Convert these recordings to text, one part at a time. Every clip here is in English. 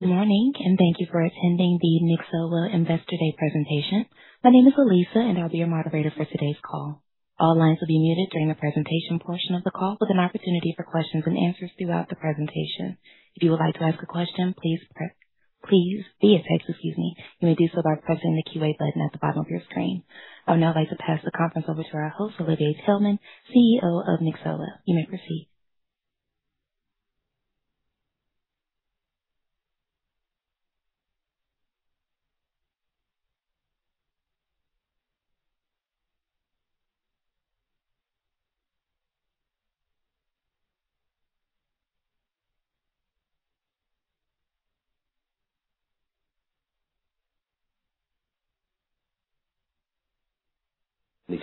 Good morning. Thank you for attending the Nyxoah Investor Day presentation. My name is Alyssa, and I'll be your moderator for today's call. All lines will be muted during the presentation portion of the call, with an opportunity for questions and answers throughout the presentation. If you would like to ask a question, please be at text, excuse me. You may do so by pressing the Q&A button at the bottom of your screen. I would now like to pass the conference over to our host, Olivier Taelman, Chief Executive Officer of Nyxoah. You may proceed.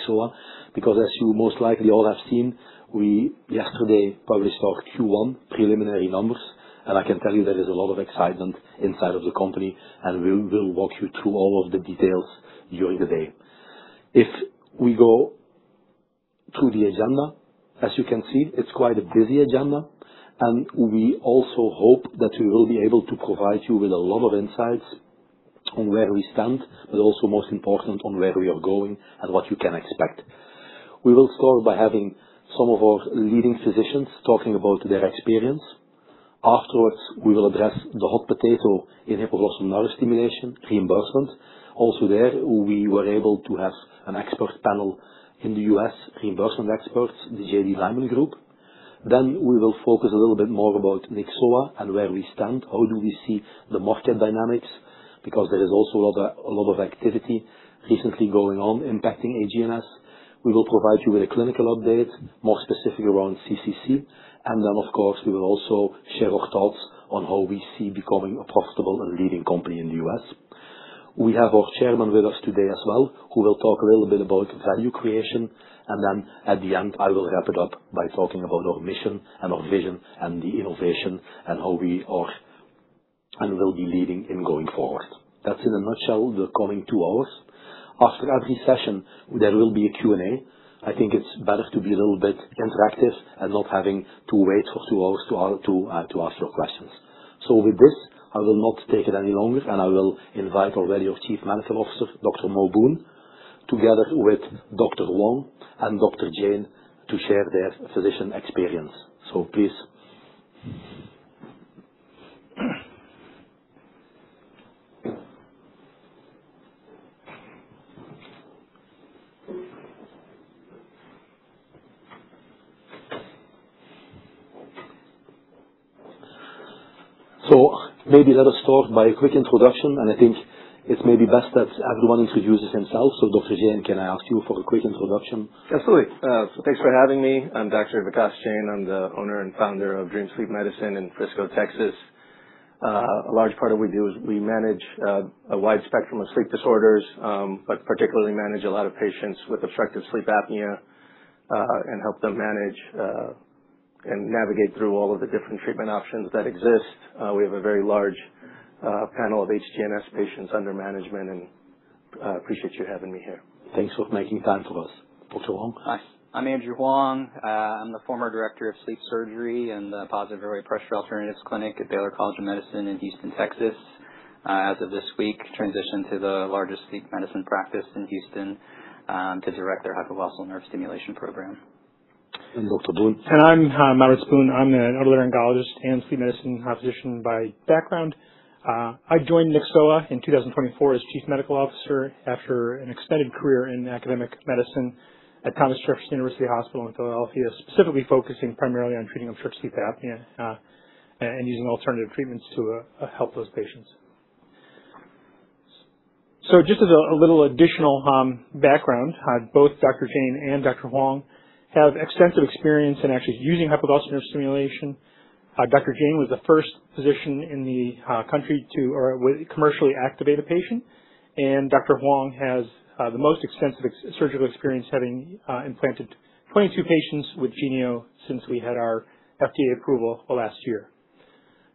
Nyxoah. As you most likely all have seen, we yesterday published our Q1 preliminary numbers. I can tell you there is a lot of excitement inside of the company. We'll walk you through all of the details during the day. If we go through the agenda, as you can see, it's quite a busy agenda. We also hope that we will be able to provide you with a lot of insights on where we stand, but also, most important, on where we are going and what you can expect. We will start by having some of our leading physicians talking about their experience. Afterwards, we will address the hot potato in hypoglossal nerve stimulation reimbursement. Also there, we were able to have an expert panel in the U.S., reimbursement experts, the JD Lymon Group. We will focus a little bit more about Nyxoah and where we stand, how do we see the market dynamics, because there is also a lot of activity recently going on impacting HGNS. We will provide you with a clinical update, more specific around CCC. Of course, we will also share our thoughts on how we see becoming a profitable and leading company in the U.S. We have our chairman with us today as well, who will talk a little bit about value creation. At the end I will wrap it up by talking about our mission and our vision and the innovation and how we are and will be leading in going forward. That's, in a nutshell, the coming two hours. After every session, there will be a Q&A. I think it's better to be a little bit interactive and not having to wait for two hours to ask your questions. With this, I will not take it any longer. I will invite already our Chief Medical Officer, Dr. Maurits Boon, together with Dr. Huang and Dr. Jain to share their physician experience. Maybe let us start by a quick introduction. I think it may be best that everyone introduces himself. Dr. Jain, can I ask you for a quick introduction? Thanks for having me. I'm Dr. Vikas Jain. I'm the Owner and Founder of Dream Sleep Medicine in Frisco, Texas. A large part of what we do is we manage a wide spectrum of sleep disorders, but particularly manage a lot of patients with obstructive sleep apnea and help them manage and navigate through all of the different treatment options that exist. We have a very large panel of HGNS patients under management. I appreciate you having me here. Thanks for making time for us, Dr. Huang. Hi. I'm Andrew Huang. I'm the Former Director of Sleep Surgery in the Positive Airway Pressure Alternatives Clinic at Baylor College of Medicine in Houston, Texas. As of this week, I transitioned to the largest sleep medicine practice in Houston to direct their hypoglossal nerve stimulation program. Dr. Boon? I'm Maurits Boon. I'm an Otolaryngologist and Sleep Medicine Physician by background. I joined Nyxoah in 2024 as Chief Medical Officer after an extended career in Academic Medicine at Thomas Jefferson University Hospital in Philadelphia, specifically focusing primarily on treating obstructive sleep apnea and using alternative treatments to help those patients. Just as a little additional background, both Dr. Jain and Dr. Huang have extensive experience in actually using hypoglossal nerve stimulation. Dr. Jain was the first physician in the country to commercially activate a patient, and Dr. Huang has the most extensive surgical experience, having implanted 22 patients with Genio since we had our FDA approval last year.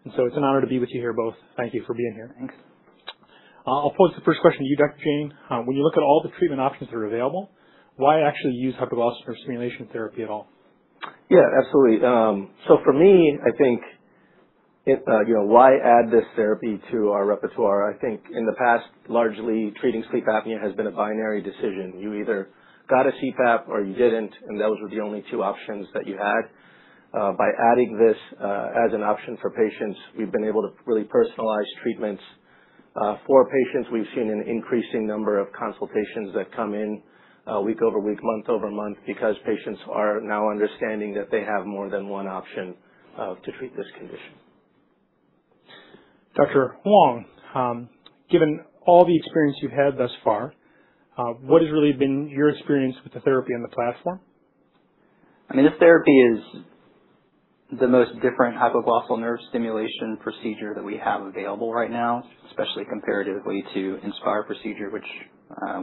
It's an honor to be with you here both. Thank you for being here. Thanks. I'll pose the first question to you, Dr. Jain. When you look at all the treatment options that are available, why actually use hypoglossal nerve stimulation therapy at all? Absolutely. For me, I think, you know, why add this therapy to our repertoire? I think in the past, largely, treating sleep apnea has been a binary decision. You either got a CPAP or you didn't, and those were the only two options that you had. By adding this as an option for patients, we've been able to really personalize treatments. For patients, we've seen an increasing number of consultations that come in week over week, month over month, because patients are now understanding that they have more than one option to treat this condition. Dr. Huang, given all the experience you've had thus far, what has really been your experience with the therapy and the platform? I mean, this therapy is the most different hypoglossal nerve stimulation procedure that we have available right now, especially comparatively to Inspire, which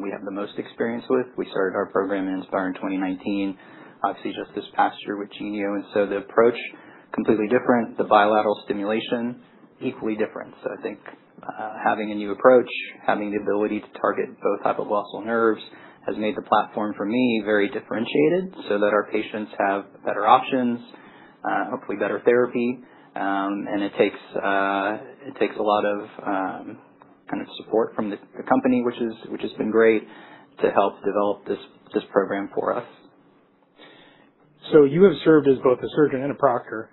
we have the most experience with. We started our program in Inspire in 2019, obviously just this past year with Genio. The approach is completely different, the bilateral stimulation equally different. I think having a new approach, having the ability to target both hypoglossal nerves, has made the platform, for me, very differentiated so that our patients have better options, hopefully better therapy. It takes a lot of kind of support from the company, which has been great, to help develop this program for us. You have served as both a surgeon and a proctor.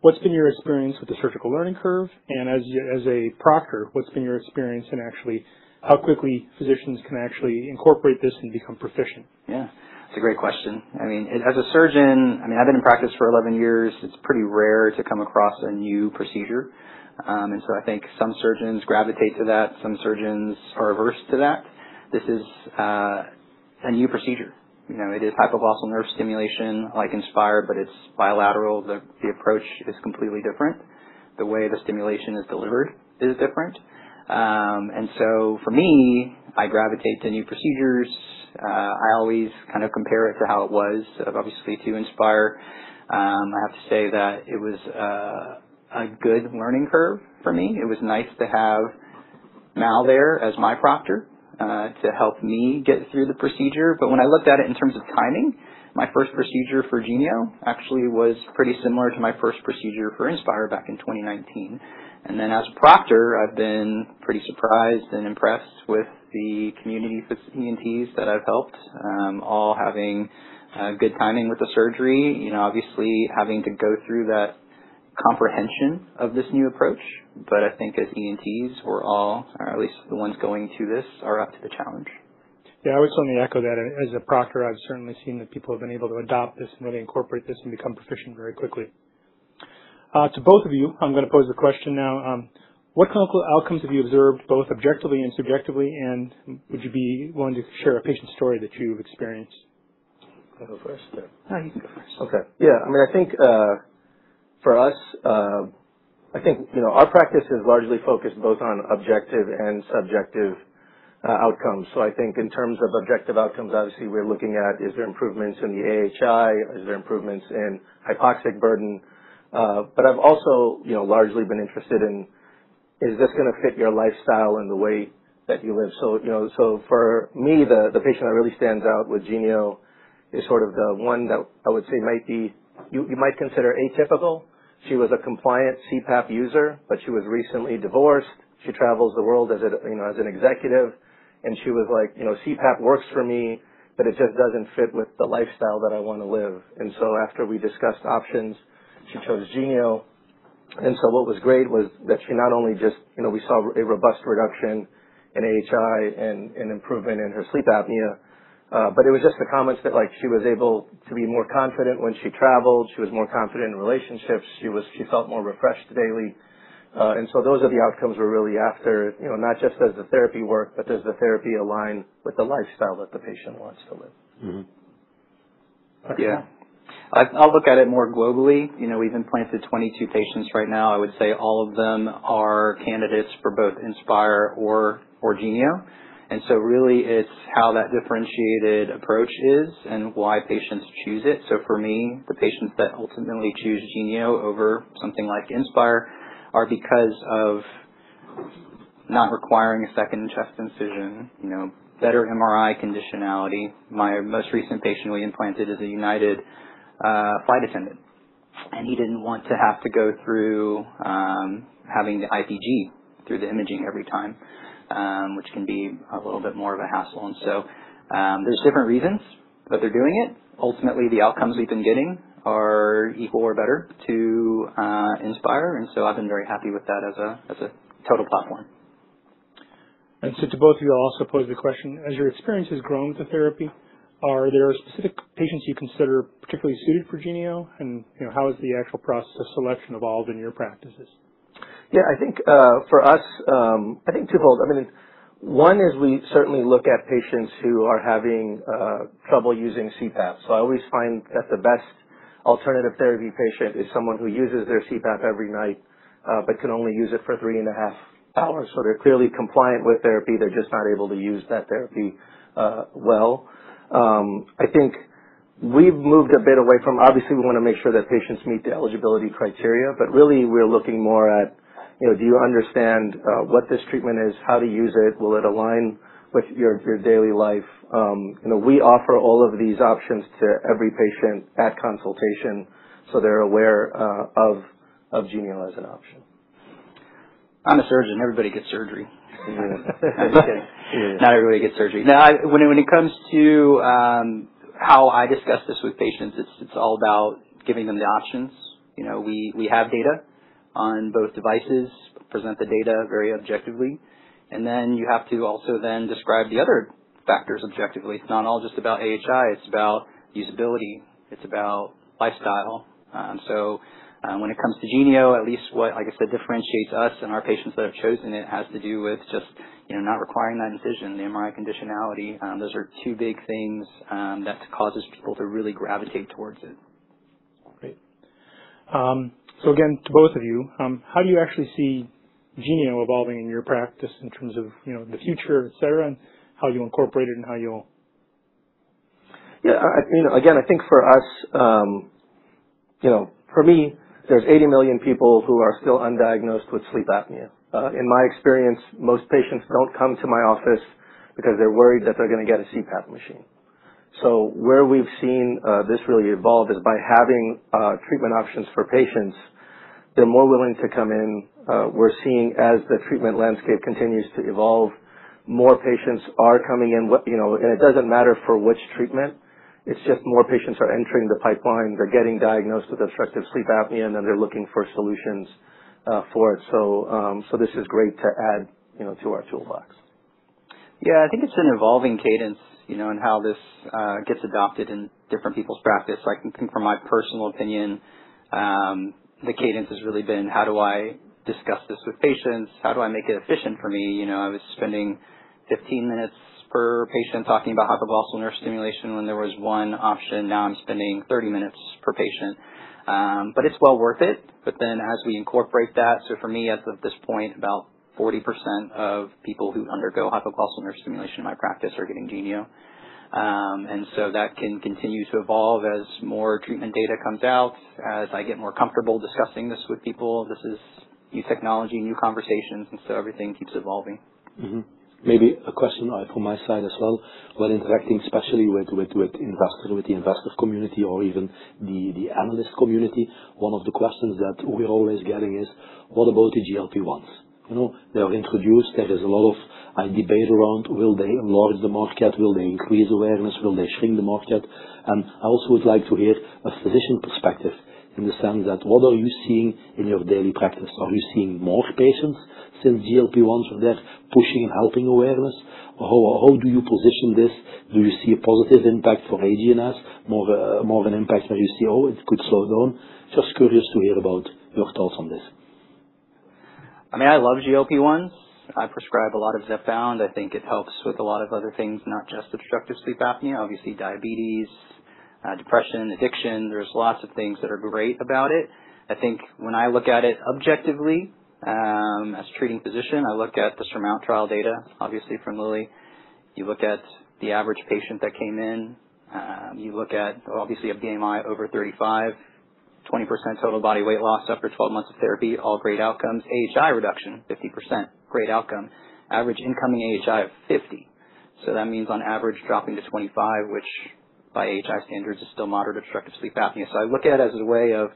What's been your experience with the surgical learning curve? As a proctor, what's been your experience in actually how quickly physicians can actually incorporate this and become proficient? Yeah. That's a great question. I mean, as a surgeon, I mean, I've been in practice for 11 years. It's pretty rare to come across a new procedure. I think some surgeons gravitate to that, some surgeons are averse to that. This is a new procedure. You know, it is hypoglossal nerve stimulation like Inspire, but it's bilateral. The approach is completely different. The way the stimulation is delivered is different. For me, I gravitate to new procedures. I always kind of compare it to how it was, obviously, to Inspire. I have to say that it was a good learning curve for me. It was nice to have Mau there as my proctor to help me get through the procedure. When I looked at it in terms of timing, my first procedure for Genio actually was pretty similar to my first procedure for Inspire back in 2019. As a proctor, I've been pretty surprised and impressed with the community of ENTs that I've helped, all having good timing with the surgery. You know, obviously having to go through that comprehension of this new approach, but I think as ENTs, we're all, or at least the ones going through this, are up to the challenge. I would certainly echo that. As a proctor, I've certainly seen that people have been able to adopt this and really incorporate this and become proficient very quickly. To both of you, I'm going to pose the question now. What clinical outcomes have you observed, both objectively and subjectively? Would you be willing to share a patient story that you've experienced? I'll go first, or? No, you can go first. Okay. Yeah. I mean, I think for us, I think, you know, our practice is largely focused both on objective and subjective outcomes. I think in terms of objective outcomes, obviously we're looking at, is there improvements in the AHI, is there improvements in hypoxic burden? I've also, you know, largely been interested in, is this going to fit your lifestyle and the way that you live? For me, the patient that really stands out with Genio is sort of the one that I would say might be you might consider atypical. She was a compliant CPAP user, she was recently divorced. She travels the world as a, you know, as an executive. She was like, you know, "CPAP works for me, but it just doesn't fit with the lifestyle that I want to live." After we discussed options, she chose Genio. What was great was that she not only just, you know, we saw a robust reduction in AHI and an improvement in her sleep apnea, but it was just the comments that, like, she was able to be more confident when she traveled, she was more confident in relationships, she felt more refreshed daily. Those are the outcomes we're really after, you know, not just does the therapy work, but does the therapy align with the lifestyle that the patient wants to live? hmm. Yeah. I'll look at it more globally. You know, we've implanted 22 patients right now. I would say all of them are candidates for both Inspire or Genio. Really it's how that differentiated approach is and why patients choose it. For me, the patients that ultimately choose Genio over something like Inspire are because of not requiring a second chest incision, you know, better MRI conditionality. My most recent patient we implanted is a United flight attendant, and he didn't want to have to go through having the IPG, through the imaging every time, which can be a little bit more of a hassle. There's different reasons, but they're doing it. Ultimately, the outcomes we've been getting are equal or better to Inspire, I've been very happy with that as a total platform. To both of you, I'll also pose the question. As your experience has grown with the therapy, are there specific patients you consider particularly suited for Genio? You know, how has the actual process of selection evolved in your practices? I think for us, I think twofold. I mean, one is we certainly look at patients who are having trouble using CPAP. I always find that the best alternative therapy patient is someone who uses their CPAP every night but can only use it for three and a half hours. They're clearly compliant with therapy. They're just not able to use that therapy well. I think we've moved a bit away from obviously we want to make sure that patients meet the eligibility criteria, but really we're looking more at, you know, do you understand what this treatment is, how to use it, will it align with your daily life? You know, we offer all of these options to every patient at consultation so they're aware of Genio as an option. I'm a surgeon. Everybody gets surgery. Not everybody gets surgery. When it comes to how I discuss this with patients, it's all about giving them the options. You know, we have data on both devices, present the data very objectively. You have to also then describe the other factors objectively. It's not all just about AHI. It's about usability. It's about lifestyle. When it comes to Genio, at least what, like I said, differentiates us and our patients that have chosen it has to do with just, you know, not requiring that incision, the MRI conditionality. Those are two big things that cause people to really gravitate towards it. Great. Again, to both of you, how do you actually see Genio evolving in your practice in terms of, you know, the future, et cetera, and how you'll incorporate it and how you'll? You know, again, I think for us, you know, for me, there's 80 million people who are still undiagnosed with sleep apnea. In my experience, most patients don't come to my office because they're worried that they're going to get a CPAP machine. Where we've seen this really evolve is by having treatment options for patients, they're more willing to come in. We're seeing as the treatment landscape continues to evolve, more patients are coming in, you know, it doesn't matter for which treatment. It's just more patients are entering the pipeline. They're getting diagnosed with obstructive sleep apnea, they're looking for solutions for it. This is great to add, you know, to our toolbox. I think it's an evolving cadence, you know, in how this gets adopted in different people's practice. I can think from my personal opinion, the cadence has really been, how do I discuss this with patients? How do I make it efficient for me? You know, I was spending 15 minutes per patient talking about hypoglossal nerve stimulation when there was one option. Now I'm spending 30 minutes per patient. It's well worth it. As we incorporate that, for me, as of this point, about 40% of people who undergo hypoglossal nerve stimulation in my practice are getting Genio. That can continue to evolve as more treatment data comes out, as I get more comfortable discussing this with people. This is new technology, new conversations, everything keeps evolving. Maybe a question for my side as well. When interacting specially with the investor community or even the analyst community, one of the questions that we're always getting is, what about the GLP-1s? You know, they're introduced. There is a lot of debate around, will they enlarge the market, will they increase awareness, will they shrink the market? I also would like to hear a physician perspective in the sense that, what are you seeing in your daily practice? Are you seeing more patients since GLP-1s are there pushing and helping awareness? How do you position this? Do you see a positive impact for HGNS, more of an impact where you see, oh, it could slow down? Just curious to hear about your thoughts on this. I mean, I love GLP-1s. I prescribe a lot of Zepbound. I think it helps with a lot of other things, not just obstructive sleep apnea. Obviously, diabetes, depression, addiction. There's lots of things that are great about it. I think when I look at it objectively as a treating physician, I look at the SURMOUNT trial data, obviously from Lilly. You look at the average patient that came in. You look at, obviously, a BMI over 35, 20% total body weight loss after 12 months of therapy, all great outcomes. AHI reduction, 50%, great outcome. Average incoming AHI of 50. That means on average dropping to 25, which by AHI standards is still moderate obstructive sleep apnea. I look at it as a way of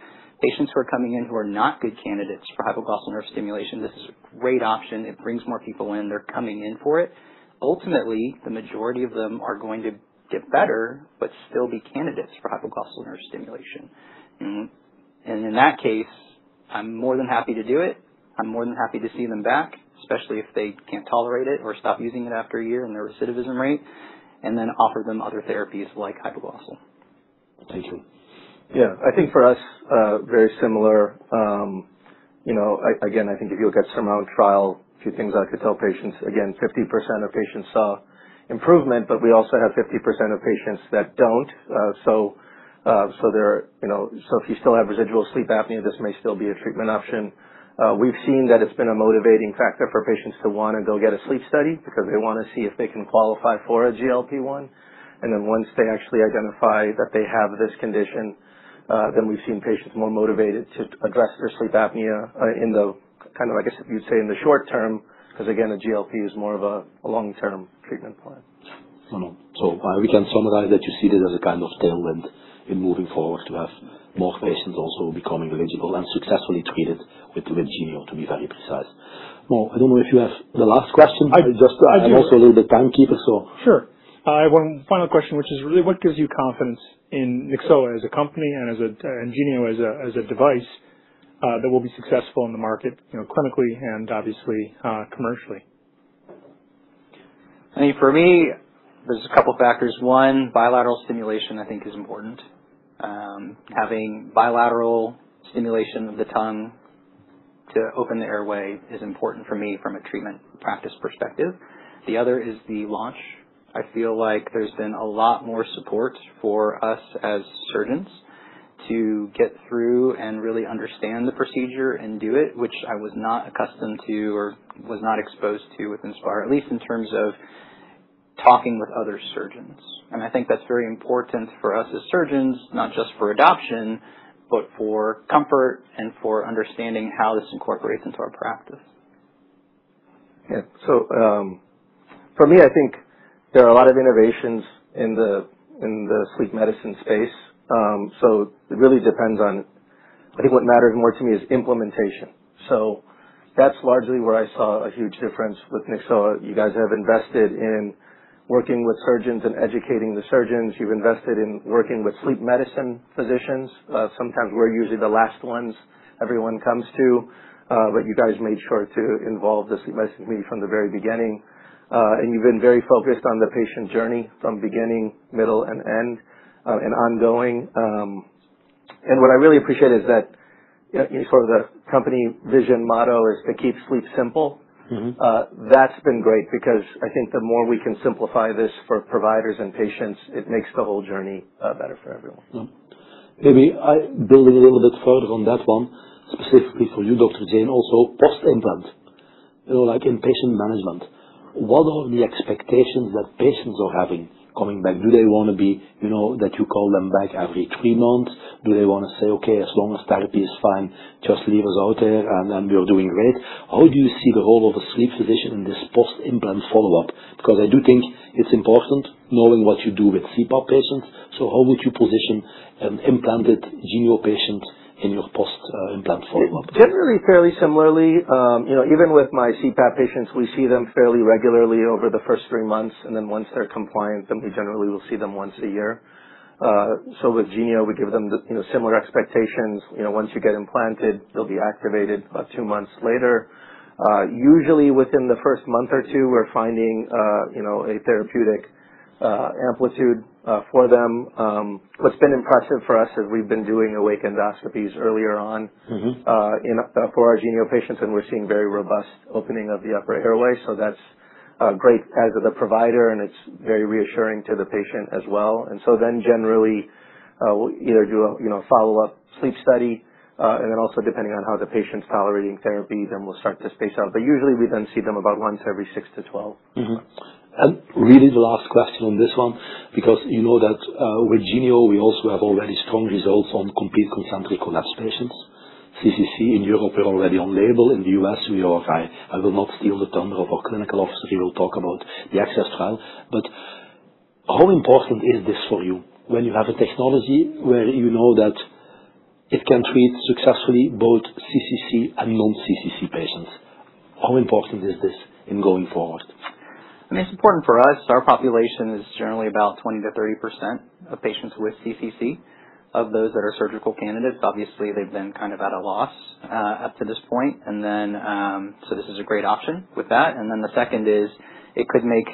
patients who are coming in who are not good candidates for hypoglossal nerve stimulation. This is a great option. It brings more people in. They're coming in for it. Ultimately, the majority of them are going to get better, but still be candidates for hypoglossal nerve stimulation. In that case, I'm more than happy to do it. I'm more than happy to see them back, especially if they can't tolerate it or stop using it after a year in their recidivism rate, and then offer them other therapies like hypoglossal. Thank you. Yeah. I think for us, very similar. You know, again, I think if you look at SURMOUNT trial, a few things I could tell patients. Again, 50% of patients saw improvement, but we also have 50% of patients that don't. They're, you know, if you still have residual sleep apnea, this may still be a treatment option. We've seen that it's been a motivating factor for patients to want to go get a sleep study because they want to see if they can qualify for a GLP-1s. Once they actually identify that they have this condition, we've seen patients more motivated to address their sleep apnea in the kind of, I guess you'd say, in the short term, because again, a GLP is more of a long-term treatment plan. We can summarize that you see this as a kind of tailwind in moving forward to have more patients also becoming eligible and successfully treated with Genio, to be very precise. Mau, I don't know if you have the last question. I do. I'm also a little bit timekeeper. Sure. I have one final question, which is really, what gives you confidence in Nyxoah as a company and Genio as a device that will be successful in the market, you know, clinically and obviously commercially? I mean, for me, there's a couple of factors. One, bilateral stimulation I think is important. Having bilateral stimulation of the tongue to open the airway is important for me from a treatment practice perspective. The other is the launch. I feel like there's been a lot more support for us as surgeons to get through and really understand the procedure and do it, which I was not accustomed to or was not exposed to with Inspire, at least in terms of talking with other surgeons. I think that's very important for us as surgeons, not just for adoption, but for comfort and for understanding how this incorporates into our practice. Yeah. For me, I think there are a lot of innovations in the sleep medicine space. It really depends on I think what matters more to me is implementation. That's largely where I saw a huge difference with Nyxoah. You guys have invested in working with surgeons and educating the surgeons. You've invested in working with sleep medicine physicians. Sometimes we're usually the last ones everyone comes to, but you guys made sure to involve the sleep medicine community from the very beginning. You've been very focused on the patient journey from beginning, middle, and end, and ongoing. What I really appreciate is that sort of the company vision motto is to keep sleep simple. That's been great because I think the more we can simplify this for providers and patients, it makes the whole journey better for everyone. Maybe building a little bit further on that one, specifically for you, Dr. Jain, also post-implant, you know, like in patient management. What are the expectations that patients are having coming back? Do they want to be, you know, that you call them back every three months? Do they want to say, "Okay, as long as therapy is fine, just leave us out there and we're doing great"? How do you see the role of a sleep physician in this post-implant follow-up? Because I do think it's important knowing what you do with CPAP patients. How would you position an implanted Genio patient in your post-implant follow-up? Generally, fairly similarly. Even with my CPAP patients, we see them fairly regularly over the first three months, once they're compliant, we generally will see them once a year. With Genio, we give them similar expectations. Once you get implanted, they'll be activated about two months later. Usually, within the first month or two, we're finding a therapeutic amplitude for them. What's been impressive for us is we've been doing awake endoscopies earlier on for our Genio patients, and we're seeing very robust opening of the upper airway. That's great as a provider, and it's very reassuring to the patient as well. Generally, we'll either do a follow-up sleep study, also depending on how the patient's tolerating therapy, we'll start this phase out. Usually, we see them about once every 6-12 months. Really the last question on this one, because with Genio, we also have already strong results on complete concentric collapse patients. CCC in Europe we're already on label. In the U.S., we are, I will not steal the tongue of our clinical officer. He will talk about the ACCCESS trial. How important is this for you when you have a technology where it can treat successfully both CCC and non-CCC patients? How important is this in going forward? It's important for us. Our population is generally about 20%-30% of patients with CCC. Of those that are surgical candidates, obviously, they've been kind of at a loss up to this point. This is a great option with that. The second is it could make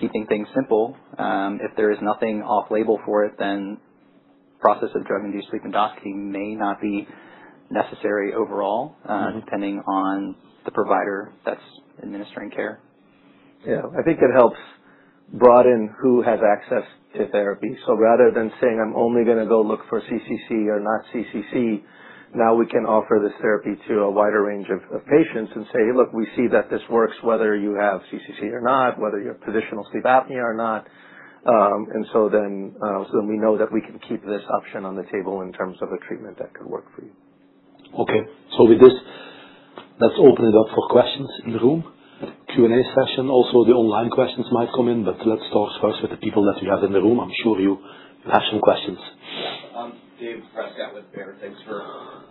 keeping things simple. If there is nothing off-label for it, the process of drug-induced sleep endoscopy may not be necessary overall, depending on the provider that's administering care. I think it helps broaden who has access to therapy. Rather than saying, "I'm only going to go look for CCC or not CCC," now we can offer this therapy to a wider range of patients and say, "Look, we see that this works whether you have CCC or not, whether you have positional OSA or not." We know that we can keep this option on the table in terms of a treatment that could work for you. With this, let's open it up for questions in the room. Q&A session. The online questions might come in, but let's start first with the people that you have in the room. I'm sure you have some questions. David Rescott with Baird. Thanks for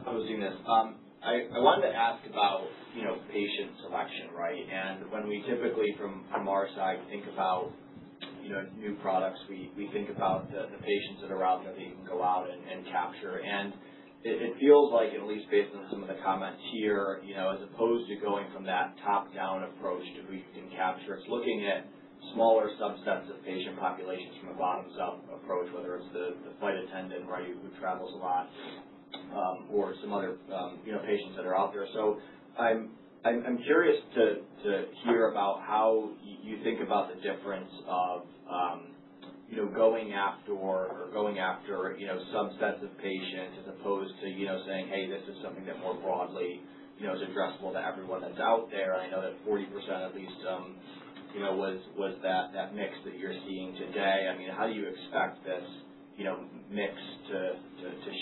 hosting this. I wanted to ask about, you know, patient selection, right? When we typically, from our side, think about, you know, new products, we think about the patients that are out there that you can go out and capture. It feels like, at least based on some of the comments here, you know, as opposed to going from that top-down approach to who you can capture, it's looking at smaller subsets of patient populations from a bottoms-up approach, whether it's the flight attendant, right, who travels a lot, or some other, you know, patients that are out there. I'm curious to hear about how you think about the difference of, you know, going after or going after, you know, subsets of patients as opposed to, you know, saying, "Hey, this is something that more broadly, you know, is addressable to everyone that's out there." I know that 40% at least, you know, was that mix that you're seeing today. I mean, how do you expect this, you know, mix to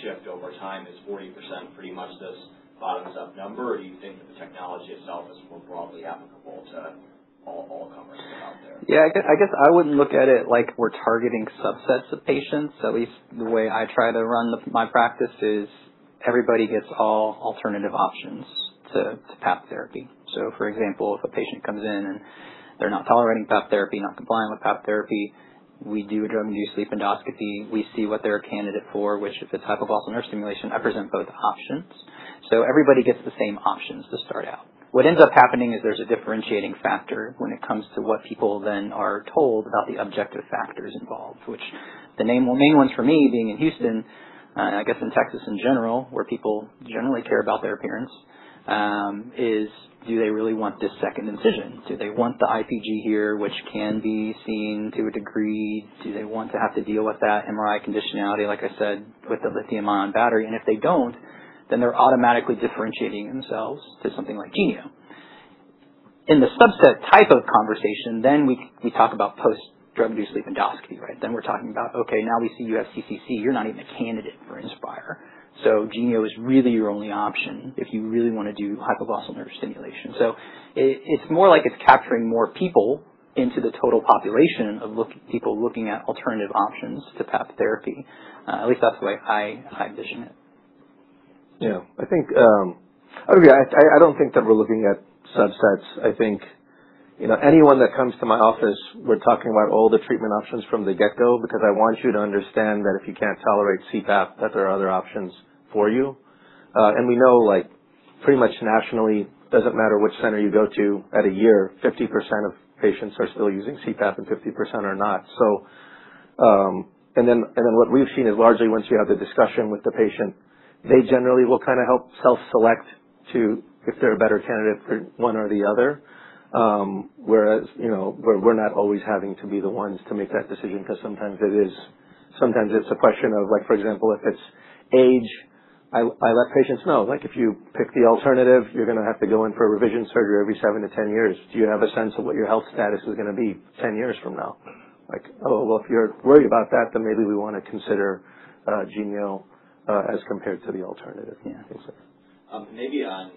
shift over time? Is 40% pretty much this bottoms-up number, or do you think that the technology itself is more broadly applicable to all comers that are out there? I guess I wouldn't look at it like we're targeting subsets of patients. At least the way I try to run my practice is everybody gets all alternative options to PAP therapy. For example, if a patient comes in and they're not tolerating PAP therapy, not complying with PAP therapy, we do a drug-induced sleep endoscopy. We see what they're a candidate for, which if it's hypoglossal nerve stimulation, I present both options. Everybody gets the same options to start out. What ends up happening is there's a differentiating factor when it comes to what people then are told about the objective factors involved, which the main ones for me being in Houston, I guess in Texas in general, where people generally care about their appearance, is do they really want this second incision? Do they want the IPG here, which can be seen to a degree? Do they want to have to deal with that MRI conditionality, like I said, with the lithium-ion battery? If they don't, then they're automatically differentiating themselves to something like Genio. In the subset type of conversation, then we talk about post-drug-induced sleep endoscopy, right? Then we're talking about, okay, now we see you have CCC. You're not even a candidate for Inspire. Genio is really your only option if you really want to do hypoglossal nerve stimulation. It's more like it's capturing more people into the total population of people looking at alternative options to PAP therapy. At least that's the way I envision it. Yeah. I think, okay, I don't think that we're looking at subsets. I think, you know, anyone that comes to my office, we're talking about all the treatment options from the get-go because I want you to understand that if you can't tolerate CPAP, that there are other options for you. We know, like, pretty much nationally, doesn't matter which center you go to, at a year, 50% of patients are still using CPAP and 50% are not. What we've seen is largely once you have the discussion with the patient, they generally will kind of help self-select to if they're a better candidate for one or the other, whereas, you know, we're not always having to be the ones to make that decision because sometimes it is, sometimes it's a question of, like, for example, if it's age, I let patients know, like, if you pick the alternative, you're going to have to go in for a revision surgery every 7-10 years. Do you have a sense of what your health status is going to be 10 years from now? Like, oh, well, if you're worried about that, then maybe we want to consider Genio as compared to the alternative. Yeah. Maybe on,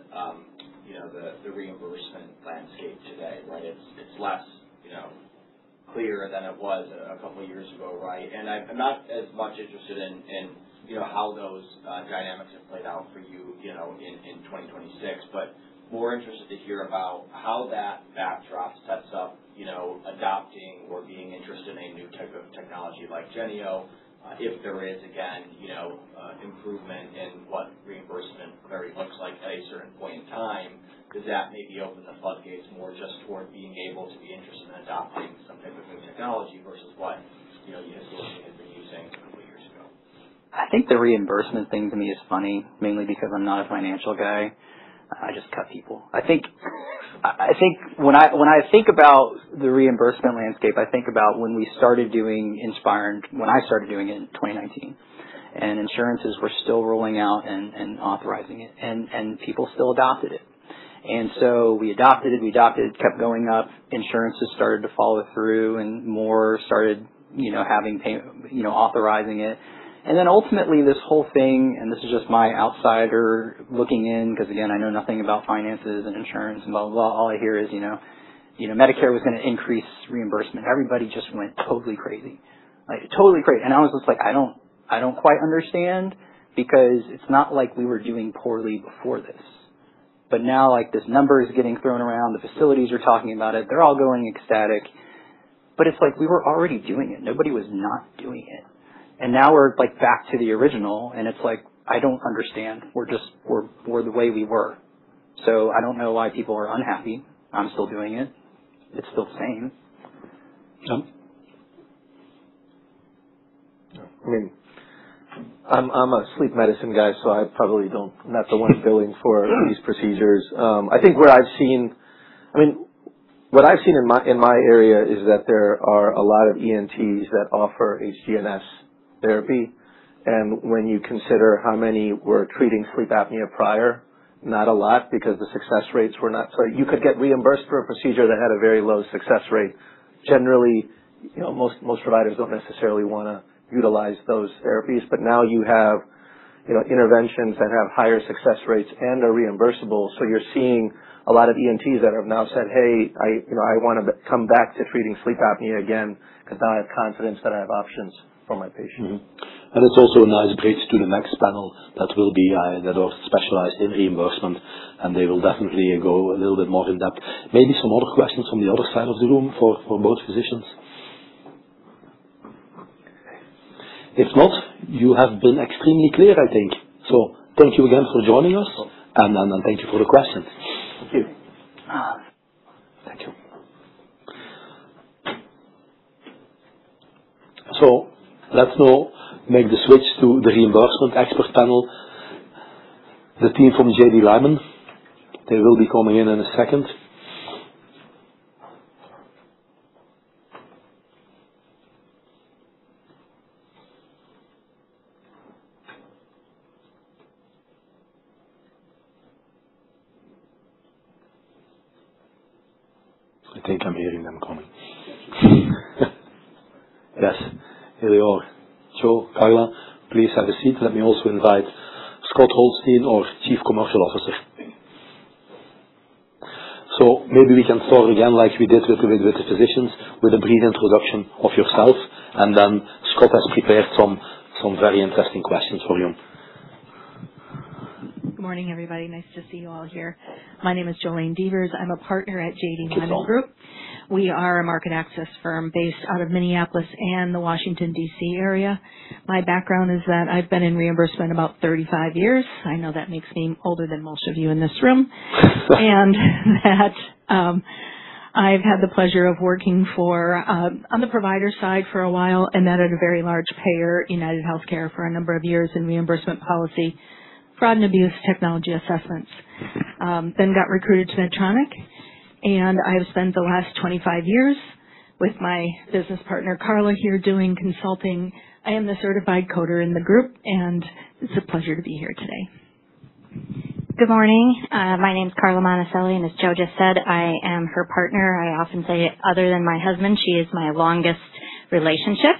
you know, the reimbursement landscape today, right? It's less, you know, clear than it was a couple of years ago, right? I'm not as much interested in, you know, how those dynamics have played out for you know, in 2026, but more interested to hear about how that backdrop sets up, you know, adopting or being interested in a new type of technology like Genio, if there is, again, you know, improvement in what reimbursement clarity looks like at a certain point in time. Does that maybe open the floodgates more just toward being able to be interested in adopting some type of new technology versus what, you know, you had sort of been using a couple of years ago? I think the reimbursement thing to me is funny, mainly because I'm not a financial guy. I just cut people. I think when I think about the reimbursement landscape, I think about when we started doing Inspire, when I started doing it in 2019, and insurances were still rolling out and authorizing it, and people still adopted it. So we adopted it kept going up. Insurances started to follow through and more started, you know, having, authorizing it. Ultimately this whole thing, and this is just my outsider looking in, because again, I know nothing about finances and insurance and blah, blah. All I hear is, you know, Medicare was going to increase reimbursement. Everybody just went totally crazy. Like, totally crazy. I was just like, I don't quite understand because it's not like we were doing poorly before this. Now, like, this number is getting thrown around, the facilities are talking about it, they're all going ecstatic. It's like we were already doing it. Nobody was not doing it. Now we're, like, back to the original, and it's like, I don't understand. We're just the way we were. I don't know why people are unhappy. I'm still doing it. It's still the same. Yeah. I mean, I'm a sleep medicine guy, I probably don't, I'm not the one billing for these procedures. I think what I've seen in my area is that there are a lot of ENTs that offer HGNS therapy. When you consider how many were treating sleep apnea prior, not a lot because the success rates were not so you could get reimbursed for a procedure that had a very low success rate. Generally, you know, most providers don't necessarily want to utilize those therapies, but now you have, you know, interventions that have higher success rates and are reimbursable. You're seeing a lot of ENTs that have now said, "Hey, I, you know, I want to come back to treating sleep apnea again because now I have confidence that I have options for my patients. It's also a nice bridge to the next panel that are specialized in reimbursement, and they will definitely go a little bit more in depth. Maybe some other questions from the other side of the room for both physicians? If not, you have been extremely clear, I think. Thank you again for joining us, and thank you for the questions. Thank you. Thank you. Let's now make the switch to the reimbursement expert panel. The team from JD Lymon, they will be coming in in a second. I think I'm hearing them coming. Yes, here they are. Joe, Carla, please have a seat. Let me also invite Scott Holstine, our Chief Commercial Officer. Maybe we can start again like we did with the physicians with a brief introduction of yourself, and then Scott has prepared some very interesting questions for you. Good morning, everybody. Nice to see you all here. My name is Jolayne Devers. I'm a Partner at JD Lymon Group. We are a market access firm based out of Minneapolis and the Washington, D.C. area. My background is that I've been in reimbursement about 35 years. I know that makes me older than most of you in this room. That I've had the pleasure of working for, on the provider side for a while, and then at a very large payer, UnitedHealthcare, for a number of years in reimbursement policy, fraud and abuse technology assessments. Got recruited to Medtronic, and I have spent the last 25 years with my business partner Carla here doing consulting. I am the certified coder in the group. It's a pleasure to be here today. Good morning. My name is Carla Monacelli, as Jolayne just said, I am her partner. I often say, other than my husband, she is my longest relationship.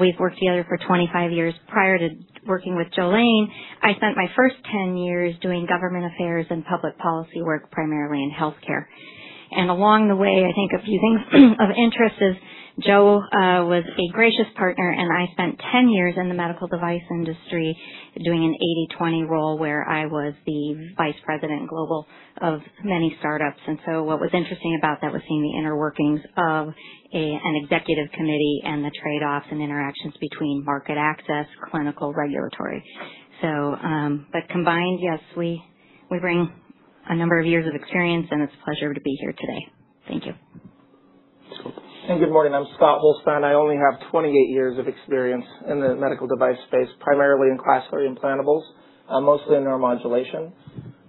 We've worked together for 25 years. Prior to working with Jolayne, I spent my first 10 years doing government affairs and public policy work primarily in healthcare. Along the way, I think a few things of interest is Jolayne was a gracious partner. I spent 10 years in the medical device industry doing an 80/20 role where I was the vice president global of many startups. What was interesting about that was seeing the inner workings of an executive committee and the trade-offs and interactions between market access, clinical, regulatory. Combined, yes, we bring a number of years of experience. It's a pleasure to be here today. Thank you. Good morning. I'm Scott Holstine. I only have 28 years of experience in the medical device space, primarily in Class III implantables, mostly in neuromodulation.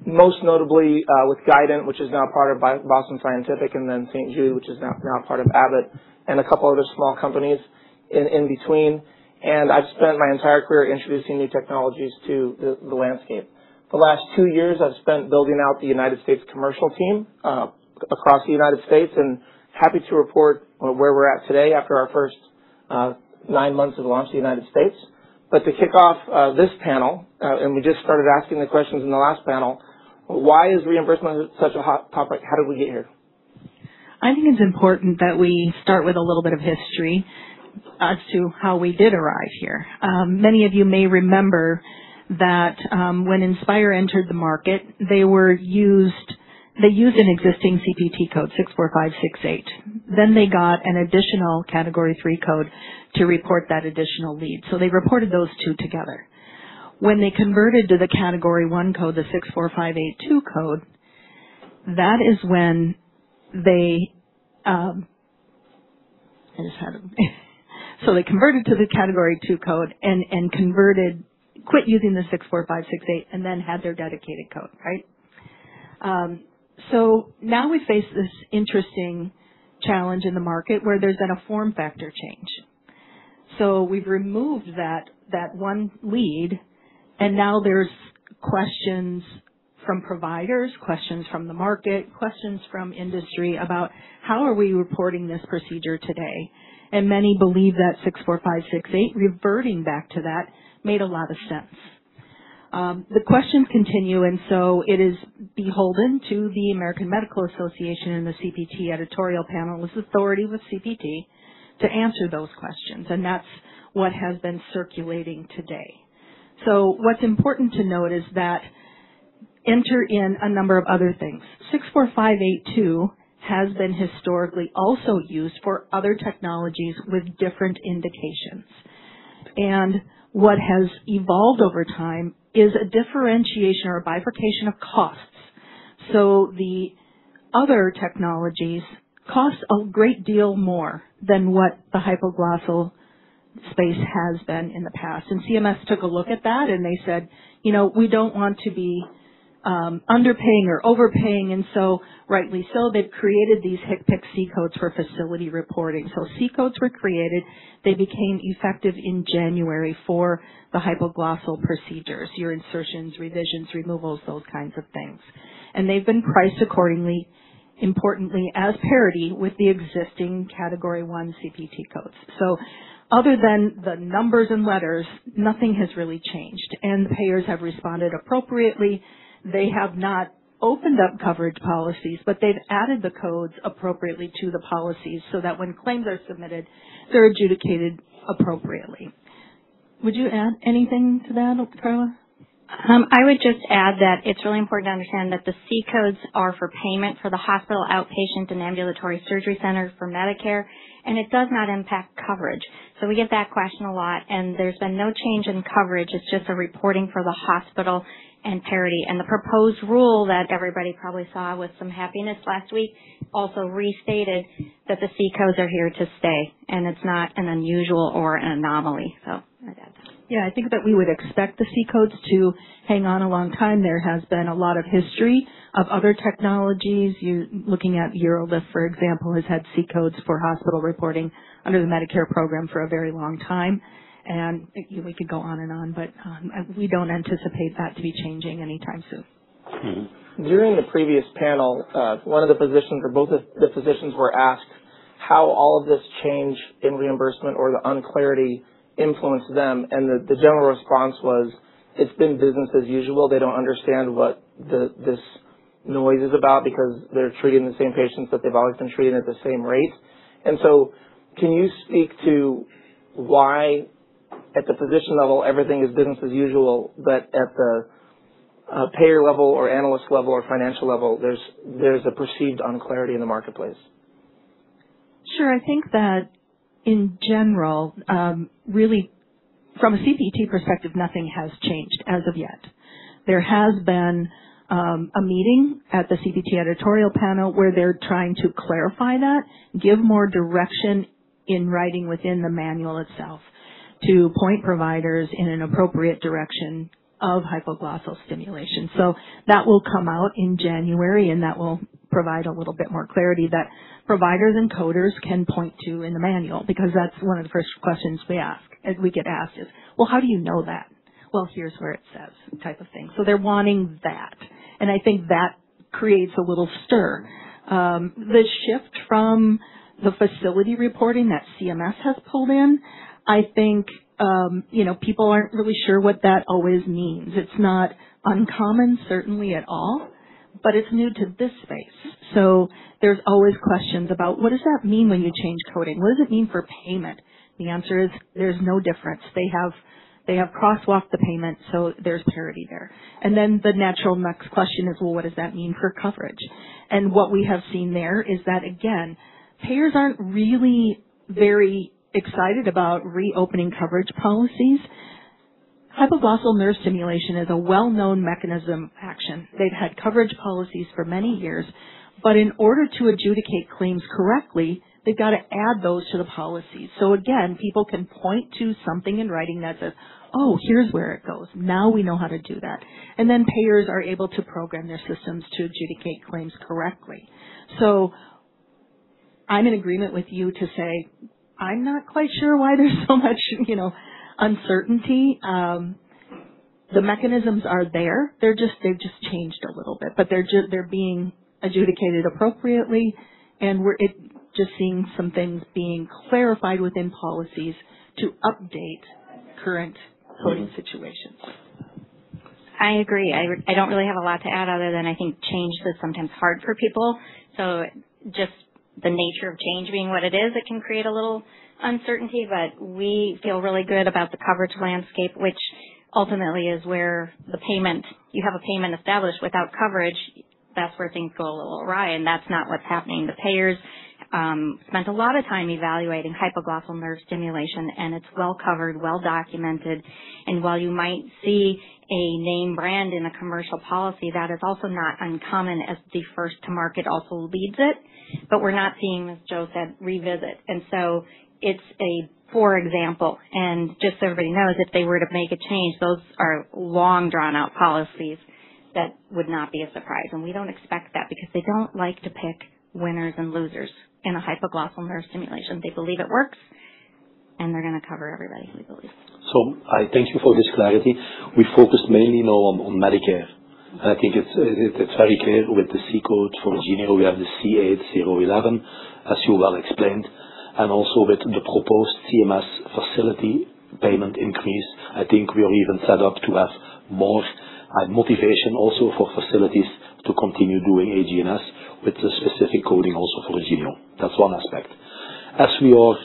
Most notably with Guidant, which is now part of Boston Scientific, and then St. Jude, which is now part of Abbott, and a couple other small companies in between. I've spent my entire career introducing new technologies to the landscape. The last two years I've spent building out the U.S. commercial team across the U.S., and happy to report where we're at today after our first nine months of launch in the U.S. To kick off this panel, and we just started asking the questions in the last panel, why is reimbursement such a hot topic? How did we get here? I think it's important that we start with a little bit of history as to how we did arrive here. Many of you may remember that when Inspire entered the market, they used an existing CPT code, 64568. They got an additional Category III code to report that additional lead. They reported those two together. When they converted to the Category I code, the 64582 code, that is when they just had to, they converted to the category II code and converted, quit using the 64568, and then had their dedicated code, right? Now we face this interesting challenge in the market where there's been a form factor change. We've removed that one lead, and now there's questions from providers, questions from the market, questions from industry about how are we reporting this procedure today. Many believe that 64568, reverting back to that, made a lot of sense. The questions continue, it is beholden to the American Medical Association and the CPT editorial panel's authority with CPT to answer those questions. That's what has been circulating today. What's important to note is that enter in a number of other things. 64582 has been historically also used for other technologies with different indications. What has evolved over time is a differentiation or a bifurcation of costs. The other technologies cost a great deal more than what the hypoglossal space has been in the past. CMS took a look at that, and they said, you know, we don't want to be underpaying or overpaying. Rightly so, they've created these HCPCS C codes for facility reporting. C codes were created. They became effective in January for the hypoglossal procedures, your insertions, revisions, removals, those kinds of things. They've been priced accordingly, importantly, as parity with the existing Category I CPT codes. Other than the numbers and letters, nothing has really changed. The payers have responded appropriately. They have not opened up coverage policies, but they've added the codes appropriately to the policies so that when claims are submitted, they're adjudicated appropriately. Would you add anything to that, Carla? I would just add that it's really important to understand that the C codes are for payment for the hospital outpatient and ambulatory surgery center for Medicare, and it does not impact coverage. We get that question a lot, and there's been no change in coverage. It's just a reporting for the hospital and parity. The proposed rule that everybody probably saw with some happiness last week also restated that the C codes are here to stay, and it's not an unusual or an anomaly. I'd add that. I think that we would expect the C codes to hang on a long time. There has been a lot of history of other technologies. Looking at UroLift, for example, has had C codes for hospital reporting under the Medicare program for a very long time. We could go on and on, but we don't anticipate that to be changing anytime soon. During the previous panel, one of the physicians or both the physicians were asked how all of this change in reimbursement or the unclarity influenced them, and the general response was, it's been business as usual. They don't understand what this noise is about because they're treating the same patients that they've always been treating at the same rate. Can you speak to why at the physician level everything is business as usual, but at the payer level or analyst level or financial level, there's a perceived unclarity in the marketplace? Sure. I think that in general, really from a CPT perspective, nothing has changed as of yet. There has been a meeting at the CPT editorial panel where they're trying to clarify that, give more direction in writing within the manual itself to point providers in an appropriate direction of hypoglossal stimulation. That will come out in January, and that will provide a little bit more clarity that providers and coders can point to in the manual because that's one of the first questions we get asked is, well, how do you know that? Well, here's where it says type of thing. They're wanting that. I think that creates a little stir. The shift from the facility reporting that CMS has pulled in, I think, you know, people aren't really sure what that always means. It's not uncommon, certainly at all, but it's new to this space. There's always questions about what does that mean when you change coding? What does it mean for payment? The answer is there's no difference. They have crosswalked the payment, so there's parity there. The natural next question is, well, what does that mean for coverage? What we have seen there is that, again, payers aren't really very excited about reopening coverage policies. Hypoglossal nerve stimulation is a well-known mechanism of action. They've had coverage policies for many years, but in order to adjudicate claims correctly, they've got to add those to the policies. Again, people can point to something in writing that says, oh, here's where it goes. Now we know how to do that. Payers are able to program their systems to adjudicate claims correctly. I'm in agreement with you to say, I'm not quite sure why there's so much, you know, uncertainty. The mechanisms are there. They've just changed a little bit, but they're being adjudicated appropriately, and we're just seeing some things being clarified within policies to update current coding situations. I agree. I don't really have a lot to add other than I think change is sometimes hard for people. Just the nature of change being what it is, it can create a little uncertainty, but we feel really good about the coverage landscape, which ultimately is where the payment, you have a payment established without coverage, that's where things go a little awry. That's not what's happening. The payers spent a lot of time evaluating hypoglossal nerve stimulation, and it's well covered, well documented. While you might see a name brand in a commercial policy, that is also not uncommon as the first to market also leads it, but we're not seeing, as Joe said, revisit. It's a poor example. Just so everybody knows, if they were to make a change, those are long drawn out policies that would not be a surprise. We don't expect that because they don't like to pick winners and losers in a hypoglossal nerve stimulation. They believe it works, and they're going to cover everybody, we believe. I thank you for this clarity. We focused mainly now on Medicare. I think it's very clear with the C code for Genio, we have the C8011, as you well explained, and also with the proposed CMS facility payment increase. I think we are even set up to have more motivation also for facilities to continue doing HGNS with the specific coding also for Genio. That's one aspect. We are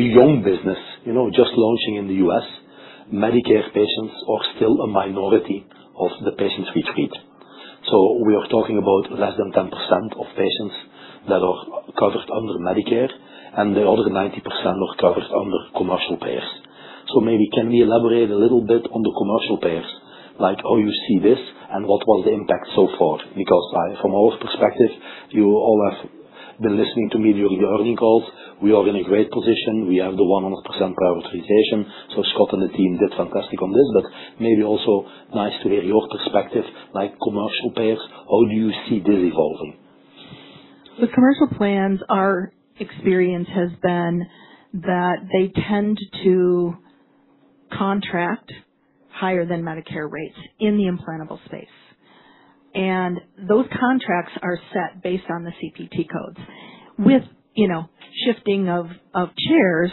a young business, you know, just launching in the U.S., Medicare patients are still a minority of the patients we treat. We are talking about less than 10% of patients that are covered under Medicare, and the other 90% are covered under commercial payers. Maybe can we elaborate a little bit on the commercial payers, like how you see this and what was the impact so far? From our perspective, you all have been listening to me during the earnings calls. We are in a great position. We have the 100% prioritization. Scott and the team did fantastic on this, maybe also nice to hear your perspective, like commercial payers, how do you see this evolving? With commercial plans, our experience has been that they tend to contract higher than Medicare rates in the implantable space. Those contracts are set based on the CPT codes. With, you know, shifting of chairs,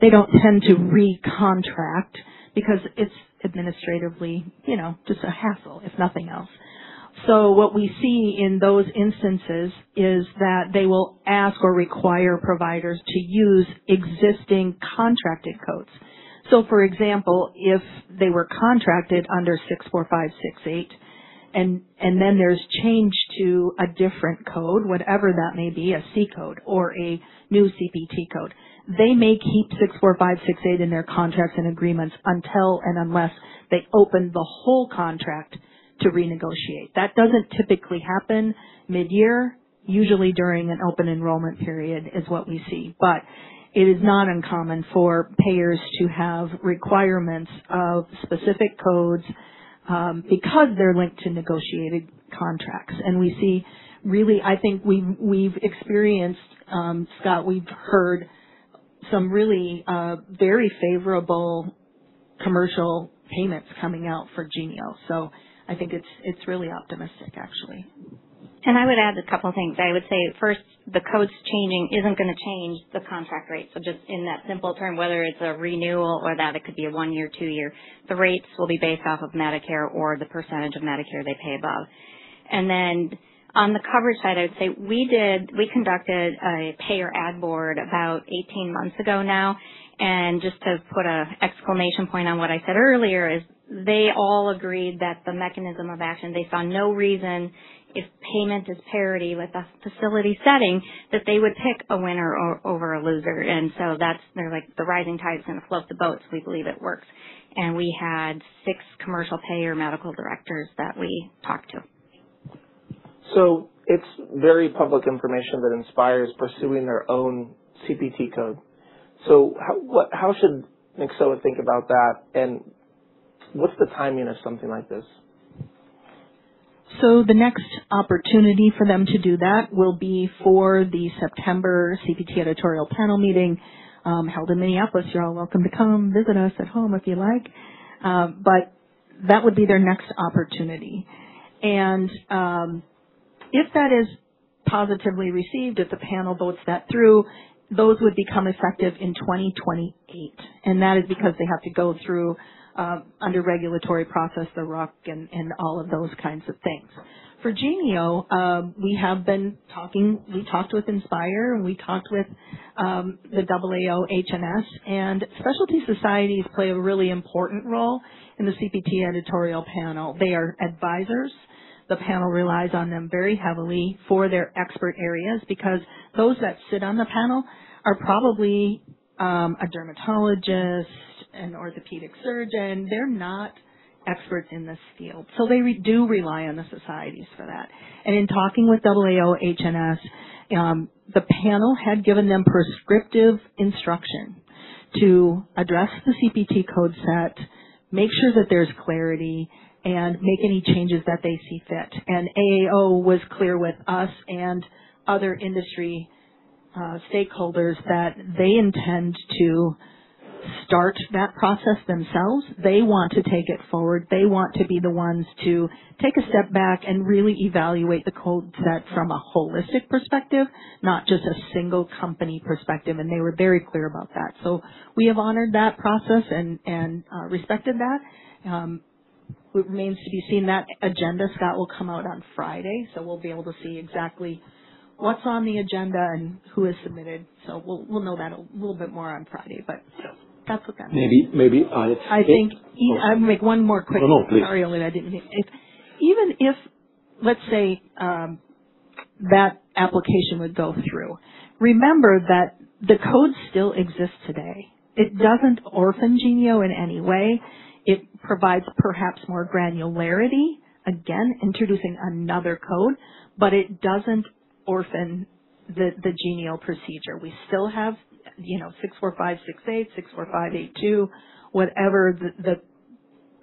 they don't tend to recontract because it's administratively, you know, just a hassle, if nothing else. What we see in those instances is that they will ask or require providers to use existing contracted codes. For example, if they were contracted under 64568, and then there's change to a different code, whatever that may be, a C code or a new CPT code, they may keep 64568 in their contracts and agreements until and unless they open the whole contract to renegotiate. That doesn't typically happen mid-year. Usually during an open enrollment period is what we see. It is not uncommon for payers to have requirements of specific codes because they're linked to negotiated contracts. We see, really, I think we've experienced, Scott, we've heard some really very favorable commercial payments coming out for Genio. I think it's really optimistic, actually. I would add a couple of things. I would say, first, the codes changing isn't going to change the contract rate. Just in that simple term, whether it's a renewal or that it could be a one-year, two-year, the rates will be based off of Medicare or the percentage of Medicare they pay above. Then on the coverage side, I would say we conducted a payer ad board about 18 months ago now. Just to put an exclamation point on what I said earlier is they all agreed that the mechanism of action, they saw no reason if payment is parity with a facility setting that they would pick a winner over a loser. That's, they're like, the rising tides and the float the boats. We believe it works. We had six commercial payer medical directors that we talked to. It's very public information that Inspire is pursuing their own CPT code. What's the timing of something like this? The next opportunity for them to do that will be for the September CPT editorial panel meeting held in Minneapolis. You're all welcome to come, visit us at home if you like. That would be their next opportunity. If that is positively received, if the panel votes that through, those would become effective in 2028. That is because they have to go through under regulatory process, the RUC, and all of those kinds of things. For Genio, we have been talking, we talked with Nyxoah, we talked with the AAO-HNS, specialty societies play a really important role in the CPT editorial panel. They are advisors. The panel relies on them very heavily for their expert areas because those that sit on the panel are probably a dermatologist, an orthopedic surgeon. They're not experts in this field. They do rely on the societies for that. In talking with AAO-HNS, the panel had given them prescriptive instruction to address the CPT code set, make sure that there's clarity, and make any changes that they see fit. AAO was clear with us and other industry stakeholders that they intend to start that process themselves. They want to take it forward. They want to be the ones to take a step back and really evaluate the code set from a holistic perspective, not just a single company perspective. They were very clear about that. We have honored that process and respected that. It remains to be seen that agenda, Scott, will come out on Friday. We'll be able to see exactly what's on the agenda and who has submitted. We'll know that a little bit more on Friday, but that's what that means. Maybe, maybe. I think I'll make one more quick scenario that I didn't hear. Even if, let's say, that application would go through, remember that the code still exists today. It doesn't orphan Genio in any way. It provides perhaps more granularity, again, introducing another code, but it doesn't orphan the Genio procedure. We still have, you know, 64568, 64582, whatever the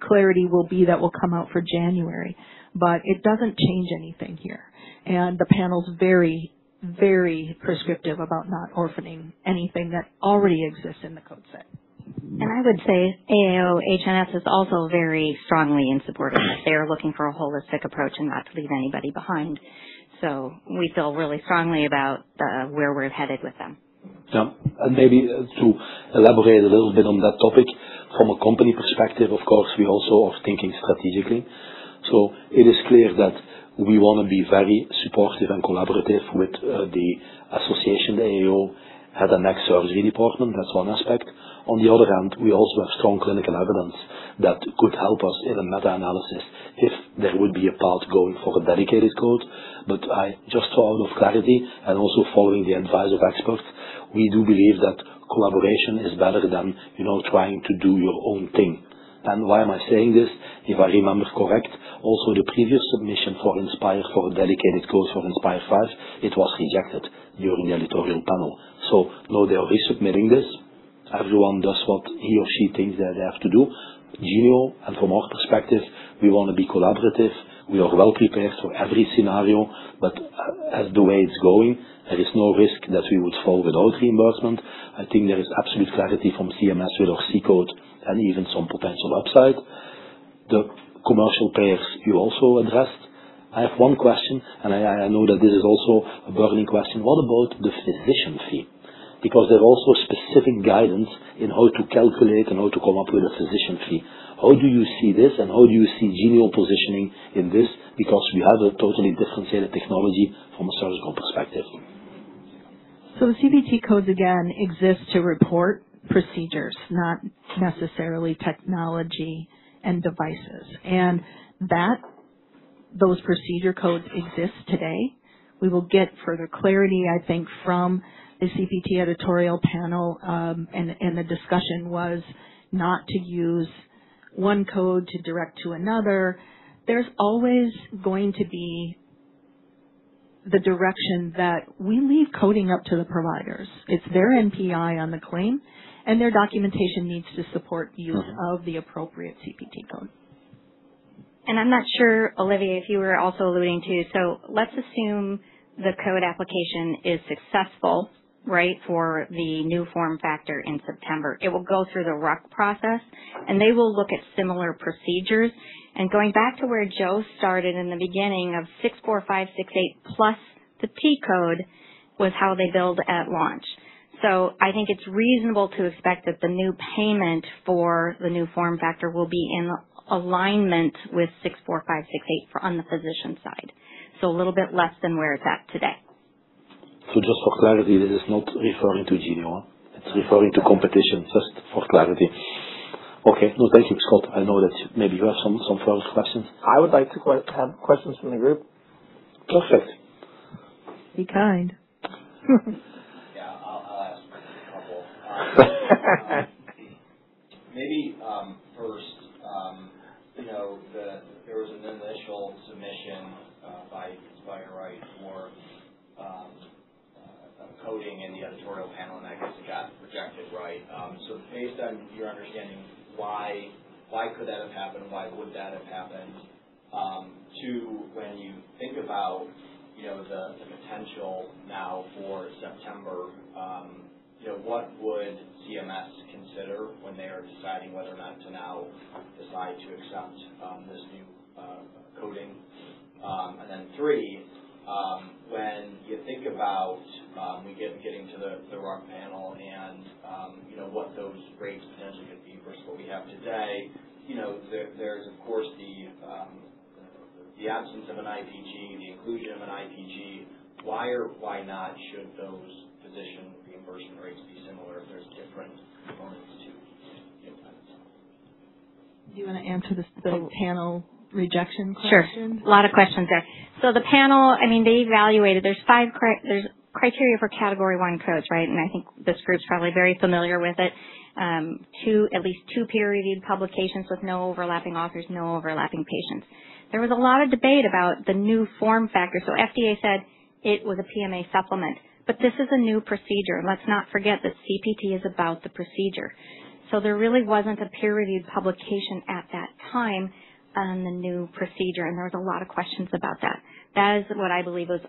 clarity will be that will come out for January, but it doesn't change anything here. The panel's very, very prescriptive about not orphaning anything that already exists in the code set. I would say AAO-HNS is also very strongly in support of that. They are looking for a holistic approach and not to leave anybody behind. We feel really strongly about where we're headed with them. Yeah. Maybe to elaborate a little bit on that topic, from a company perspective, of course, we also are thinking strategically. It is clear that we want to be very supportive and collaborative with the association, the AAO, at the next surgery department. That's one aspect. On the other hand, we also have strong clinical evidence that could help us in a meta-analysis if there would be a path going for a dedicated code. I just saw out of clarity and also following the advice of experts, we do believe that collaboration is better than, you know, trying to do your own thing. Why am I saying this? If I remember correct, also the previous submission for Nyxoah for a dedicated code for Nyxoah, it was rejected during the editorial panel. Now they are resubmitting this. Everyone does what he or she thinks that they have to do. Genio. From our perspective, we want to be collaborative. We are well prepared for every scenario, but as the way it's going, there is no risk that we would fall without reimbursement. I think there is absolute clarity from CMS with our C code and even some potential upside. The commercial payers you also addressed. I have one question, and I know that this is also a burning question. What about the physician fee? There's also specific guidance in how to calculate and how to come up with a physician fee. How do you see this and how do you see Genio positioning in this? We have a totally differentiated technology from a surgical perspective. The CPT codes, again, exist to report procedures, not necessarily technology and devices. Those procedure codes exist today. We will get further clarity, I think, from the CPT editorial panel. The discussion was not to use one code to direct to another. There's always going to be the direction that we leave coding up to the providers. It's their NPI on the claim, and their documentation needs to support use of the appropriate CPT code. I'm not sure, Olivier, if you were also alluding to. Let's assume the code application is successful, right, for the new form factor in September. It will go through the RUC process, and they will look at similar procedures. Going back to where Joe started in the beginning of 64568 plus the T code was how they billed at launch. I think it's reasonable to expect that the new payment for the new form factor will be in alignment with 64568 on the physician side. A little bit less than where it's at today. Just for clarity, this is not referring to Genio. It's referring to competition, just for clarity. Okay. Thank you, Scott. I know that maybe you have some further questions. I would like to have questions from the group. Perfect. Be kind. Yeah, I'll ask a couple. Maybe first, you know, there was an initial submission by your right for coding in the editorial panel. I guess it got rejected, right? Based on your understanding, why could that have happened? Why would that have happened? Two, when you think about, you know, the potential now for September, you know, what would CMS consider when they are deciding whether or not to now decide to accept this new coding? Three, when you think about, we getting to the RUC panel and, you know, what those rates potentially could be versus what we have today, you know, there's, of course, the absence of an IPG, the inclusion of an IPG. Why or why not should those physician reimbursement rates be similar if there's different components to it? Do you want to answer the panel rejection question? Sure. A lot of questions there. The panel, I mean, they evaluated, there's five criteria for Category I codes, right? I think this group's probably very familiar with it. Two, at least two peer-reviewed publications with no overlapping authors, no overlapping patients. There was a lot of debate about the new form factor. FDA said it was a PMA supplement, but this is a new procedure. Let's not forget that CPT is about the procedure. There really wasn't a peer-reviewed publication at that time on the new procedure, and there was a lot of questions about that. That is what I believe was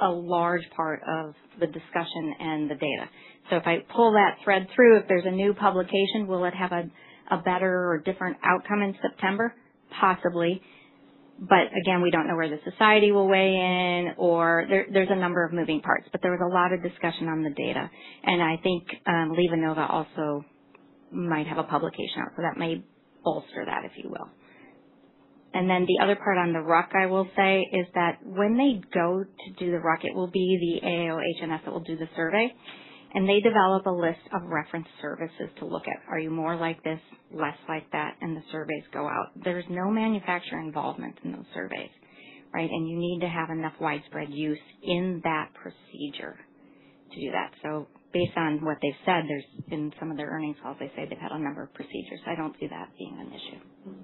a large part of the discussion and the data. If I pull that thread through, if there's a new publication, will it have a better or different outcome in September? Possibly. Again, we don't know where the society will weigh in, or there's a number of moving parts, but there was a lot of discussion on the data. I think LivaNova also might have a publication out, so that may bolster that, if you will. Then the other part on the RUC, I will say, is that when they go to do the RUC, it will be the AAO-HNS that will do the survey. They develop a list of reference services to look at. Are you more like this, less like that, and the surveys go out. There's no manufacturer involvement in those surveys, right? You need to have enough widespread use in that procedure to do that. Based on what they've said, in some of their earnings calls, they say they've had a number of procedures. I don't see that being an issue.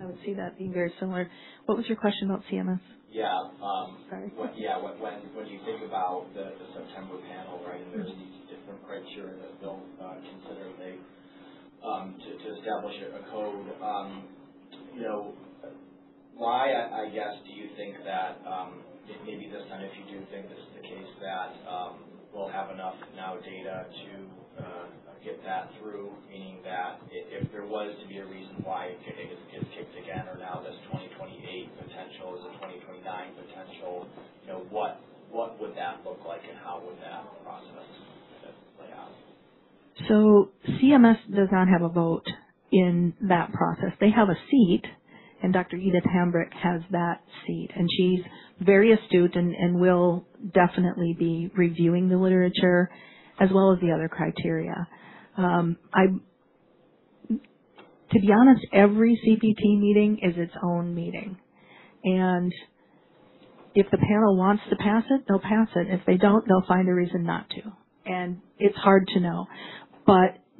I would see that being very similar. What was your question about CMS? Yeah. Sorry. When you think about the September panel, right, there's these different criteria that they'll consider to establish a code, you know, why, I guess, do you think that maybe this time, if you do think this is the case, that we'll have enough now data to get that through, meaning that if there was to be a reason why it gets kicked again, now this 2028 potential is a 2029 potential, you know, what would that look like and how would that process play out? CMS does not have a vote in that process. They have a seat, and Dr. Edith Hambrick has that seat. She's very astute and will definitely be reviewing the literature as well as the other criteria. To be honest, every CPT meeting is its own meeting. If the panel wants to pass it, they'll pass it. If they don't, they'll find a reason not to. It's hard to know.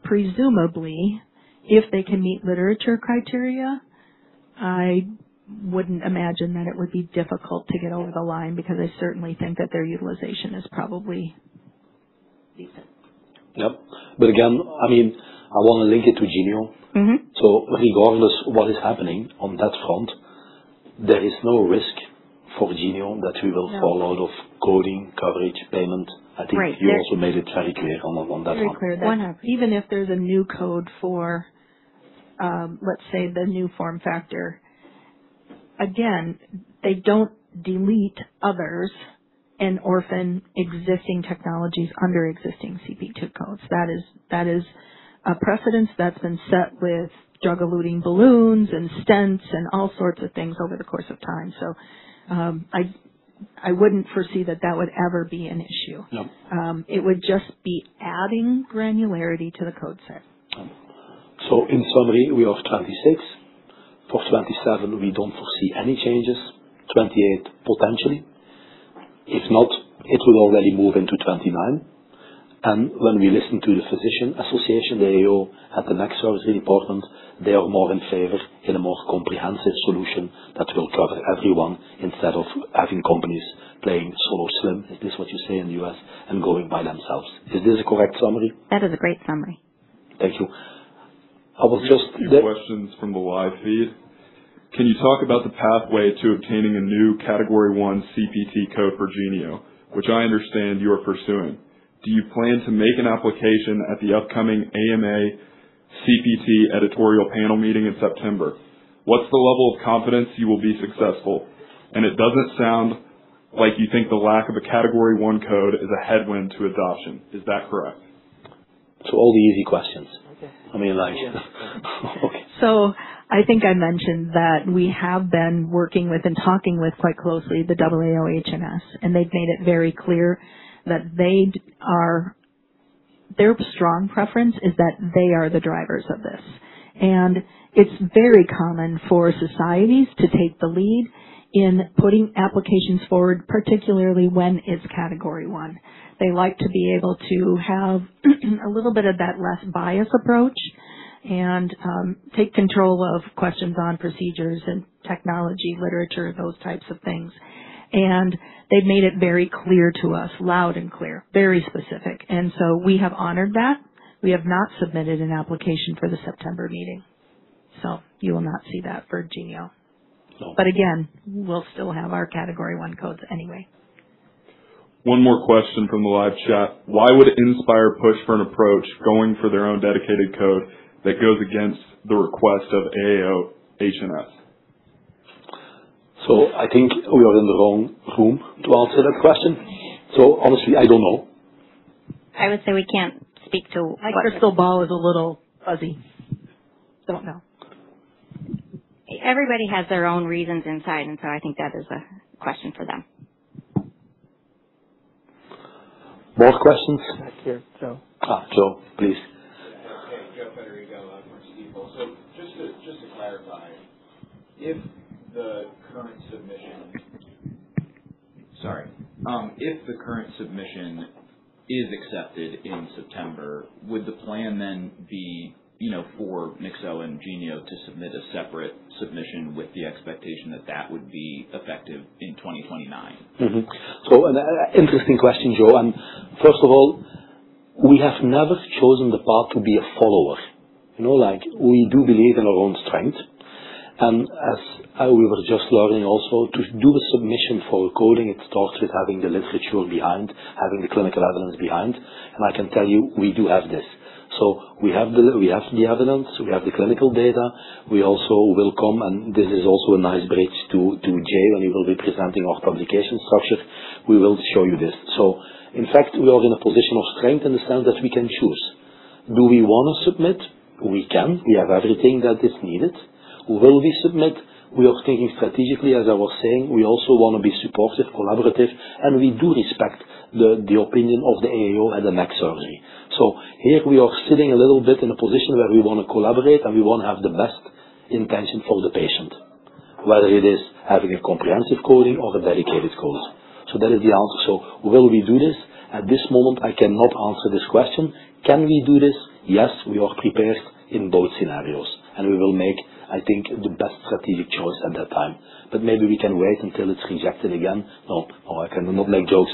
Presumably, if they can meet literature criteria, I wouldn't imagine that it would be difficult to get over the line because I certainly think that their utilization is probably decent. Yep. Again, I mean, I want to link it to Genio. Regardless of what is happening on that front, there is no risk for Genio that we will fall out of coding, coverage, payment. I think you also made it very clear on that front. Very clear. Even if there's a new code for, let's say, the new form factor, again, they don't delete others and orphan existing technologies under existing CPT codes. That is a precedence that's been set with drug-eluting balloons and stents and all sorts of things over the course of time. I wouldn't foresee that that would ever be an issue. It would just be adding granularity to the code set. In summary, we are 2026. For 2027, we don't foresee any changes. 2028, potentially. If not, it would already move into 2029. When we listen to the physician association, the AAO, at the next surgery department, they are more in favor in a more comprehensive solution that will cover everyone instead of having companies playing solo, is this what you say in the U.S., and going by themselves. Is this a correct summary? That is a great summary. Thank you. A few questions from the live feed. Can you talk about the pathway to obtaining a new Category I CPT code for Genio, which I understand you are pursuing? Do you plan to make an application at the upcoming AMA CPT editorial panel meeting in September? What's the level of confidence you will be successful? It doesn't sound like you think the lack of a Category I code is a headwind to adoption. Is that correct? To all the easy questions. I mean, like. Yeah. Okay. I think I mentioned that we have been working with and talking with quite closely the AAO-HNS, they've made it very clear that their strong preference is that they are the drivers of this. It's very common for societies to take the lead in putting applications forward, particularly when it's Category I. They like to be able to have a little bit of that less biased approach and take control of questions on procedures and technology, literature, those types of things. They've made it very clear to us, loud and clear, very specific. We have honored that. We have not submitted an application for the September meeting. You will not see that for Genio. Again, we'll still have our Category I codes anyway. One more question from the live chat. Why would Nyxoah push for an approach going for their own dedicated code that goes against the request of AAO-HNS? I think we are in the wrong room to answer that question. Honestly, I don't know. I would say we can't speak to. My crystal ball is a little fuzzy. Don't know. Everybody has their own reasons inside, I think that is a question for them. More questions? Back here, Joe. Joe, please. Okay, Joe from Stifel. Just to clarify, if the current submission is accepted in September, would the plan then be, you know, for Nyxoah and Genio to submit a separate submission with the expectation that that would be effective in 2029? An interesting question, Joe. First of all, we have never chosen the path to be a follower. You know, like, we do believe in our own strength. As we were just learning also, to do a submission for coding, it starts with having the literature behind, having the clinical evidence behind. I can tell you, we do have this. We have the evidence, we have the clinical data. We also will come, and this is also a nice bridge to Jey when he will be presenting our publication structure. We will show you this. In fact, we are in a position of strength in the sense that we can choose. Do we want to submit? We can. We have everything that is needed. Will we submit? We are thinking strategically, as I was saying. We also want to be supportive, collaborative, and we do respect the opinion of the AAO at the next surgery. Here we are sitting a little bit in a position where we want to collaborate, and we want to have the best intention for the patient, whether it is having a comprehensive coding or a dedicated code. That is the answer. Will we do this? At this moment, I cannot answer this question. Can we do this? Yes, we are prepared in both scenarios. We will make, I think, the best strategic choice at that time. Maybe we can wait until it's rejected again. No, no, I cannot make jokes.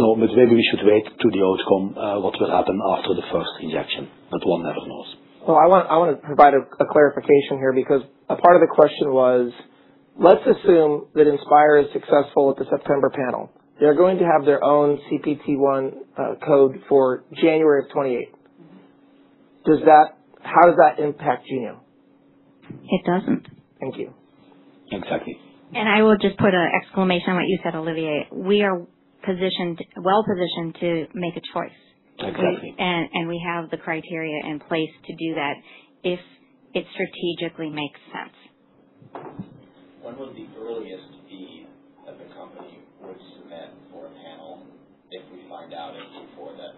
No, maybe we should wait to the outcome, what will happen after the first rejection. One never knows. I want to provide a clarification here because a part of the question was, let's assume that Nyxoah is successful at the September panel. They're going to have their own CPT I code for January of 2028. How does that impact Genio? It doesn't. Thank you. Exactly. I will just put an exclamation on what you said, Olivier. We are well positioned to make a choice. Exactly. We have the criteria in place to do that if it strategically makes sense. When will the earliest fee that the company would submit for a panel, if we find out it before the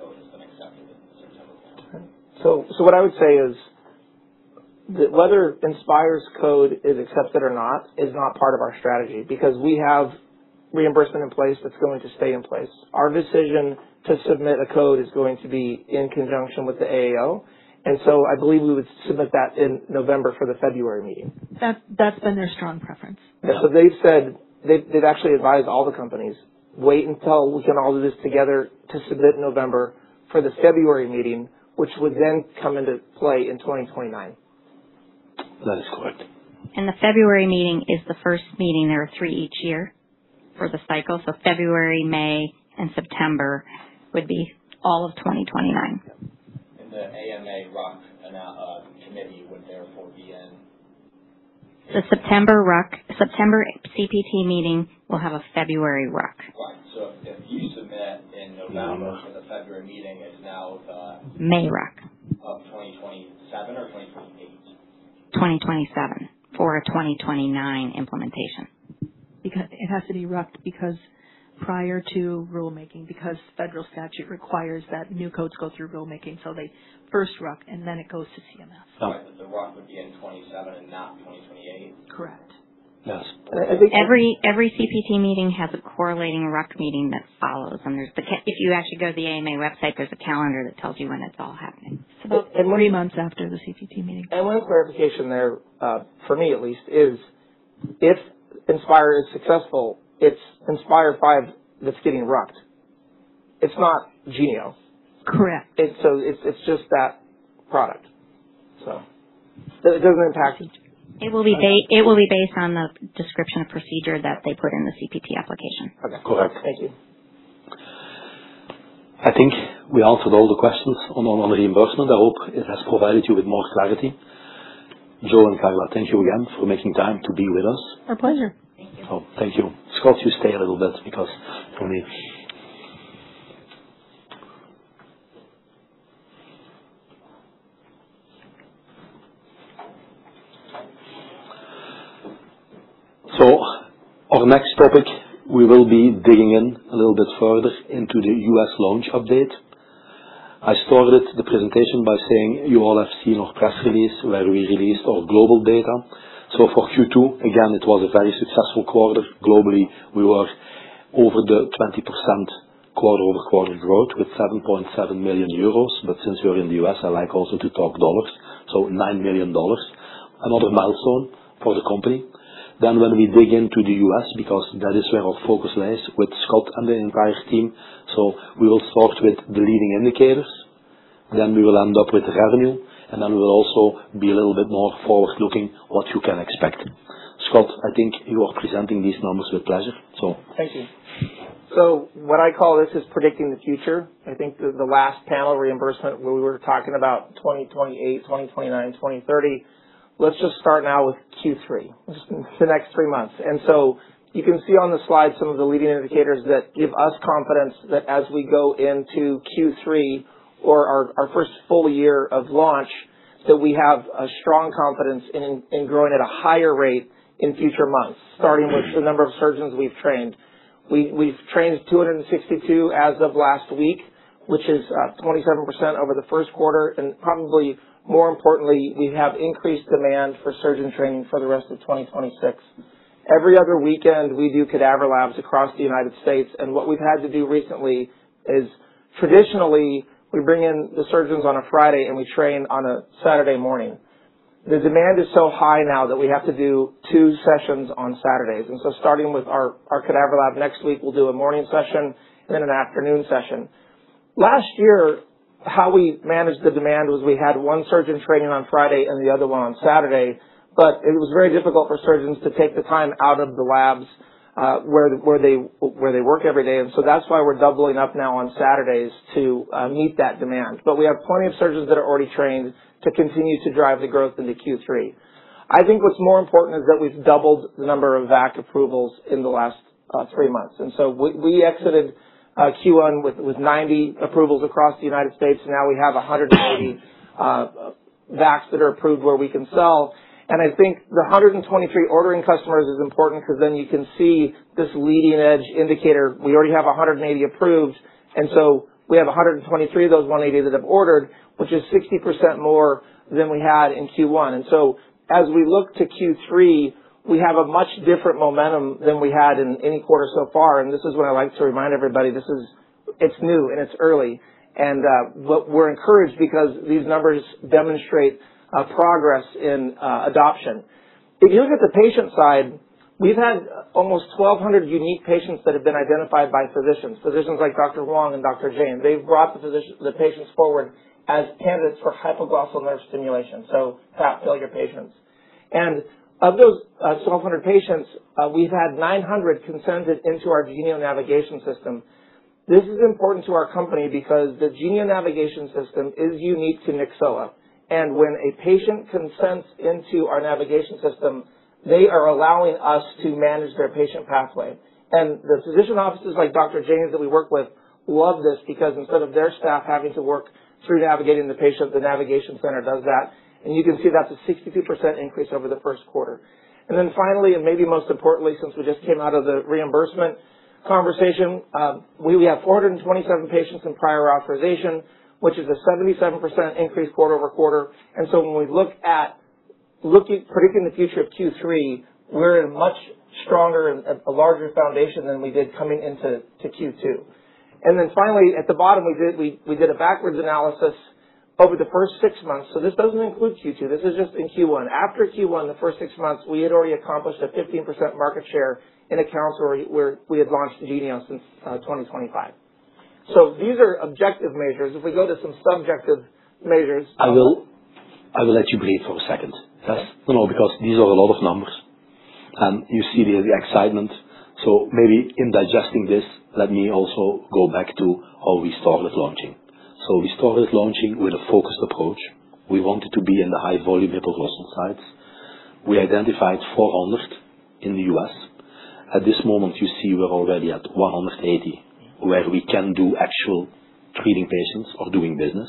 code has been accepted in the September panel? What I would say is that whether Nyxoah's code is accepted or not is not part of our strategy because we have reimbursement in place that's going to stay in place. Our decision to submit a code is going to be in conjunction with the AAO. I believe we would submit that in November for the February meeting. That's been their strong preference. Yeah. They've actually advised all the companies, wait until we can all do this together to submit in November for the February meeting, which would then come into play in 2029. That is correct. The February meeting is the first meeting. There are three each year for the cycle. February, May, and September would be all of 2029. The AMA RUC committee would therefore be in? The September CPT meeting will have a February RUC. Right. If you submit in November for the February meeting, it's now the. May RUC. Of 2027 or 2028? 2027 for a 2029 implementation. It has to be RUC because prior to rulemaking, because federal statute requires that new codes go through rulemaking. They first RUC, and then it goes to CMS. Right. The RUC would be in 2027 and not 2028? Correct. Yes. Every CPT meeting has a correlating RUC meeting that follows. If you actually go to the AMA website, there's a calendar that tells you when it's all happening. Three months after the CPT meeting. One clarification there, for me at least, is if Inspire is successful, it's Inspire V that's getting RUC'd. It's not Genio. Correct. It's just that product. It doesn't impact. It will be based on the description of procedure that they put in the CPT application. Okay. Correct. Thank you. I think we answered all the questions on reimbursement. I hope it has provided you with more clarity. Joe and Carla, thank you again for making time to be with us. Our pleasure. Thank you. Thank you. Scott, you stay a little bit for me. Our next topic, we will be digging in a little bit further into the U.S. launch update. I started the presentation by saying you all have seen our press release where we released our global data. For Q2, again, it was a very successful quarter. Globally, we were over the 20% quarter-over-quarter growth with 7.7 million euros. Since we are in the U.S., I like also to talk dollars. $9 million, another milestone for the company. When we dig into the U.S., because that is where our focus lies with Scott and the entire team. We will start with the leading indicators. We will end up with revenue. We will also be a little bit more forward-looking, what you can expect. Scott, I think you are presenting these numbers with pleasure. Thank you. What I call this is predicting the future. I think the last panel reimbursement, we were talking about 2028, 2029, 2030. Let's just start now with Q3, the next three months. You can see on the slide some of the leading indicators that give us confidence that as we go into Q3 or our first full year of launch, that we have a strong confidence in growing at a higher rate in future months, starting with the number of surgeons we've trained. We've trained 262 as of last week, which is 27% over the first quarter. Probably more importantly, we have increased demand for surgeon training for the rest of 2026. Every other weekend, we do cadaver labs across the U.S. What we've had to do recently is traditionally, we bring in the surgeons on a Friday and we train on a Saturday morning. The demand is so high now that we have to do two sessions on Saturdays. Starting with our cadaver lab next week, we'll do a morning session and an afternoon session. Last year, how we managed the demand was we had one surgeon training on Friday and the other one on Saturday. It was very difficult for surgeons to take the time out of the labs where they work every day. That's why we're doubling up now on Saturdays to meet that demand. We have plenty of surgeons that are already trained to continue to drive the growth into Q3. I think what's more important is that we've doubled the number of VAC approvals in the last three months. We exited Q1 with 90 approvals across the U.S. Now we have 120 VACs that are approved where we can sell. I think the 123 ordering customers is important because then you can see this leading edge indicator. We already have 180 approved. We have 123 of those 180 that have ordered, which is 60% more than we had in Q1. As we look to Q3, we have a much different momentum than we had in any quarter so far. This is what I like to remind everybody. It's new and it's early. We're encouraged because these numbers demonstrate progress in adoption. If you look at the patient side, we've had almost 1,200 unique patients that have been identified by physicians. Physicians like Dr. Huang and Dr. Jain. They've brought the patients forward as candidates for hypoglossal nerve stimulation. So fat failure patients. Of those 1,200 patients, we've had 900 consented into our Genio navigation system. This is important to our company because the Genio navigation system is unique to Nyxoah. When a patient consents into our navigation system, they are allowing us to manage their patient pathway. The physician offices like Dr. Jain's that we work with love this because instead of their staff having to work through navigating the patient, the navigation center does that. You can see that's a 62% increase over the first quarter. Finally, and maybe most importantly, since we just came out of the reimbursement conversation, we have 427 patients in prior authorization, which is a 77% increase quarter-over-quarter. When we look at predicting the future of Q3, we're in a much stronger and larger foundation than we did coming into Q2. Finally, at the bottom, we did a backwards analysis over the first six months. This doesn't include Q2. This is just in Q1. After Q1, the first six months, we had already accomplished a 15% market share in accounts where we had launched Genio since 2025. These are objective measures. If we go to some subjective measures. I will let you breathe for a second. Yes? No, no, because these are a lot of numbers. You see the excitement. Maybe in digesting this, let me also go back to how we started launching. We started launching with a focused approach. We wanted to be in the high-volume hypoglossal sites. We identified 400 in the U.S. At this moment, you see we're already at 180 where we can do actual treating patients or doing business.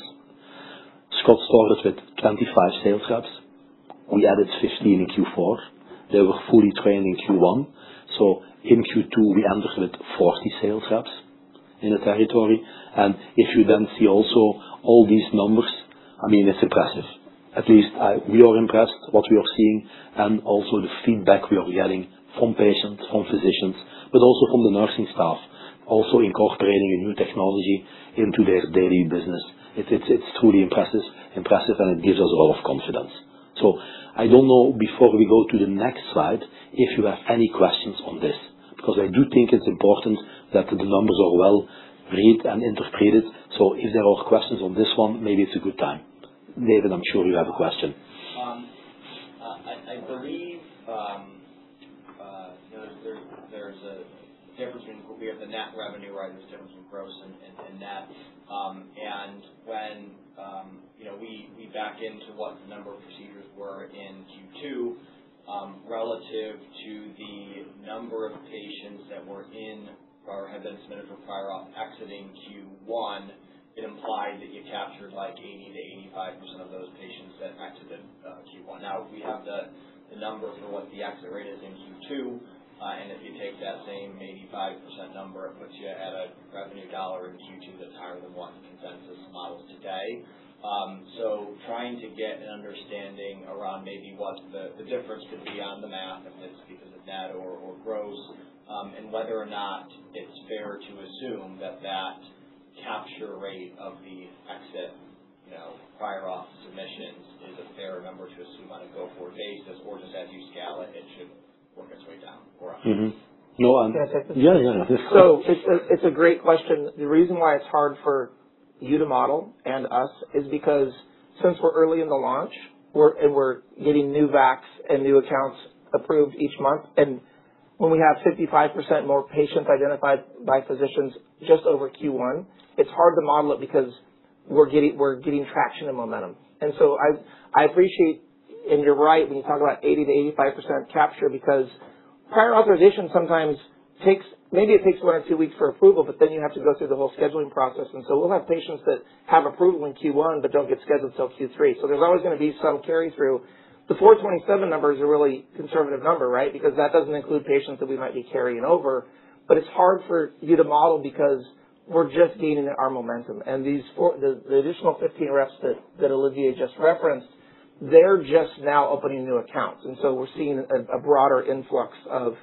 Scott started with 25 sales reps. We added 15 in Q4. They were fully trained in Q1. In Q2, we entered with 40 sales reps in the territory. If you then see also all these numbers, I mean, it's impressive. At least we are impressed what we are seeing and also the feedback we are getting from patients, from physicians, but also from the nursing staff, also incorporating a new technology into their daily business. It's truly impressive and it gives us a lot of confidence. I don't know before we go to the next slide if you have any questions on this because I do think it's important that the numbers are well read and interpreted. If there are questions on this one, maybe it's a good time. David, I'm sure you have a question. I believe there's a difference between we have the net revenue where there's a difference in gross and net. When we back into what the number of procedures were in Q2 relative to the number of patients that were in or had been submitted for prior auth exiting Q1, it implied that you captured like 80%-85% of those patients that exited Q1. If we have the number for what the exit rate is in Q2, and if you take that same 85% number, it puts you at a revenue dollar in Q2 that's higher than what the consensus models today. Trying to get an understanding around maybe what the difference could be on the math, if it's because of net or gross, and whether or not it's fair to assume that that capture rate of the exit prior auth submissions is a fair number to assume on a go-forward basis, or just as you scale it should work its way down. Can I take this? Yeah, yeah. It's a great question. The reason why it's hard for you to model and us is because since we're early in the launch and we're getting new VACs and new accounts approved each month, when we have 55% more patients identified by physicians just over Q1, it's hard to model it because we're getting traction and momentum. I appreciate, and you're right when you talk about 80%-85% capture because prior authorization sometimes takes maybe it takes one or two weeks for approval, but then you have to go through the whole scheduling process. We'll have patients that have approval in Q1 but don't get scheduled until Q3. There's always going to be some carry-through. The 427 numbers are really conservative number, right? Because that doesn't include patients that we might be carrying over. It's hard for you to model because we're just gaining our momentum. The additional 15 reps that Olivier just referenced, they're just now opening new accounts. We're seeing a broader influx of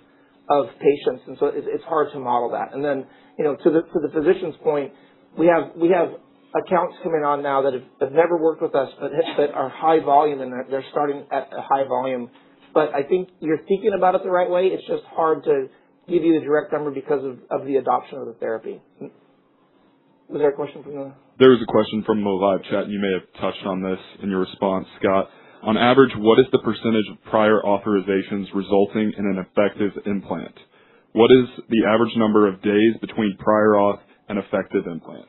patients. It's hard to model that. To the physician's point, we have accounts coming on now that have never worked with us, but are high volume, and they're starting at a high volume. I think you're thinking about it the right way. It's just hard to give you the direct number because of the adoption of the therapy. Was there a question from the? There is a question from the live chat, you may have touched on this in your response, Scott. On average, what is the percentage of prior authorizations resulting in an effective implant? What is the average number of days between prior auth and effective implant?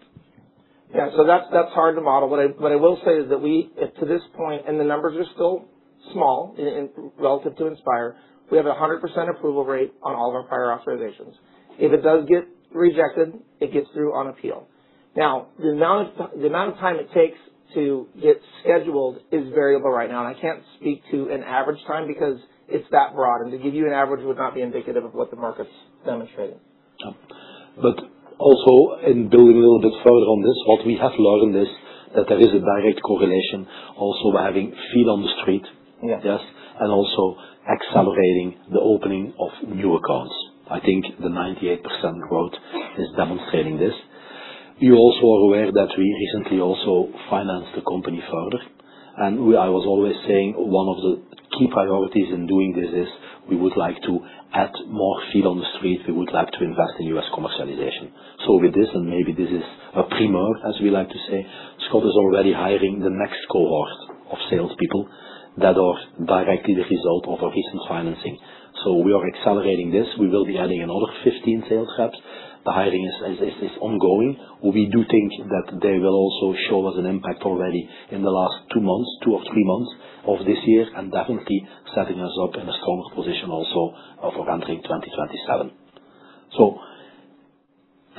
Yeah. That's hard to model. What I will say is that we to this point, and the numbers are still small relative to Nyxoah, we have a 100% approval rate on all of our prior authorizations. If it does get rejected, it gets through on appeal. Now, the amount of time it takes to get scheduled is variable right now. I can't speak to an average time because it's that broad. To give you an average would not be indicative of what the market's demonstrating. Also in building a little bit further on this, what we have learned is that there is a direct correlation. Also, we're having feed on the street. Yes. Also accelerating the opening of new accounts. I think the 98% growth is demonstrating this. You also are aware that we recently also financed the company further. I was always saying one of the key priorities in doing this is we would like to add more feed on the street. We would like to invest in U.S. commercialization. With this, and maybe this is a primeur, as we like to say, Scott is already hiring the next cohort of salespeople that are directly the result of our recent financing. We are accelerating this. We will be adding another 15 sales reps. The hiring is ongoing. We do think that they will also show us an impact already in the last two or three months of this year, and definitely setting us up in a stronger position also for entering 2027.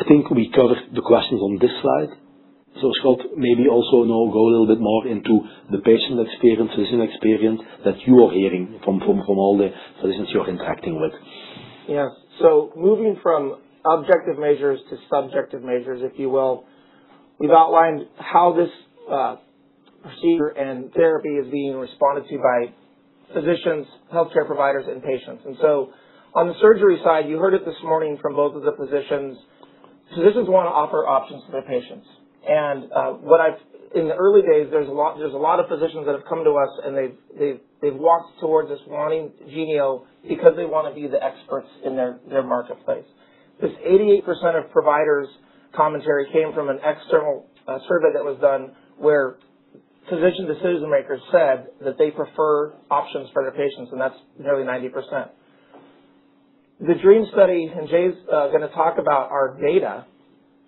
I think we covered the questions on this slide. Scott, maybe also go a little bit more into the patient experience, physician experience that you are hearing from all the physicians you are interacting with. Yeah. Moving from objective measures to subjective measures, if you will, we've outlined how this procedure and therapy is being responded to by physicians, healthcare providers, and patients. On the surgery side, you heard it this morning from both of the physicians. Physicians want to offer options to their patients. In the early days, there's a lot of physicians that have come to us and they've walked towards us wanting Genio because they want to be the experts in their marketplace. This 88% of providers' commentary came from an external survey that was done where physician decision makers said that they prefer options for their patients. That's nearly 90%. The DREAM study, and Jey's going to talk about our data,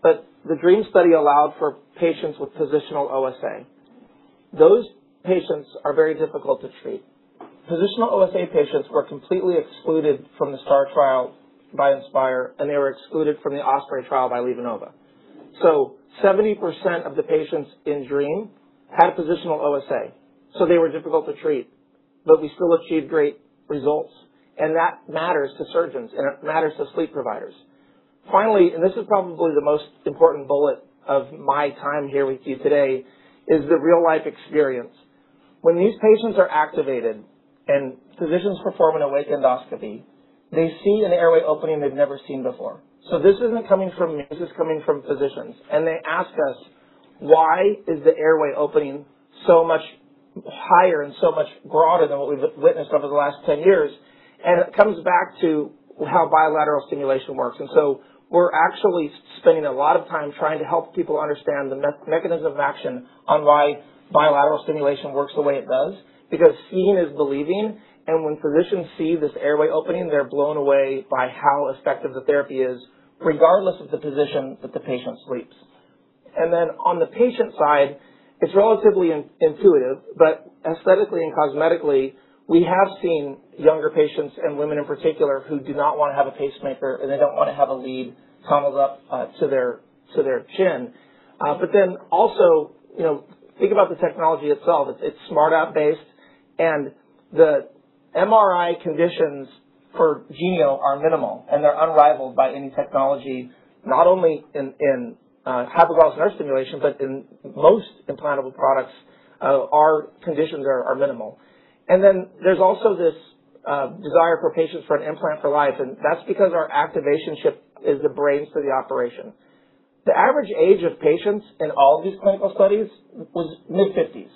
but the DREAM study allowed for patients with positional OSA. Those patients are very difficult to treat. Positional OSA patients were completely excluded from the STAR Trial by Nyxoah, they were excluded from the OSPREY Trial by LivaNova. 70% of the patients in DREAM had positional OSA. They were difficult to treat, but we still achieved great results. That matters to surgeons, and it matters to sleep providers. Finally, this is probably the most important bullet of my time here with you today, is the real-life experience. When these patients are activated and physicians perform an awake endoscopy, they see an airway opening they've never seen before. This isn't coming from me. This is coming from physicians. They ask us, why is the airway opening so much higher and so much broader than what we've witnessed over the last 10 years? It comes back to how bilateral stimulation works. We're actually spending a lot of time trying to help people understand the mechanism of action on why bilateral stimulation works the way it does. Because seeing is believing. When physicians see this airway opening, they're blown away by how effective the therapy is, regardless of the position that the patient sleeps. On the patient side, it's relatively intuitive, but aesthetically and cosmetically, we have seen younger patients and women in particular who do not want to have a pacemaker, and they don't want to have a lead tunneled up to their chin. Also, think about the technology itself. It's smart app-based. The MRI conditions for Genio are minimal, and they're unrivaled by any technology, not only in hypoglossal nerve stimulation, but in most implantable products, our conditions are minimal. There's also this desire for patients for an implant for life. That's because our activation chip is the brains to the operation. The average age of patients in all of these clinical studies was mid-50s.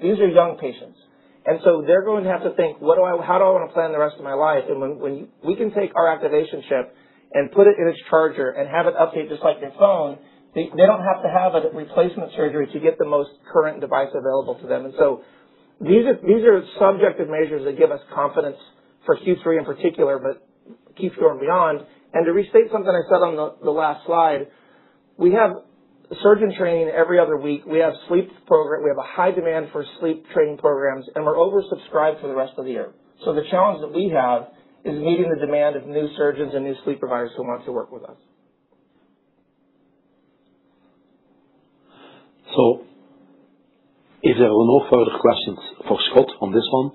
These are young patients. They're going to have to think, how do I want to plan the rest of my life? When we can take our activation chip and put it in its charger and have it update just like your phone, they don't have to have a replacement surgery to get the most current device available to them. These are subjective measures that give us confidence for Q3 in particular, but Q4 and beyond. To restate something I said on the last slide, we have surgeon training every other week. We have sleep program. We have a high demand for sleep training programs, and we're oversubscribed for the rest of the year. The challenge that we have is meeting the demand of new surgeons and new sleep providers who want to work with us. If there are no further questions for Scott on this one,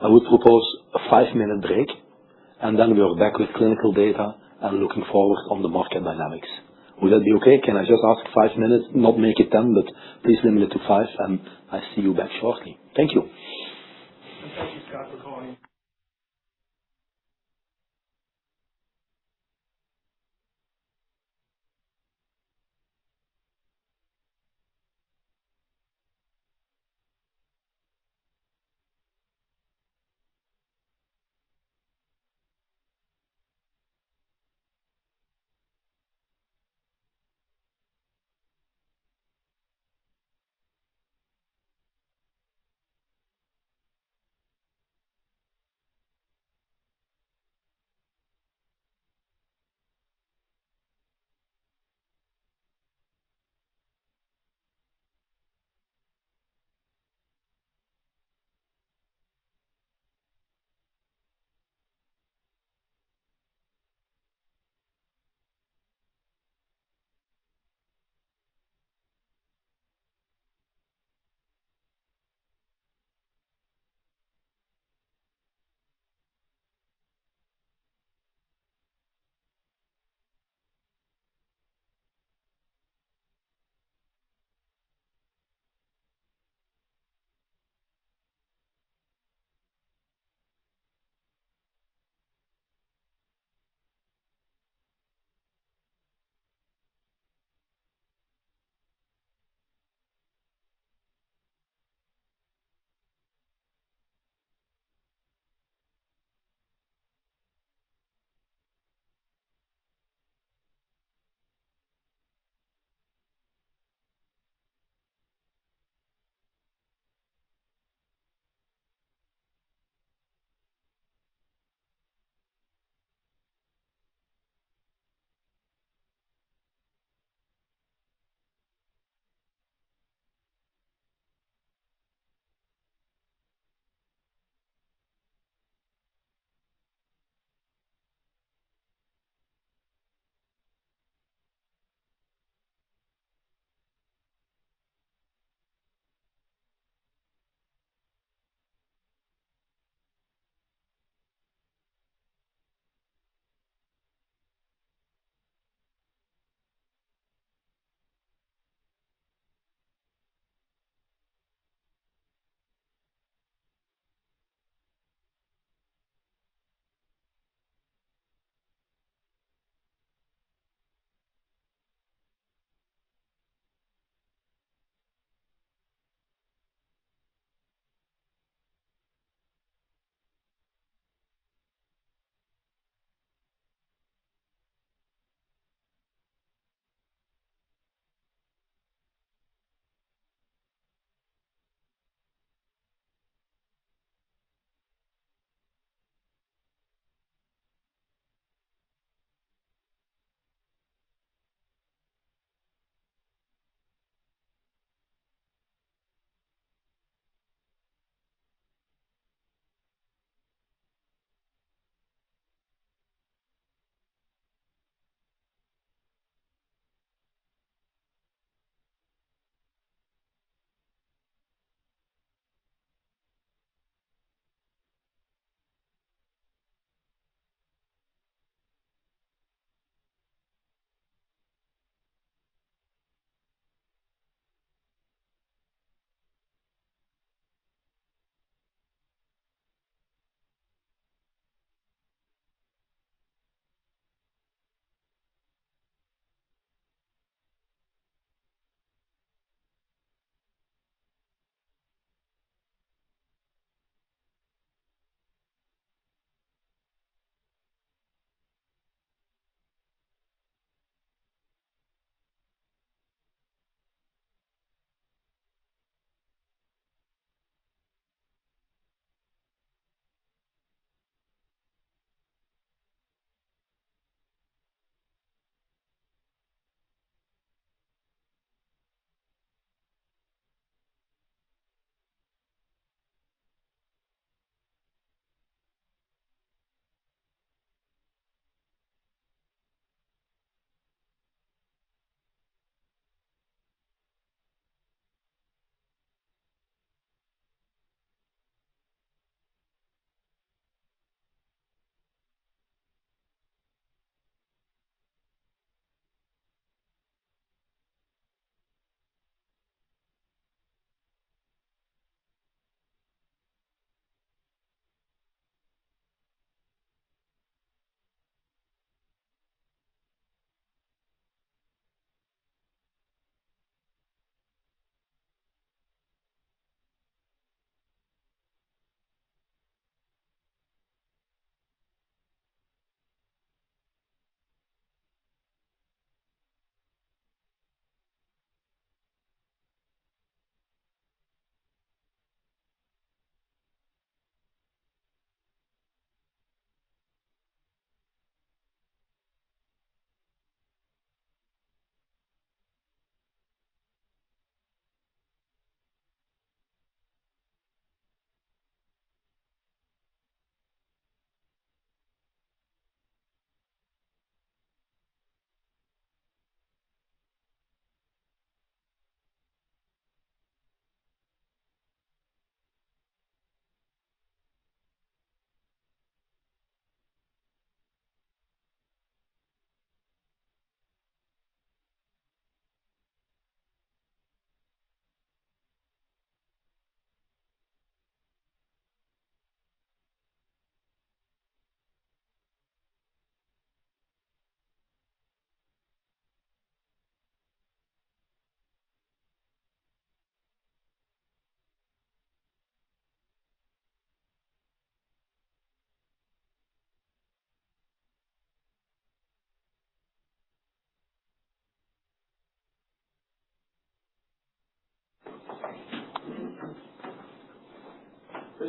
I would propose a five-minute break, and we are back with clinical data and looking forward on the market dynamics. Would that be okay? Can I just ask five minutes, not make it 10, but please limit it to five, and I see you back shortly. Thank you. Thank you, Scott, for calling.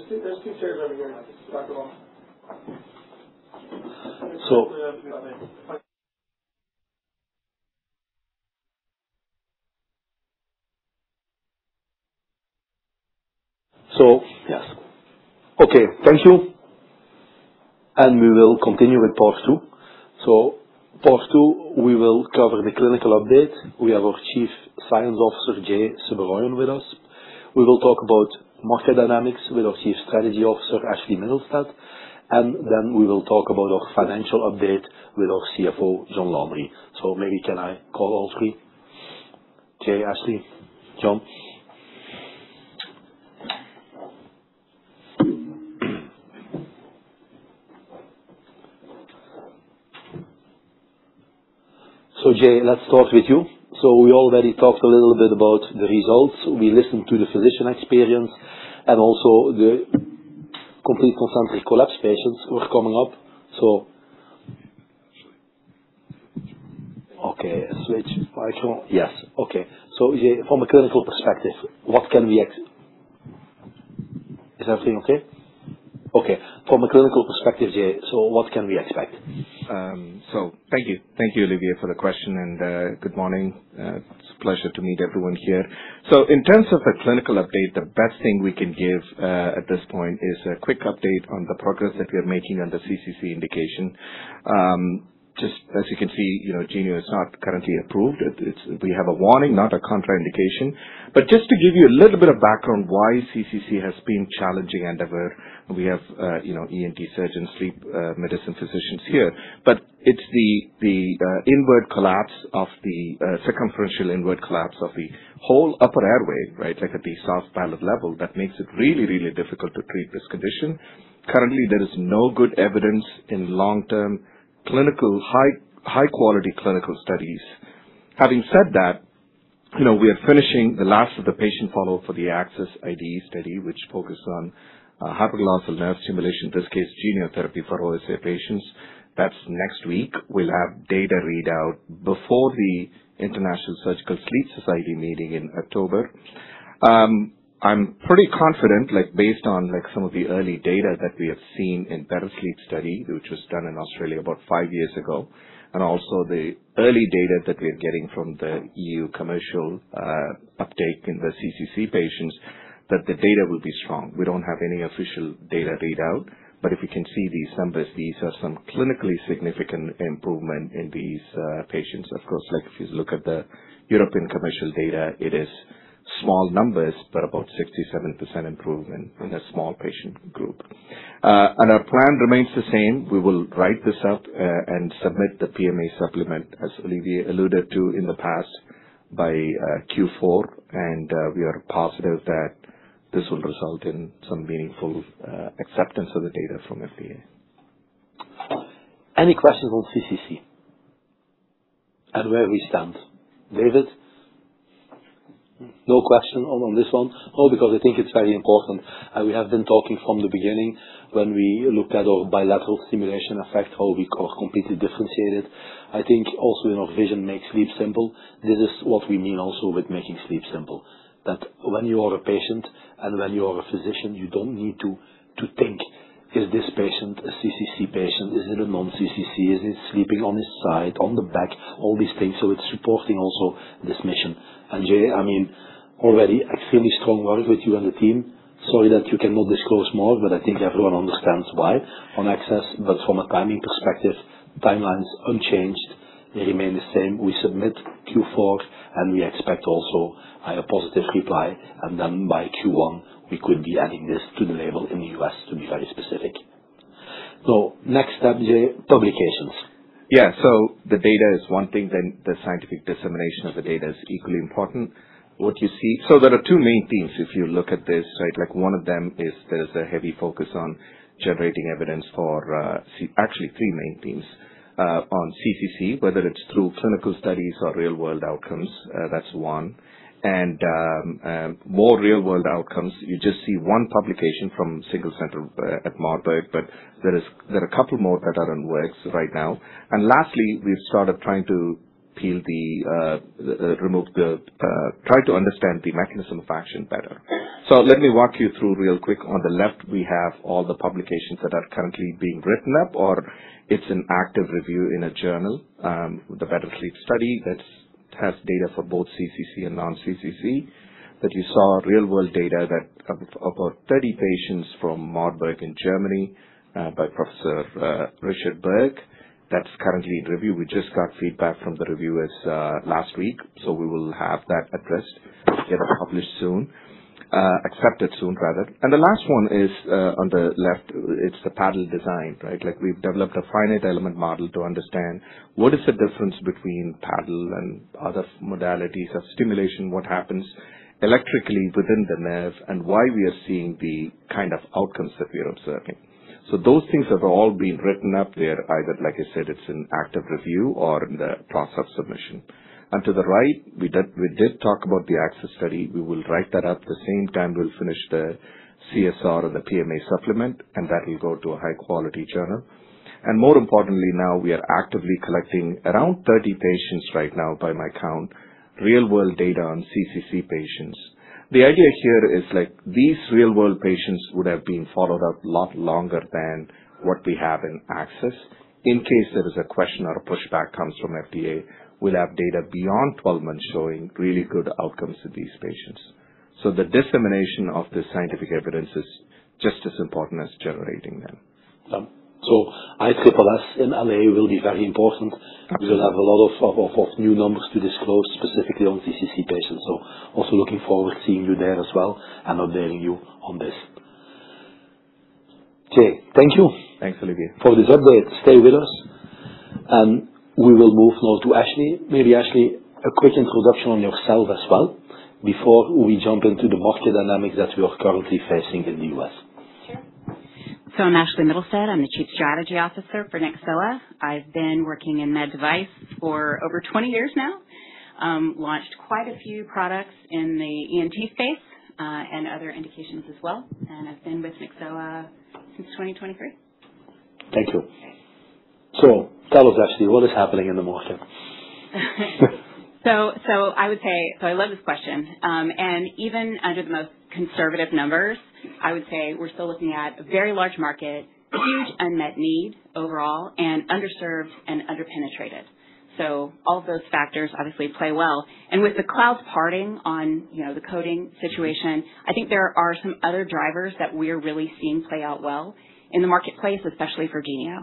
There's two chairs over here. Yes. Okay. Thank you. We will continue with part two. Part two, we will cover the clinical update. We have our Chief Science Officer, Jey Subbaroyan, with us. We will talk about market dynamics with our Chief Strategy Officer, Ashlea Mittelstaedt. We will talk about our financial update with our CFO, John Landry. Maybe can I call all three? Jey, Ashlea, John. Jey, let's start with you. We already talked a little bit about the results. We listened to the physician experience, and also the complete concentric collapse patients were coming up. Okay. Switch microphone. Yes. Okay. Jey, from a clinical perspective, what can we expect? Is everything okay? Okay. From a clinical perspective, Jey, what can we expect? Thank you. Thank you, Olivier, for the question, and good morning. It's a pleasure to meet everyone here. In terms of the clinical update, the best thing we can give at this point is a quick update on the progress that we are making on the CCC indication. Just as you can see, Genio is not currently approved. We have a warning, not a contraindication. Just to give you a little bit of background, why CCC has been challenging endeavor. We have ENT surgeons, sleep medicine physicians here. It's the inward collapse of the circumferential inward collapse of the whole upper airway, right, at the soft palate level that makes it really, really difficult to treat this condition. Currently, there is no good evidence in long-term clinical, high-quality clinical studies. Having said that, we are finishing the last of the patient follow-up for the ACCCESS trial, which focuses on hypoglossal nerve stimulation, this case Genio therapy for OSA patients. That's next week. We will have data readout before the International Surgical Sleep Society meeting in October. I am pretty confident, based on some of the early data that we have seen in the BETTER SLEEP Study, which was done in Australia about five years ago, and also the early data that we are getting from the EU commercial uptake in the CCC patients, that the data will be strong. We do not have any official data readout, but if we can see these numbers, these are some clinically significant improvement in these patients. Of course, if you look at the European commercial data, it is small numbers, but about 67% improvement in a small patient group. Our plan remains the same. We will write this up and submit the PMA supplement, as Olivier alluded to in the past, by Q4. We are positive that this will result in some meaningful acceptance of the data from FDA. Any questions on CCC and where we stand? David? No question on this one? No, because I think it is very important. We have been talking from the beginning when we look at our bilateral stimulation effect, how we completely differentiate it. I think also in our vision, make sleep simple. This is what we mean also with making sleep simple. That when you are a patient and when you are a physician, you do not need to think, is this patient a CCC patient? Is it a non-CCC? Is it sleeping on its side, on the back? All these things. It is supporting also this mission. Jey, I mean, already extremely strong work with you and the team. Sorry that you cannot disclose more, but I think everyone understands why on ACCCESS. From a timing perspective, timelines unchanged. They remain the same. We submit Q4, we expect also a positive reply. By Q1, we could be adding this to the label in the U.S. to be very specific. Next step, Jey, publications. Yeah. The data is one thing, then the scientific dissemination of the data is equally important. What you see, there are two main themes if you look at this, right? One of them is there's a heavy focus on generating evidence for actually three main themes on CCC, whether it is through clinical studies or real-world outcomes. That is one. More real-world outcomes. You just see one publicaton from Single Center at Marburg, but there are a couple more that are in works right now. Lastly, we have started trying to understand the mechanism of action better. Let me walk you through real quick. On the left, we have all the publications that are currently being written up, or it is an active review in a journal. The BETTER SLEEP study that has data for both CCC and non-CCC. You saw real-world data that about 30 patients from Marburg in Germany by Professor Richard Berg, that is currently in review. We just got feedback from the reviewers last week, we will have that addressed, get it published soon, accepted soon, rather. The last one is on the left, it is the paddle design, right? We have developed a finite element model to understand what is the difference between paddle and other modalities of stimulation, what happens electrically within the nerve, and why we are seeing the kind of outcomes that we are observing. Those things have all been written up. They are either, like I said, it is in active review or in the process of submission. To the right, we did talk about the ACCCESS trial. We will write that up. At the same time, we will finish the CSR and the PMA supplement, and that will go to a high-quality journal. More importantly, now we are actively collecting around 30 patients right now, by my count, real-world data on CCC patients. The idea here is these real-world patients would have been followed up a lot longer than what we have in ACCCESS. In case there is a question or a pushback comes from FDA, we will have data beyond 12 months showing really good outcomes in these patients. The dissemination of this scientific evidence is just as important as generating them. ISSS for us in L.A. will be very important. We will have a lot of new numbers to disclose specifically on CCC patients. Also looking forward to seeing you there as well and updating you on this. Jey, thank you. Thanks, Olivier. For this update. Stay with us. We will move now to Ashlea. Maybe Ashlea, a quick introduction on yourself as well before we jump into the market dynamics that we are currently facing in the U.S. Sure. I'm Ashlea Mittelstaedt. I'm the Chief Strategy Officer for Nyxoah. I've been working in med device for over 20 years now. Launched quite a few products in the ENT space and other indications as well. I've been with Nyxoah since 2023. Thank you. Tell us, Ashlea, what is happening in the market? I would say I love this question. Even under the most conservative numbers, I would say we're still looking at a very large market, huge unmet needs overall, and underserved and underpenetrated. All of those factors obviously play well. With the cloud parting on the coding situation, I think there are some other drivers that we're really seeing play out well in the marketplace, especially for Genio.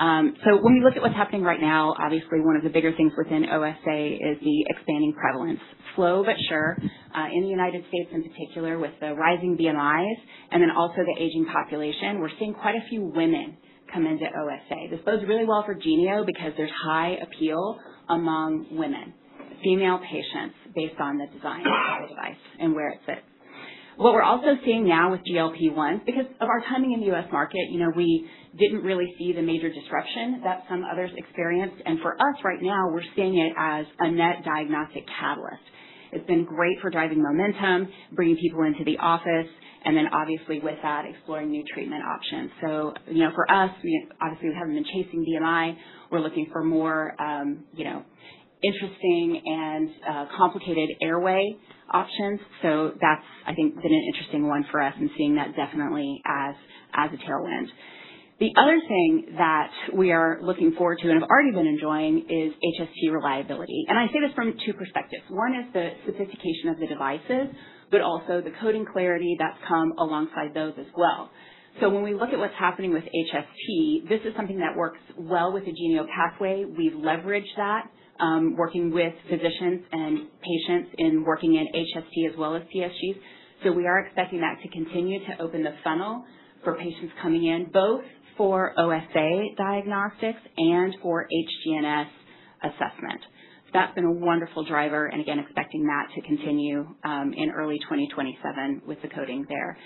When we look at what's happening right now, obviously one of the bigger things within OSA is the expanding prevalence. Slow, but sure. In the U.S. in particular, with the rising BMIs and then also the aging population, we're seeing quite a few women come into OSA. This goes really well for Genio because there's high appeal among women, female patients, based on the design of the device and where it sits. What we're also seeing now with GLP-1s, because of our timing in the U.S. market, we didn't really see the major disruption that some others experienced. For us right now, we're seeing it as a net diagnostic catalyst. It's been great for driving momentum, bringing people into the office, and then obviously with that, exploring new treatment options. For us, obviously we haven't been chasing BMI. We're looking for more interesting and complicated airway options. That's, I think, been an interesting one for us and seeing that definitely as a tailwind. The other thing that we are looking forward to and have already been enjoying is HST reliability. I say this from two perspectives. One is the sophistication of the devices, but also the coding clarity that's come alongside those as well. When we look at what's happening with HST, this is something that works well with the Genio pathway. We've leveraged that, working with physicians and patients in working in HST as well as PSGs. We are expecting that to continue to open the funnel for patients coming in, both for OSA diagnostics and for HGNS assessment. That's been a wonderful driver, and again, expecting that to continue in early 2027 with the coding there.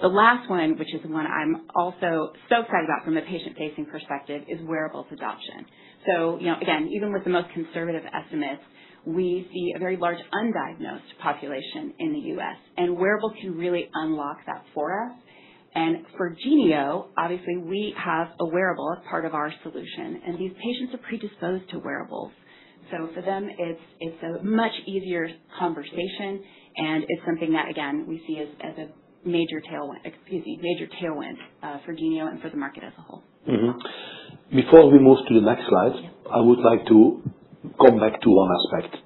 The last one, which is the one I'm also so excited about from a patient-facing perspective, is wearables adoption. So again, even with the most conservative estimates, we see a very large undiagnosed population in the U.S. Wearables can really unlock that for us. For Genio, obviously we have a wearable as part of our solution, and these patients are predisposed to wearables. For them, it's a much easier conversation, and it's something that, again, we see as a major tailwind, excuse me, major tailwind for Genio and for the market as a whole. Before we move to the next slide, I would like to come back to one aspect,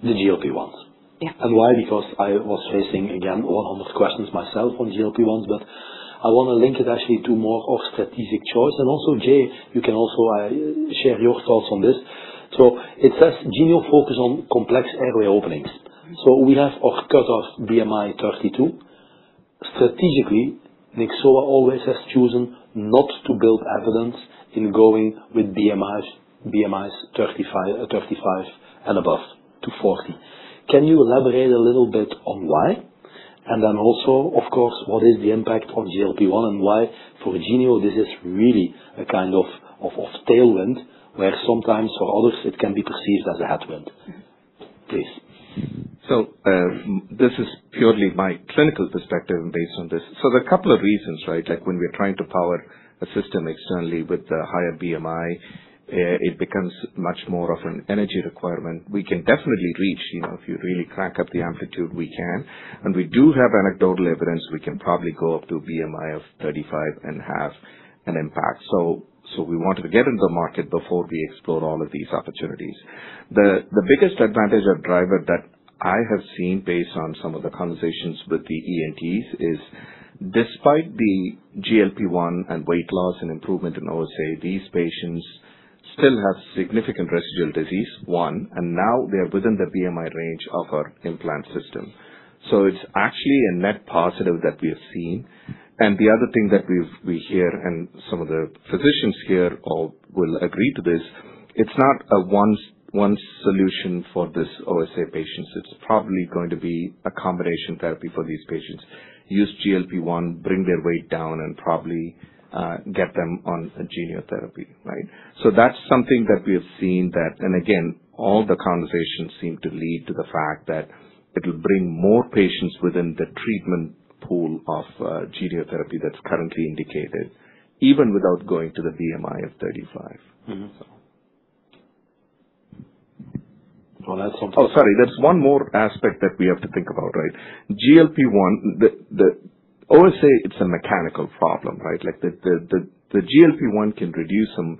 the GLP-1s. Why? I was facing, again, 100 questions myself on GLP-1s, but I want to link it actually to more of strategic choice. Also, Jey, you can also share your thoughts on this. It says Genio focus on complex airway openings. We have our cutoff BMI 32. Strategically, Nyxoah always has chosen not to build evidence in going with BMIs 35 and above to 40. Can you elaborate a little bit on why? And then also, of course, what is the impact on GLP-1s and why for Genio this is really a kind of tailwind, where sometimes for others it can be perceived as a headwind? Please. This is purely my clinical perspective based on this. There are a couple of reasons, right? When we're trying to power a system externally with the higher BMI, it becomes much more of an energy requirement. We can definitely reach, if you really crank up the amplitude, we can. We do have anecdotal evidence we can probably go up to a BMI of 35 and have an impact. We wanted to get into the market before we explore all of these opportunities. The biggest advantage or driver that I have seen based on some of the conversations with the ENTs is, despite the GLP-1s and weight loss and improvement in OSA, these patients still have significant residual disease, one, and now they are within the BMI range of our implant system. It's actually a net positive that we have seen. The other thing that we hear, and some of the physicians here will agree to this, it's not a one-solution for these OSA patients. It's probably going to be a combination therapy for these patients. Use GLP-1s, bring their weight down, and probably get them on Genio therapy, right? That's something that we have seen that, and again, all the conversations seem to lead to the fact that it'll bring more patients within the treatment pool of Genio therapy that's currently indicated, even without going to the BMI of 35. Well, that's something. Sorry. There's one more aspect that we have to think about, right? GLP-1s, the OSA, it's a mechanical problem, right? The GLP-1s can reduce some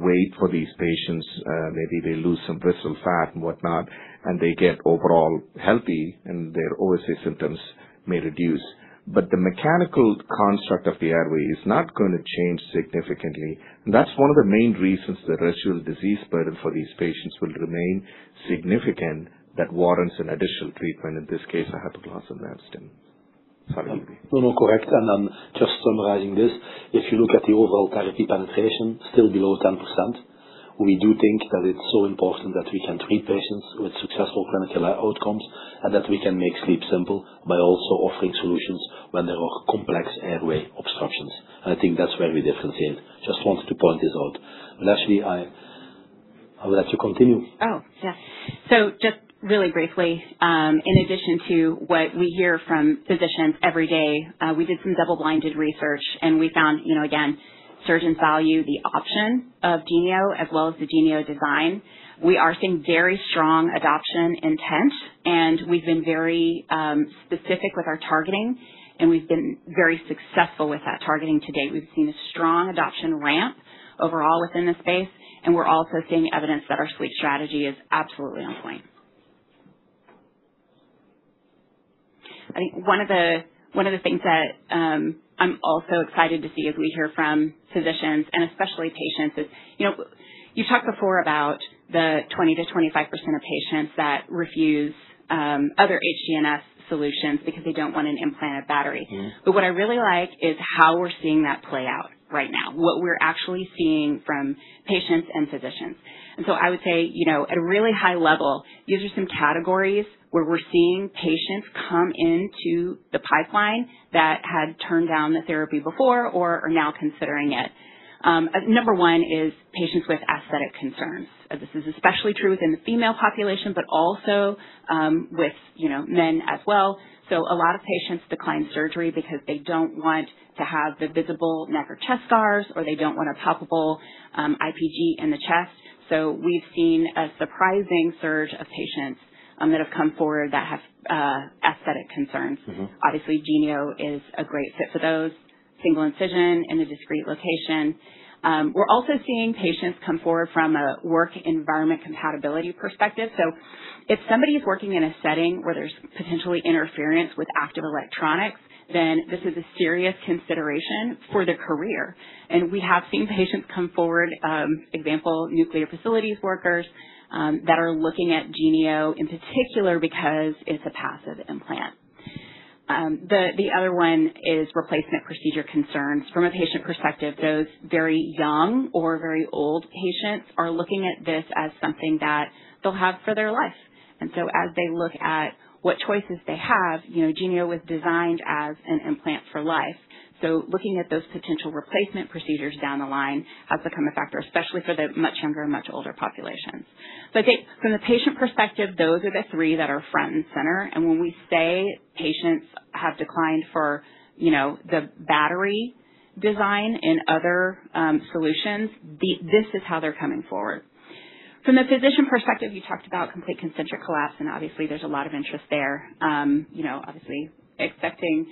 weight for these patients. Maybe they lose some visceral fat and whatnot, and they get overall healthy, and their OSA symptoms may reduce. The mechanical construct of the airway is not going to change significantly. That's one of the main reasons the residual disease burden for these patients will remain significant that warrants an additional treatment, in this case, a hypoglossal nerve stimulation. Sorry, Olivier. Correct. Just summarizing this, if you look at the overall therapy penetration, still below 10%. We do think that it's so important that we can treat patients with successful clinical outcomes and that we can make sleep simple by also offering solutions when there are complex airway obstructions. I think that's where we differentiate. Just wanted to point this out. Ashlea, I will let you continue. Just really briefly, in addition to what we hear from physicians every day, we did some double-blinded research, and we found, again, surgeons value the option of Genio as well as the Genio design. We are seeing very strong adoption intent, and we've been very specific with our targeting, and we've been very successful with that targeting to date. We've seen a strong adoption ramp overall within the space, and we're also seeing evidence that our sleep strategy is absolutely on point. I think one of the things that I'm also excited to see as we hear from physicians and especially patients is you've talked before about the 20%-25% of patients that refuse other HGNS solutions because they don't want an implanted battery. What I really like is how we're seeing that play out right now, what we're actually seeing from patients and physicians. I would say, at a really high level, these are some categories where we're seeing patients come into the pipeline that had turned down the therapy before or are now considering it. Number one is patients with aesthetic concerns. This is especially true within the female population, but also with men as well. A lot of patients decline surgery because they don't want to have the visible neck or chest scars, or they don't want a palpable IPG in the chest. We've seen a surprising surge of patients that have come forward that have aesthetic concerns. Obviously, Genio is a great fit for those, single incision in a discrete location. We're also seeing patients come forward from a work environment compatibility perspective. If somebody is working in a setting where there's potentially interference with active electronics, this is a serious consideration for their career. We have seen patients come forward, example, nuclear facilities workers that are looking at Genio in particular because it's a passive implant. The other one is replacement procedure concerns. From a patient perspective, those very young or very old patients are looking at this as something that they'll have for their life. As they look at what choices they have, Genio was designed as an implant for life. Looking at those potential replacement procedures down the line has become a factor, especially for the much younger and much older populations. I think from the patient perspective, those are the three that are front and center. When we say patients have declined for the battery design and other solutions, this is how they're coming forward. From the physician perspective, you talked about complete concentric collapse, and obviously there's a lot of interest there. Obviously, expecting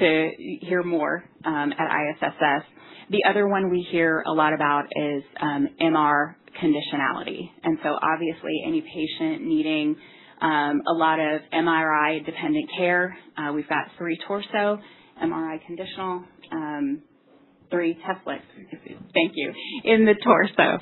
to hear more at ISSS. The other one we hear a lot about is MR conditionality. Obviously any patient needing a lot of MRI-dependent care. We've got three torso MRI conditional, three Tesla—excuse me. Thank you—in the torso.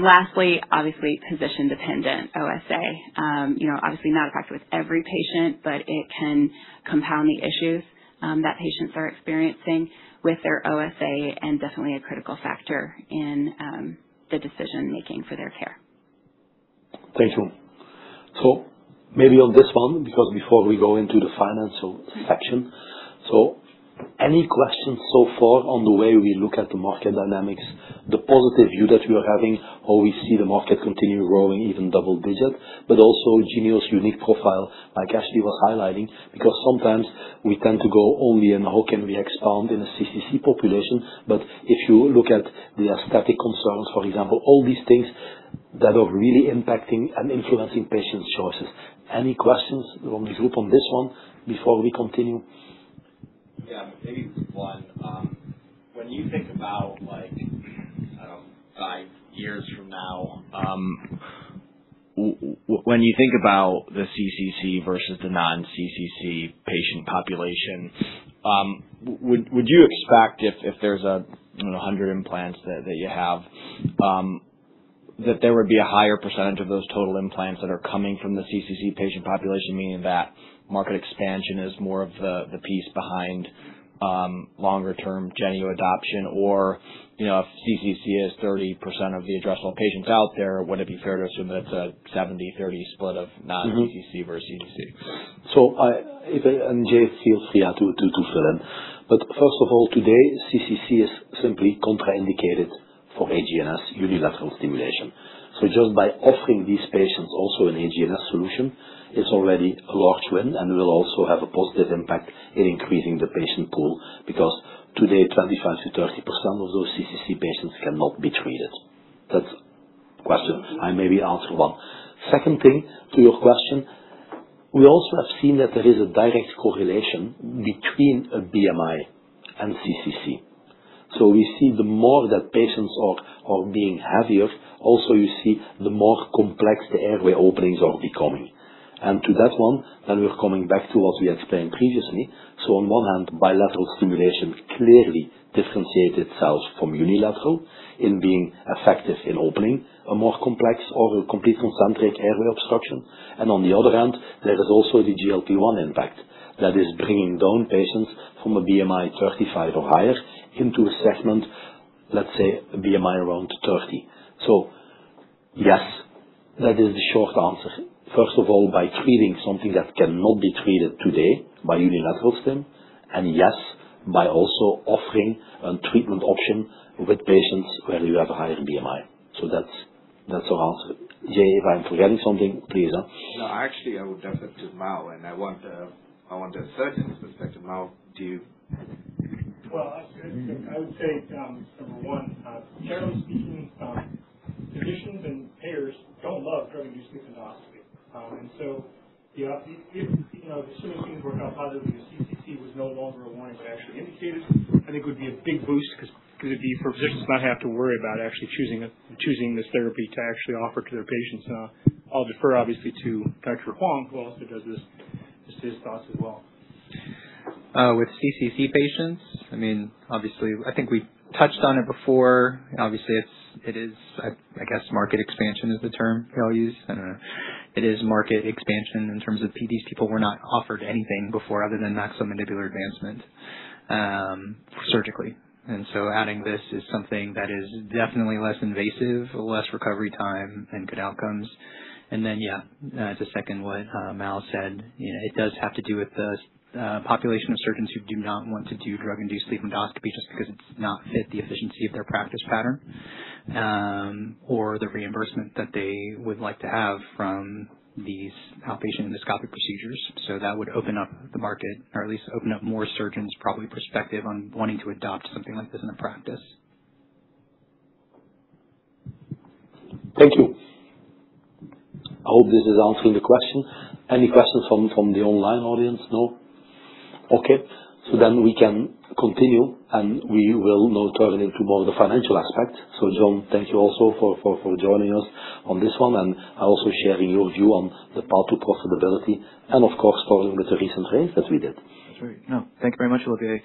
Lastly, obviously, position-dependent OSA. Obviously, not a factor with every patient, but it can compound the issues that patients are experiencing with their OSA and definitely a critical factor in the decision-making for their care. Thank you. Maybe on this one, because before we go into the financial section, any questions so far on the way we look at the market dynamics, the positive view that we are having or we see the market continue growing, even double-digit, but also Genio's unique profile, like Ashlea was highlighting, because sometimes we tend to go only in how can we expound in a CCC population. If you look at the aesthetic concerns, for example, all these things that are really impacting and influencing patients' choices. Any questions from the group on this one before we continue? Yeah. Maybe one. When you think about, I don't know, five years from now, when you think about the CCC versus the non-CCC patient population, would you expect if there's 100 implants that you have, that there would be a higher percentage of those total implants that are coming from the CCC patient population, meaning that market expansion is more of the piece behind longer-term Genio adoption? Or if CCC is 30% of the addressable patients out there, would it be fair to assume that it's a 70-30 split of non-CCC versus CCC? Jey, feel free to fill in. First of all, today, CCC is simply contraindicated for HGNS unilateral stimulation. Just by offering these patients also an HGNS solution, it is already a large win and will also have a positive impact in increasing the patient pool because today, 25%-30% of those CCC patients cannot be treated. That is a question. I maybe answer one. Second thing to your question, we also have seen that there is a direct correlation between a BMI and CCC. We see the more that patients are being heavier, also you see the more complex the airway openings are becoming. To that one, we are coming back to what we explained previously. On one hand, bilateral stimulation clearly differentiates itself from unilateral in being effective in opening a more complex or a complete concentric airway obstruction. On the other hand, there is also the GLP-1s impact that is bringing down patients from a BMI 35 or higher into a segment, let us say, a BMI around 30. Yes, that is the short answer. First of all, by treating something that cannot be treated today by unilateral stim, and yes, by also offering a treatment option with patients where you have a higher BMI. That is our answer. Jey, if I am forgetting something, please. No, actually, I would definitely, Mau, and I want a surgeon's perspective. Mau, do you? Well, I would say, number one, generally speaking, physicians and payers do not love drug-induced sleep endoscopy. If some of these things work out positively, the CCC was no longer a warning, but actually indicated, I think it would be a big boost because it would be for physicians not to have to worry about actually choosing this therapy to actually offer to their patients. I will defer, obviously, to Dr. Huang, who also does this, just his thoughts as well. With CCC patients, I mean, obviously, I think we touched on it before. Obviously, it is, I guess, market expansion is the term you all use. I don't know. It is market expansion in terms of these people were not offered anything before other than maxillomandibular advancement surgically. Adding this is something that is definitely less invasive, less recovery time, and good outcomes. Yeah, to second what Mau said, it does have to do with the population of surgeons who do not want to do drug-induced sleep endoscopy just because it does not fit the efficiency of their practice pattern or the reimbursement that they would like to have from these outpatient endoscopic procedures. That would open up the market, or at least open up more surgeons' probably perspective on wanting to adopt something like this in a practice. Thank you. I hope this is answering the question. Any questions from the online audience? No? Okay. We can continue, and we will now turn into more of the financial aspect. John, thank you also for joining us on this one and also sharing your view on the path to profitability and, of course, starting with the recent raise that we did. That's right. Thank you very much, Olivier.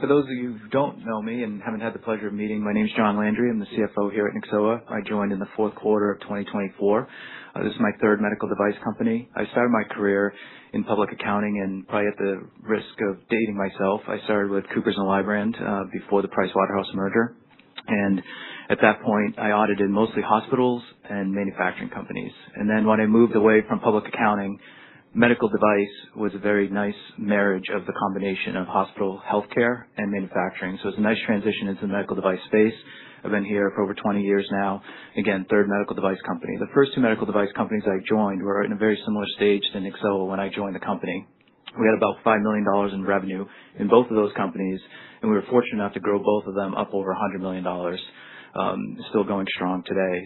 For those of you who don't know me and haven't had the pleasure of meeting, my name is John Landry. I'm the Chief Financial Officer here at Nyxoah. I joined in the fourth quarter of 2024. This is my third medical device company. I started my career in public accounting and probably at the risk of dating myself, I started with Coopers & Lybrand before the PricewaterhouseCoopers merger. At that point, I audited mostly hospitals and manufacturing companies. When I moved away from public accounting, medical device was a very nice marriage of the combination of hospital healthcare and manufacturing. It's a nice transition into the medical device space. I've been here for over 20 years now. Again, third medical device company. The first two medical device companies I joined were in a very similar stage to Nyxoah when I joined the company. We had about $5 million in revenue in both of those companies, and we were fortunate enough to grow both of them up overS100 million, still going strong today.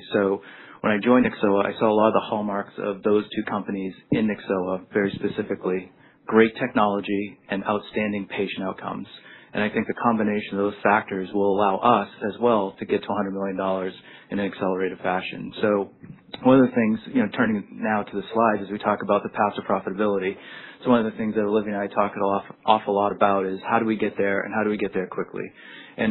When I joined Nyxoah, I saw a lot of the hallmarks of those two companies in Nyxoah, very specifically, great technology and outstanding patient outcomes. I think the combination of those factors will allow us as well to get to $100 million in an accelerated fashion. One of the things, turning now to the slides, as we talk about the path to profitability, it's one of the things that Olivier and I talked an awful lot about is how do we get there and how do we get there quickly?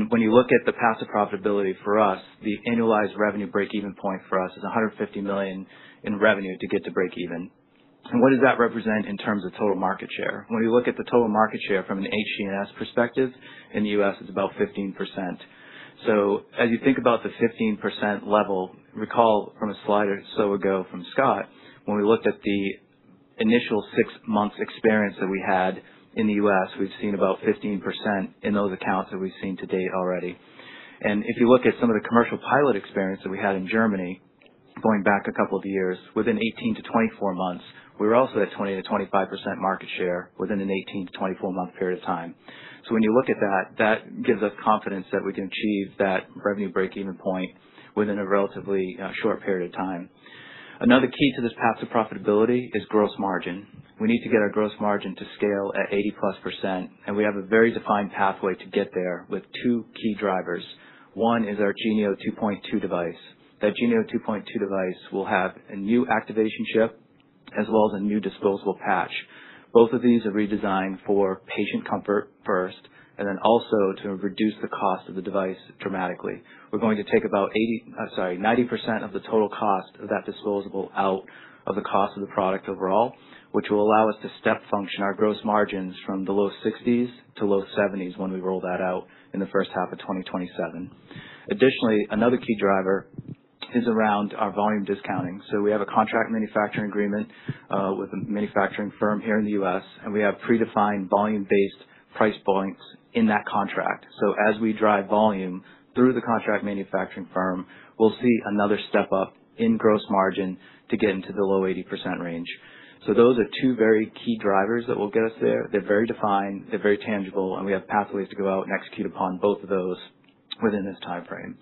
When you look at the path to profitability for us, the annualized revenue break-even point for us is 150 million in revenue to get to break-even. What does that represent in terms of total market share? When you look at the total market share from an HGNS perspective in the U.S., it's about 15%. As you think about the 15% level, recall from a slide or so ago from Scott, when we looked at the initial six months' experience that we had in the U.S., we've seen about 15% in those accounts that we've seen to date already. If you look at some of the commercial pilot experience that we had in Germany going back a couple of years, within 18-24 months, we were also at 20%-25% market share within an 18-24 month period of time. When you look at that gives us confidence that we can achieve that revenue break-even point within a relatively short period of time. Another key to this path to profitability is gross margin. We need to get our gross margin to scale at 80+%, and we have a very defined pathway to get there with two key drivers. One is our Genio 2.1 device. That Genio 2.1 device will have a new activation chip as well as a new disposable patch. Both of these are redesigned for patient comfort first, and then also to reduce the cost of the device dramatically. We're going to take about 90% of the total cost of that disposable out of the cost of the product overall, which will allow us to step function our gross margins from the low 60s to low 70s when we roll that out in the first half of 2027. Additionally, another key driver is around our volume discounting. We have a contract manufacturing agreement with a manufacturing firm here in the U.S., and we have predefined volume-based price points in that contract. As we drive volume through the contract manufacturing firm, we'll see another step up in gross margin to get into the low 80% range. Those are two very key drivers that will get us there. They're very defined, they're very tangible, and we have pathways to go out and execute upon both of those within this timeframe.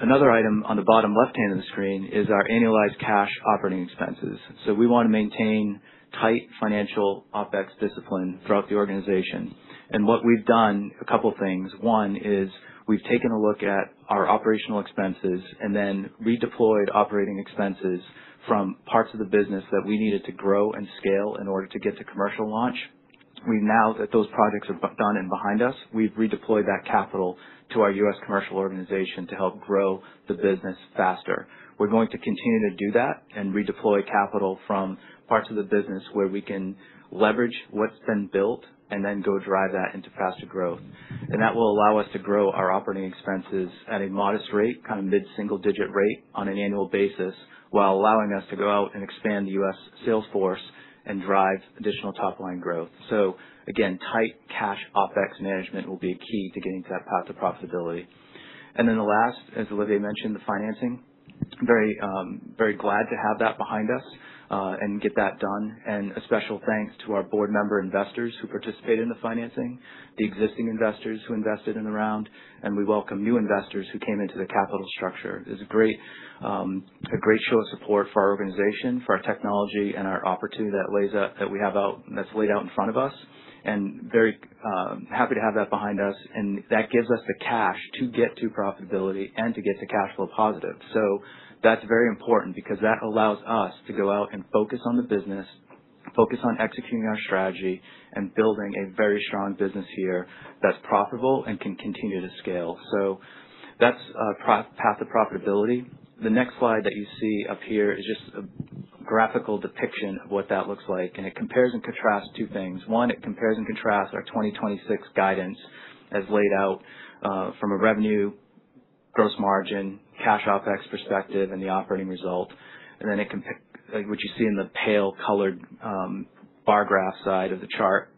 Another item on the bottom left-hand of the screen is our annualized cash operating expenses. We want to maintain tight financial OpEx discipline throughout the organization. What we've done, a couple of things. One is we've taken a look at our operational expenses and then redeployed operating expenses from parts of the business that we needed to grow and scale in order to get to commercial launch. Now that those projects are done and behind us, we've redeployed that capital to our U.S. commercial organization to help grow the business faster. We're going to continue to do that and redeploy capital from parts of the business where we can leverage what's been built and then go drive that into faster growth. That will allow us to grow our operating expenses at a modest rate, kind of mid-single-digit rate on an annual basis, while allowing us to go out and expand the U.S. sales force and drive additional top-line growth. Again, tight cash OpEx management will be a key to getting to that path to profitability. The last, as Olivier mentioned, the financing. Very glad to have that behind us and get that done. A special thanks to our board member investors who participated in the financing, the existing investors who invested in the round, and we welcome new investors who came into the capital structure. It's a great show of support for our organization, for our technology and our opportunity that we have out that's laid out in front of us. Very happy to have that behind us. That gives us the cash to get to profitability and to get to cash flow positive. That's very important because that allows us to go out and focus on the business, focus on executing our strategy, and building a very strong business here that's profitable and can continue to scale. That's path to profitability. The next slide that you see up here is just a graphical depiction of what that looks like. It compares and contrasts two things. One, it compares and contrasts our 2026 guidance as laid out from a revenue, gross margin, cash OpEx perspective, and the operating result. What you see in the pale-colored bar graph side of the chart,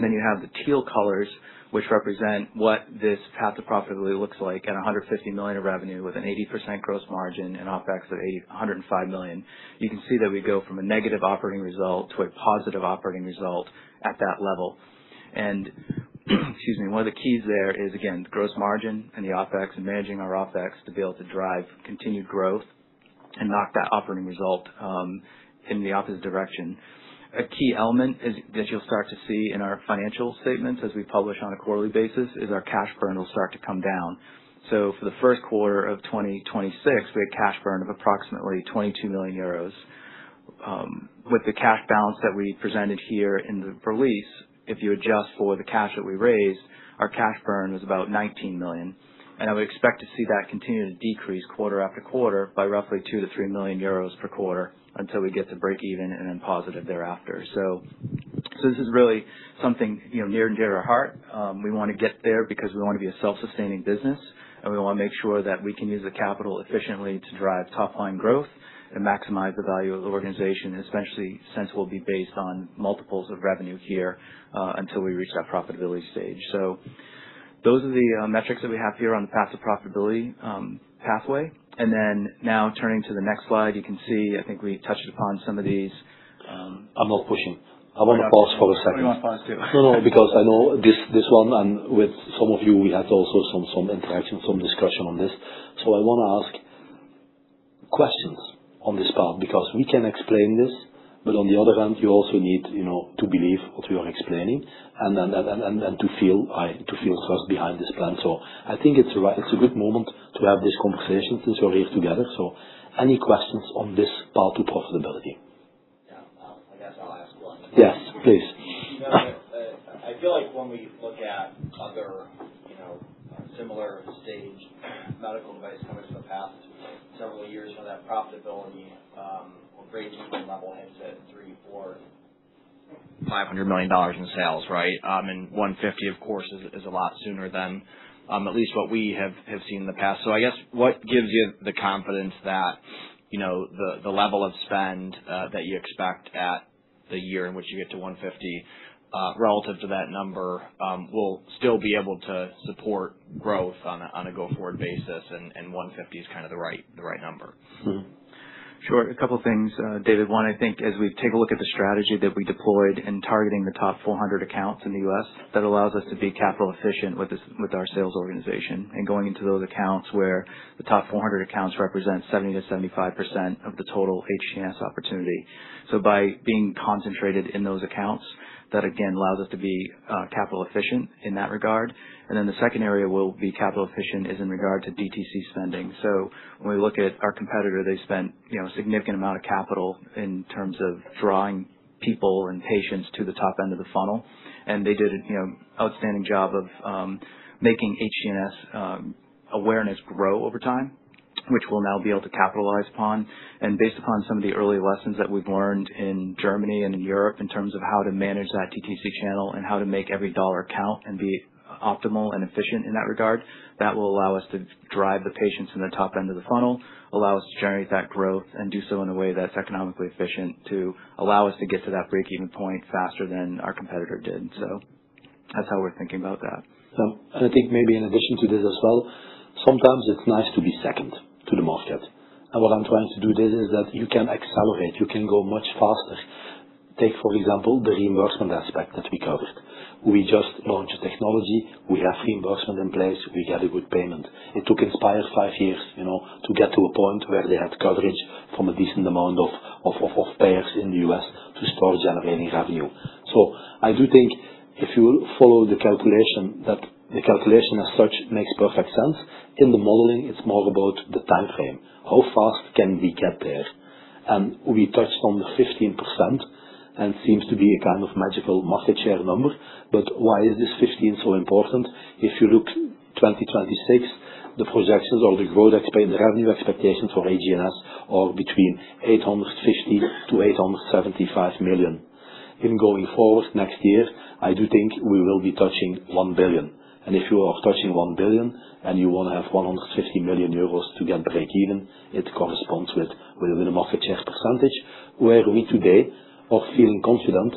then you have the teal colors, which represent what this path to profitability looks like at 150 million of revenue with an 80% gross margin and OpEx of 105 million. You can see that we go from a negative operating result to a positive operating result at that level. Excuse me, one of the keys there is, again, gross margin and the OpEx and managing our OpEx to be able to drive continued growth and knock that operating result in the opposite direction. A key element that you'll start to see in our financial statements as we publish on a quarterly basis is our cash burn will start to come down. For the first quarter of 2026, we had cash burn of approximately 22 million euros. With the cash balance that we presented here in the release, if you adjust for the cash that we raised, our cash burn was about 19 million. I would expect to see that continue to decrease quarter after quarter by roughly 2 million-3 million euros per quarter until we get to break-even and then positive thereafter. This is really something near and dear to our heart. We want to get there because we want to be a self-sustaining business, and we want to make sure that we can use the capital efficiently to drive top-line growth and maximize the value of the organization, especially since we'll be based on multiples of revenue here until we reach that profitability stage. Those are the metrics that we have here on the path to profitability pathway. Now turning to the next slide, you can see, I think we touched upon some of these. I'm not pushing. I want to pause for a second. You want to pause too. I know this one and with some of you, we had also some interaction, some discussion on this. I want to ask questions on this part because we can explain this, but on the other hand, you also need to believe what we are explaining and to feel trust behind this plan. I think it's a good moment to have this conversation since we're here together. Any questions on this part to profitability? I guess I'll ask one. Yes, please. I feel like when we look at other similar stage medical device companies in the past several years where that profitability or break-even level hits at 3 million-4 million, EUR 500 million in sales, right? 150 million, of course, is a lot sooner than at least what we have seen in the past. I guess what gives you the confidence that the level of spend that you expect at the year in which you get to 150 million relative to that number will still be able to support growth on a go-forward basis and 150 million is kind of the right number? Sure. A couple of things, David. One, I think as we take a look at the strategy that we deployed in targeting the top 400 accounts in the U.S., that allows us to be capital efficient with our sales organization. Going into those accounts where the top 400 accounts represent 70%-75% of the total HGNS opportunity. By being concentrated in those accounts, that again allows us to be capital efficient in that regard. Then the second area we'll be capital efficient is in regard to DTC spending. When we look at our competitor, they spent a significant amount of capital in terms of drawing people and patients to the top end of the funnel. They did an outstanding job of making HGNS awareness grow over time, which we'll now be able to capitalize upon. Based upon some of the early lessons that we've learned in Germany and in Europe in terms of how to manage that DTC channel and how to make every EUR count and be optimal and efficient in that regard, that will allow us to drive the patients in the top end of the funnel, allow us to generate that growth, and do so in a way that's economically efficient to allow us to get to that break-even point faster than our competitor did. That's how we're thinking about that. I think maybe in addition to this as well, sometimes it's nice to be second to the market. What I'm trying to do this is that you can accelerate. You can go much faster. Take, for example, the reimbursement aspect that we covered. We just launched a technology. We have reimbursement in place. We got a good payment. It took Inspire five years to get to a point where they had coverage from a decent amount of payers in the U.S. to start generating revenue. I do think if you follow the calculation, that the calculation as such makes perfect sense. In the modeling, it's more about the timeframe. How fast can we get there? We touched on the 15% and seems to be a kind of magical market share number. Why is this 15 so important? If you look 2026, the projections or the revenue expectations for HGNS are between 850 million-875 million. In going forward next year, I do think we will be touching 1 billion. If you are touching 1 billion and you want to have 150 million euros to get break-even, it corresponds with the market share percentage where we today are feeling confident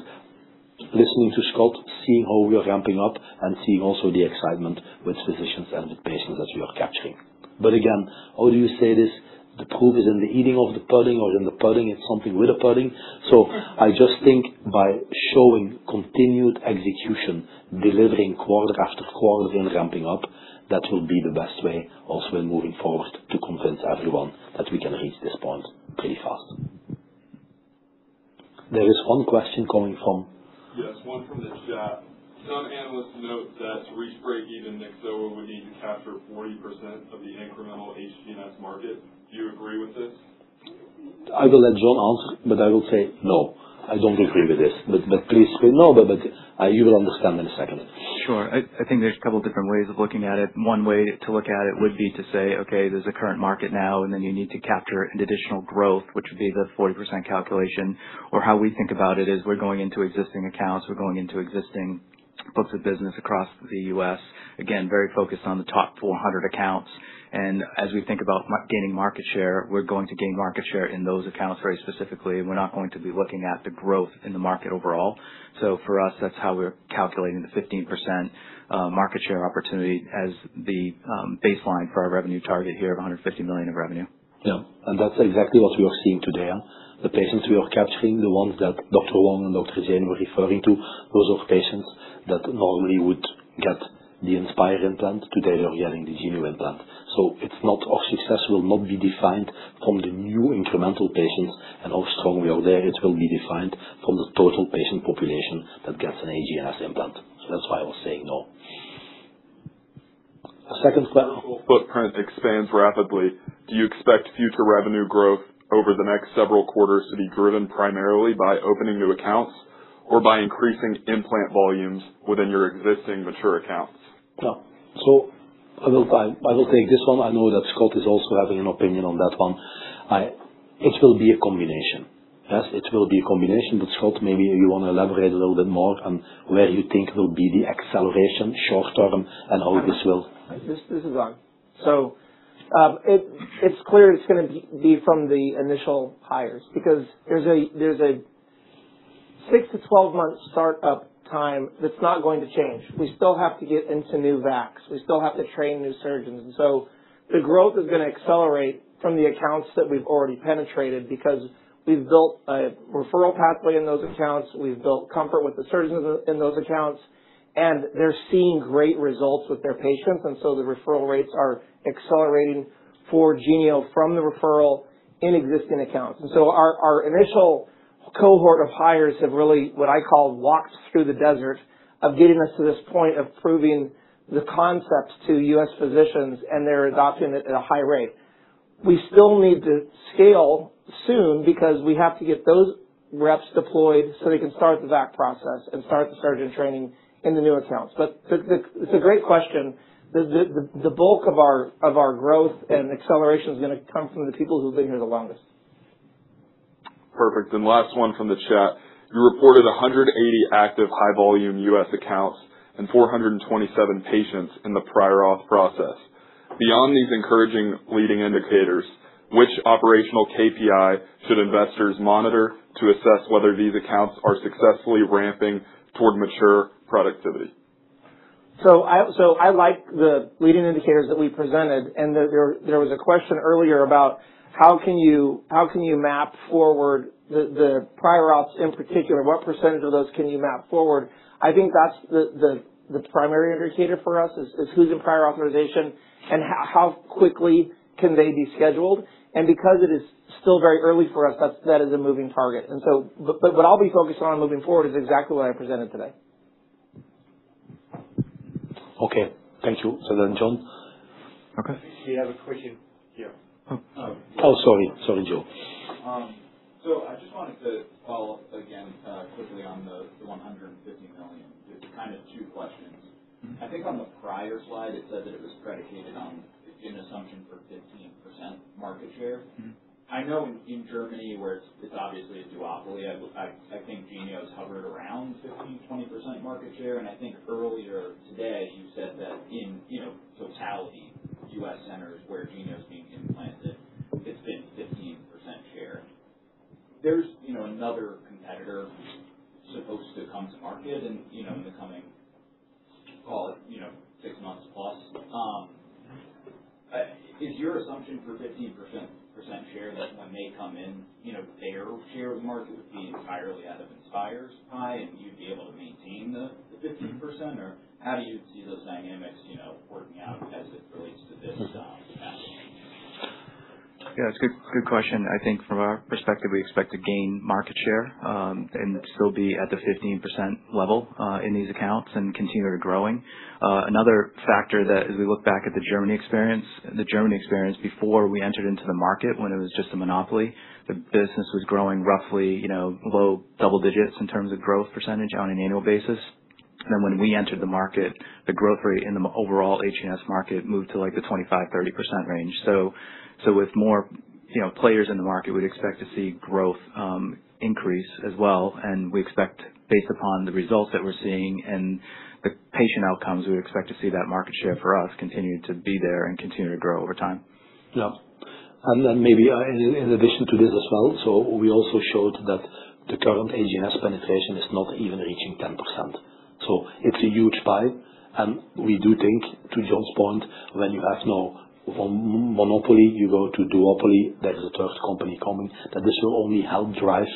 listening to Scott, seeing how we are ramping up and seeing also the excitement with physicians and with patients that we are capturing. Again, how do you say this? The proof is in the eating of the pudding or in the pudding? It's something with the pudding. I just think by showing continued execution, delivering quarter after quarter and ramping up, that will be the best way also in moving forward to convince everyone that we can reach this point pretty fast. There is one question coming from. Yeah, it's one from the chat. Some analysts note that to reach break-even, Nyxoah would need to capture 40% of the incremental HGNS market. Do you agree with this? I will let John answer, but I will say no. I don't agree with this. Please say no, you will understand in a second. Sure. I think there's a couple of different ways of looking at it. One way to look at it would be to say, okay, there's a current market now, then you need to capture an additional growth, which would be the 40% calculation. How we think about it is we're going into existing accounts, we're going into existing books of business across the U.S., again, very focused on the top 400 accounts. As we think about gaining market share, we're going to gain market share in those accounts very specifically. We're not going to be looking at the growth in the market overall. For us, that's how we're calculating the 15% market share opportunity as the baseline for our revenue target here of 150 million of revenue. Yeah. That's exactly what we are seeing today. The patients we are capturing, the ones that Dr. Huang and Dr. Jain were referring to, those are patients that normally would get the Inspire implant. Today they're getting the Genio implant. Our success will not be defined from the new incremental patients and how strong we are there. It will be defined from the total patient population that gets an HGNS implant. That's why I was saying no. A second question. Footprint expands rapidly. Do you expect future revenue growth over the next several quarters to be driven primarily by opening new accounts or by increasing implant volumes within your existing mature accounts? Yeah. I will take this one. I know that Scott is also having an opinion on that one. It will be a combination. Yes, it will be a combination. Scott, maybe you want to elaborate a little bit more on where you think will be the acceleration short term and how this will. This is on. It's clear it's going to be from the initial hires because there's a 6-12 month startup time that's not going to change. We still have to get into new VACs. We still have to train new surgeons. The growth is going to accelerate from the accounts that we've already penetrated because we've built a referral pathway in those accounts. We've built comfort with the surgeons in those accounts. They're seeing great results with their patients. The referral rates are accelerating for Genio from the referral in existing accounts. Our initial cohort of hires have really, what I call, walked through the desert of getting us to this point of proving the concept to U.S. physicians and they're adopting it at a high rate. We still need to scale soon because we have to get those reps deployed so they can start the VAC process and start the surgeon training in the new accounts. It's a great question. The bulk of our growth and acceleration is going to come from the people who've been here the longest. Perfect. Last one from the chat. You reported 180 active high-volume U.S. accounts and 427 patients in the prior auth process. Beyond these encouraging leading indicators, which operational KPI should investors monitor to assess whether these accounts are successfully ramping toward mature productivity? I like the leading indicators that we presented. There was a question earlier about how can you map forward the prior ops in particular? What percentage of those can you map forward? I think that's the primary indicator for us is who's in prior authorization and how quickly can they be scheduled. Because it is still very early for us, that is a moving target. What I'll be focusing on moving forward is exactly what I presented today. Okay. Thank you. Joe. We have a question here. Sorry. Sorry, Joe. I just wanted to follow up again quickly on the 150 million. It's kind of two questions. I think on the prior slide, it said that it was predicated on an assumption for 15% market share. I know in Germany where it's obviously a duopoly, I think Genio has hovered around 15%-20% market share. I think earlier today you said that in totality U.S. centers where Genio is being implanted, it's been 15% share. There's another competitor supposed to come to market in the coming, call it, six months plus. Is your assumption for 15% share that when they come in, their share of the market would be entirely out of Inspire's pie and you'd be able to maintain the 15%? How do you see those dynamics working out as it relates to this pathway? Yeah, it's a good question. I think from our perspective, we expect to gain market share and still be at the 15% level in these accounts and continue to growing. Another factor that, as we look back at the Germany experience, the Germany experience before we entered into the market when it was just a monopoly, the business was growing roughly low double digits in terms of growth % on an annual basis. Then when we entered the market, the growth rate in the overall HGNS market moved to like the 25%-30% range. With more players in the market, we'd expect to see growth increase as well. We expect, based upon the results that we're seeing and the patient outcomes, we would expect to see that market share for us continue to be there and continue to grow over time. Yeah. Maybe in addition to this as well, we also showed that the current HGNS penetration is not even reaching 10%. It's a huge pie. We do think, to John's point, when you have no monopoly, you go to duopoly, there's a third company coming, that this will only help drive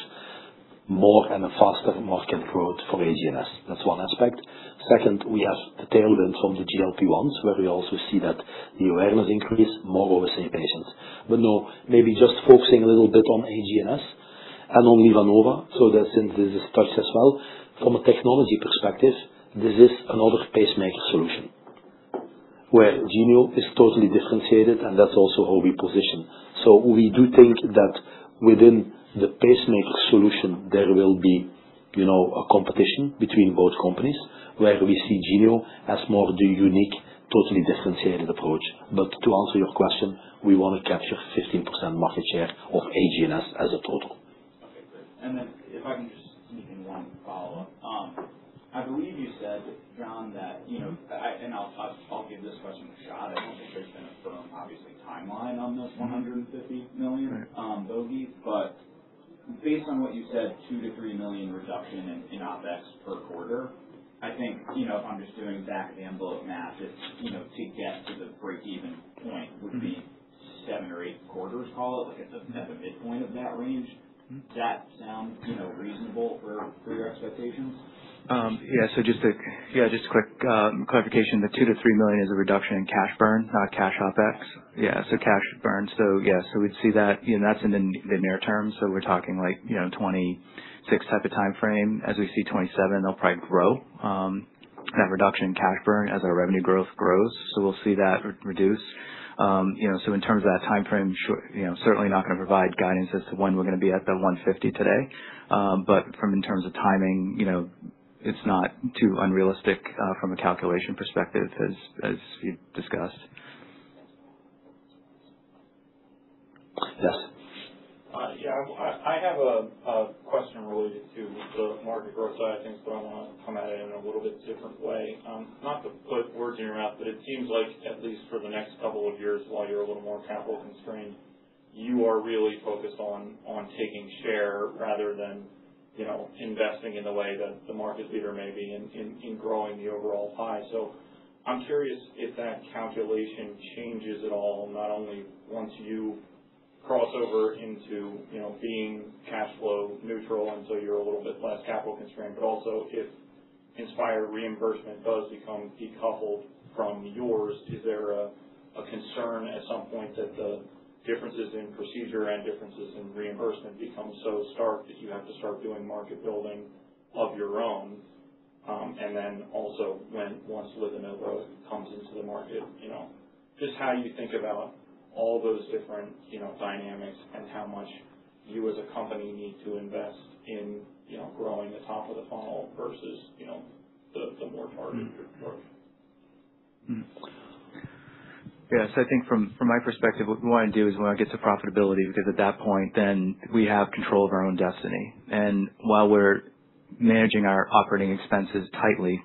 more and a faster market growth for HGNS. That's one aspect. Second, we have the tailwinds from the GLP-1s where we also see that the awareness increase, more OSA patients. No, maybe just focusing a little bit on HGNS and on LivaNova. Since this is touched as well, from a technology perspective, this is another pacemaker solution where Genio is totally differentiated and that's also how we position. We do think that within the pacemaker solution, there will be a competition between both companies where we see Genio as more the unique, totally differentiated approach. To answer your question, we want to capture 15% market share of HGNS as a total. Okay. Great. If I can just sneak in one follow-up. I believe you said, John, that I will give this question to John. I am not sure if you can affirm, obviously, timeline on this 150 million bogey. Based on what you said, 2 million-3 million reduction in OPEX per quarter, I think if I am just doing back of the envelope math, to get to the break-even point would be seven or eight quarters, call it, at the midpoint of that range. Does that sound reasonable for your expectations? Yeah, just a quick clarification. The 2 million-3 million is a reduction in cash burn, not cash OPEX. Yeah. Cash burn. We would see that. That is in the near term. We are talking like 2026 type of timeframe. As we see 2027, they will probably grow. That reduction in cash burn as our revenue growth grows. We will see that reduce. In terms of that timeframe, certainly not going to provide guidance as to when we are going to be at the 150 million today. From in terms of timing, it is not too unrealistic from a calculation perspective as we have discussed. Yes. Yeah. I have a question related to the market growth side of things, I want to come at it in a little bit different way. Not to put words in your mouth, it seems like at least for the next couple of years while you are a little more capital constrained, you are really focused on taking share rather than investing in the way that the market leader may be in growing the overall pie. I am curious if that calculation changes at all, not only once you cross over into being cash flow neutral until you are a little bit less capital constrained, but also if Inspire reimbursement does become decoupled from yours, is there a concern at some point that the differences in procedure and differences in reimbursement become so stark that you have to start doing market building of your own? Also once LivaNova comes into the market, just how you think about all those different dynamics and how much you as a company need to invest in growing the top of the funnel versus the more targeted approach. Yeah. I think from my perspective, what we want to do is we want to get to profitability because at that point, we have control of our own destiny. While we're managing our operating expenses tightly,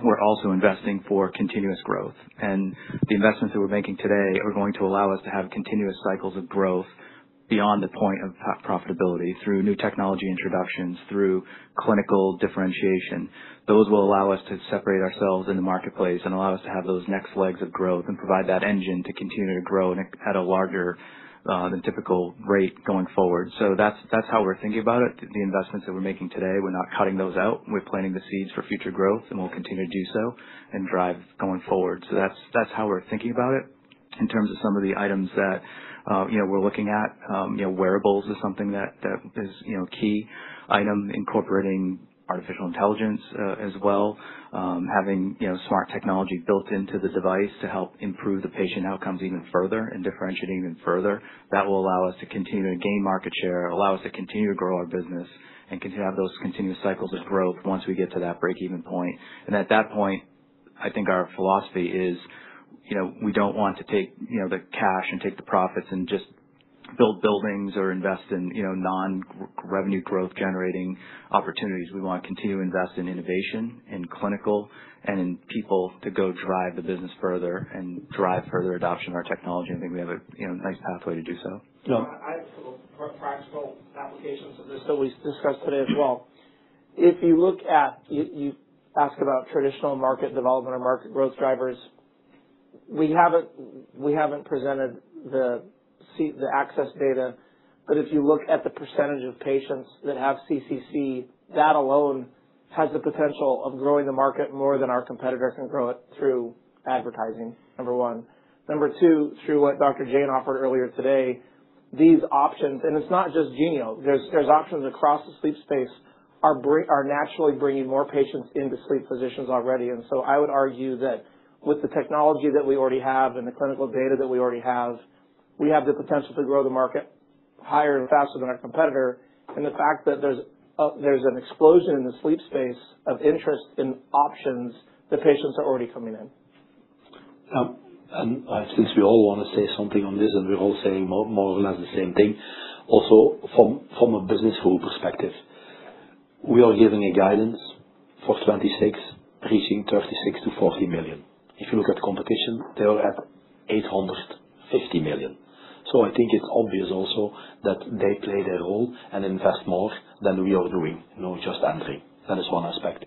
we're also investing for continuous growth. The investments that we're making today are going to allow us to have continuous cycles of growth beyond the point of profitability through new technology introductions, through clinical differentiation. Those will allow us to separate ourselves in the marketplace and allow us to have those next legs of growth and provide that engine to continue to grow at a larger than typical rate going forward. That's how we're thinking about it. The investments that we're making today, we're not cutting those out. We're planting the seeds for future growth and we'll continue to do so and drive going forward. That's how we're thinking about it. In terms of some of the items that we're looking at, wearables is something that is a key item, incorporating artificial intelligence as well, having smart technology built into the device to help improve the patient outcomes even further and differentiate even further. That will allow us to continue to gain market share, allow us to continue to grow our business, and continue to have those continuous cycles of growth once we get to that break-even point. At that point, I think our philosophy is we don't want to take the cash and take the profits and just build buildings or invest in non-revenue growth generating opportunities. We want to continue to invest in innovation in clinical and in people to go drive the business further and drive further adoption of our technology. I think we have a nice pathway to do so. Yeah. Practical applications of this that we discussed today as well. If you look at you ask about traditional market development or market growth drivers, we haven't presented the ACCCESS data. If you look at the percentage of patients that have CCC, that alone has the potential of growing the market more than our competitor can grow it through advertising, number one. Number two, through what Dr. Jain offered earlier today, these options and it's not just Genio. There's options across the sleep space are naturally bringing more patients into sleep physicians already. I would argue that with the technology that we already have and the clinical data that we already have, we have the potential to grow the market higher and faster than our competitor. The fact that there's an explosion in the sleep space of interest in options, the patients are already coming in. Yeah. Since we all want to say something on this and we're all saying more or less the same thing, also from a business rule perspective, we are giving a guidance for 2026 reaching 36 million-40 million. If you look at competition, they are at 850 million. I think it is obvious also that they play their role and invest more than we are doing, just entering. That is one aspect.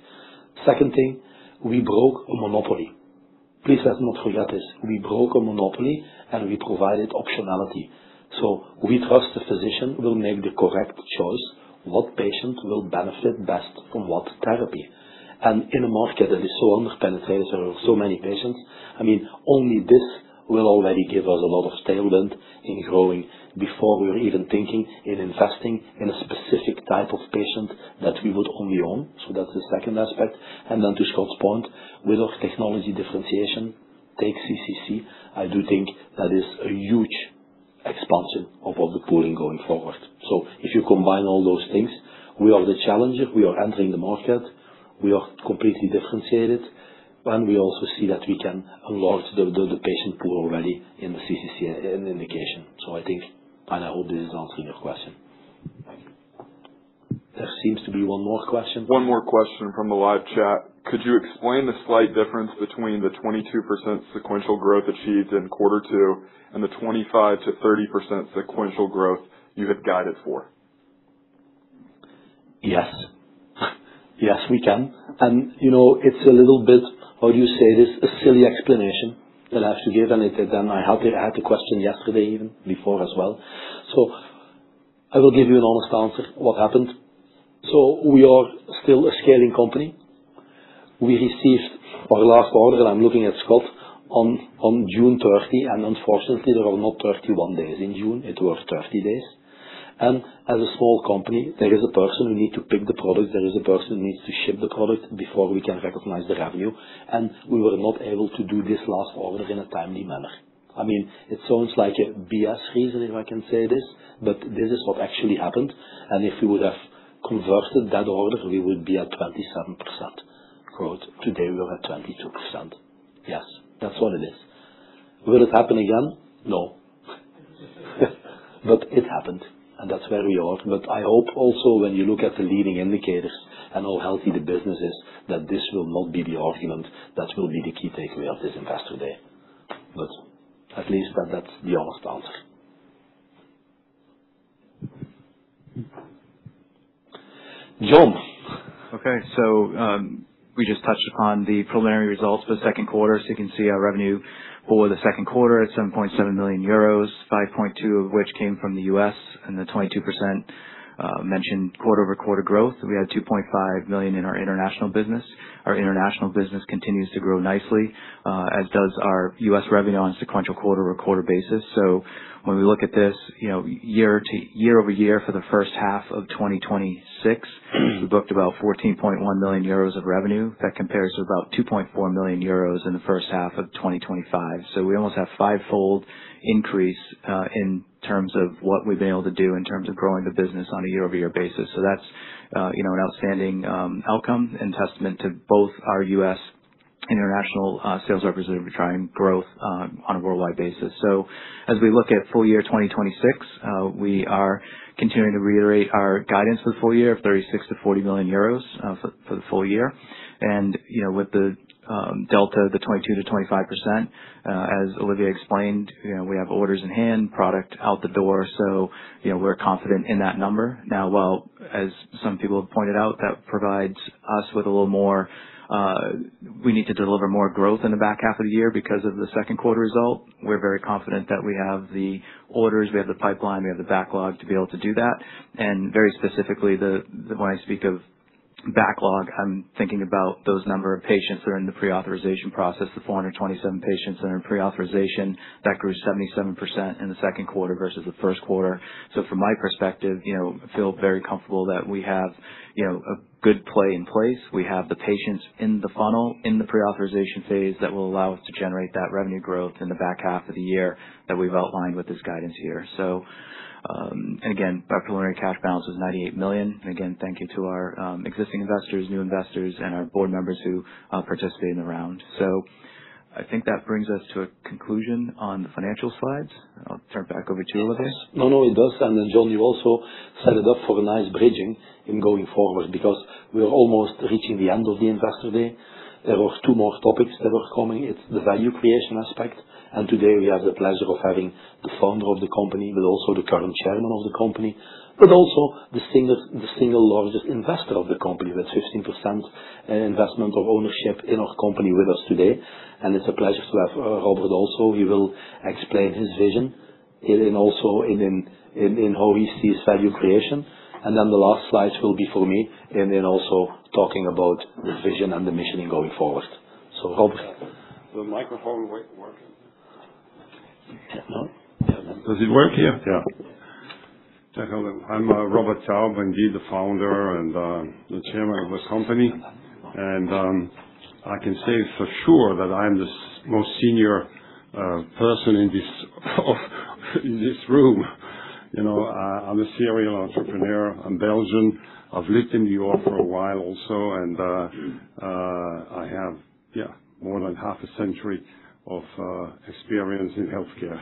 Second thing, we broke a monopoly. Please let us not forget this. We broke a monopoly and we provided optionality. We trust the physician will make the correct choice what patient will benefit best from what therapy. In a market that is so underpenetrated where there are so many patients, I mean, only this will already give us a lot of tailwind in growing before we are even thinking in investing in a specific type of patient that we would only own. That's the second aspect. Then to Scott's point, with our technology differentiation, take CCC, I do think that is a huge expansion of all the pooling going forward. If you combine all those things, we are the challenger. We are entering the market. We are completely differentiated. We also see that we can unlock the patient pool already in the CCC indication. I think and I hope this is answering your question. There seems to be one more question. One more question from the live chat. Could you explain the slight difference between the 22% sequential growth achieved in quarter two and the 25%-30% sequential growth you had guided for? Yes. Yes, we can. It's a little bit, how do you say this? A silly explanation that I have to give. I had the question yesterday even before as well. I will give you an honest answer. What happened? We are still a scaling company. We received our last order, I'm looking at Scott, on June 30. Unfortunately, there are not 31 days in June. It were 30 days. As a small company, there is a person who needs to pick the product. There is a person who needs to ship the product before we can recognize the revenue. We were not able to do this last order in a timely manner. I mean, it sounds like a BS reason if I can say this, but this is what actually happened. If we would have converted that order, we would be at 27% growth. Today, we are at 22%. Yes. That's what it is. Will it happen again? No. It happened. That's where we are. I hope also when you look at the leading indicators and how healthy the business is, that this will not be the argument that will be the key takeaway of this investor day. At least that's the honest answer. John. Okay. We just touched upon the preliminary results for the second quarter. You can see our revenue for the second quarter at 7.7 million euros, 5.2 of which came from the U.S. The 22% mentioned quarter-over-quarter growth. We had 2.5 million in our international business. Our international business continues to grow nicely, as does our U.S. revenue on a sequential quarter-over-quarter basis. When we look at this year-over-year for the first half of 2026, we booked about 14.1 million euros of revenue. That compares to about 2.4 million euros in the first half of 2025. We almost have fivefold increase in terms of what we've been able to do in terms of growing the business on a year-over-year basis. That's an outstanding outcome and testament to both our U.S. international sales representative trying growth on a worldwide basis. As we look at full year 2026, we are continuing to reiterate our guidance for the full year of 36 million-40 million euros for the full year. With the delta, the 22%-25%, as Olivier explained, we have orders in hand, product out the door. We're confident in that number. Now, well, as some people have pointed out, that provides us with a little more we need to deliver more growth in the back half of the year because of the second quarter result. We're very confident that we have the orders, we have the pipeline, we have the backlog to be able to do that. Very specifically, when I speak of backlog, I'm thinking about those number of patients that are in the pre-authorization process, the 427 patients that are in pre-authorization. That grew 77% in the second quarter versus the first quarter. From my perspective, I feel very comfortable that we have a good play in place. We have the patients in the funnel in the pre-authorization phase that will allow us to generate that revenue growth in the back half of the year that we've outlined with this guidance here. Again, our preliminary cash balance was 98 million. Again, thank you to our existing investors, new investors, and our board members who participated in the round. I think that brings us to a conclusion on the financial slides. I'll turn it back over to Olivier. Yes. No, no, it does. John, you also set it up for a nice bridging in going forward because we're almost reaching the end of the investor day. There are two more topics that are coming. It's the value creation aspect. Today, we have the pleasure of having the founder of the company, but also the current chairman of the company, but also the single largest investor of the company. That's 15% investment or ownership in our company with us today. It's a pleasure to have Robert also. He will explain his vision and also in how he sees value creation. The last slides will be for me and also talking about the vision and the mission going forward. Robert. The microphone working? Yeah. Does it work here? Yeah. I'm Robert Taub, indeed the Founder and the Chairman of this company. I can say for sure that I'm the most senior person in this room. I'm a serial entrepreneur. I'm Belgian. I've lived in New York for a while also. I have, yeah, more than half a century of experience in healthcare.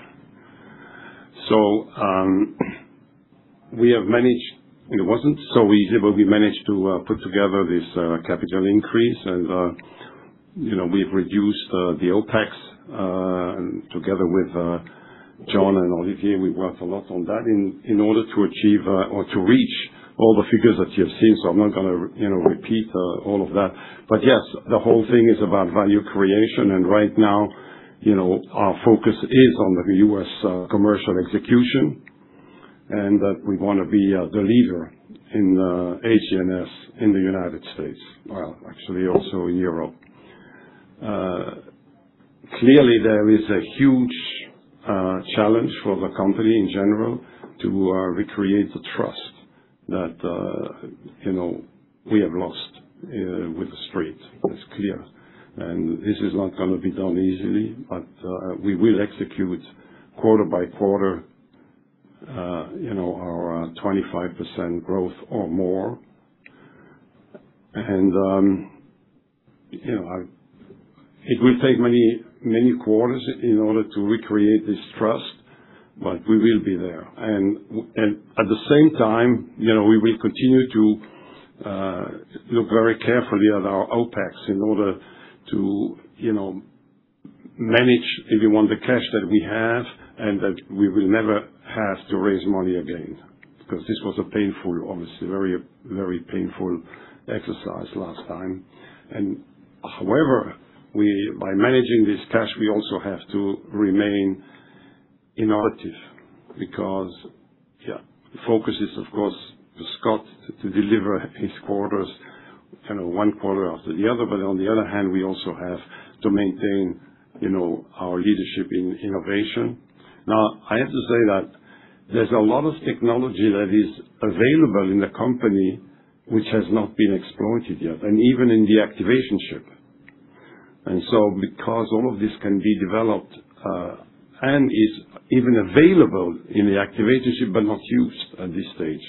We have managed it wasn't so easy, but we managed to put together this capital increase. We've reduced the OPEX together with John and Olivier. We worked a lot on that in order to achieve or to reach all the figures that you have seen. I'm not going to repeat all of that. Yes, the whole thing is about value creation. Right now, our focus is on the U.S. commercial execution and that we want to be the leader in HGNS in the United States. Well, actually also in Europe. Clearly, there is a huge challenge for the company in general to recreate the trust that we have lost with the Street. That's clear. This is not going to be done easily, but we will execute quarter by quarter our 25% growth or more. It will take many quarters in order to recreate this trust, but we will be there. At the same time, we will continue to look very carefully at our OPEX in order to manage, if you want, the cash that we have and that we will never have to raise money again because this was a painful, obviously, very, very painful exercise last time. However, by managing this cash, we also have to remain innovative because, yeah, the focus is, of course, for Scott to deliver his quarters one quarter after the other. On the other hand, we also have to maintain our leadership in innovation. Now, I have to say that there's a lot of technology that is available in the company which has not been exploited yet and even in the activation chip. Because all of this can be developed and is even available in the activation chip but not used at this stage.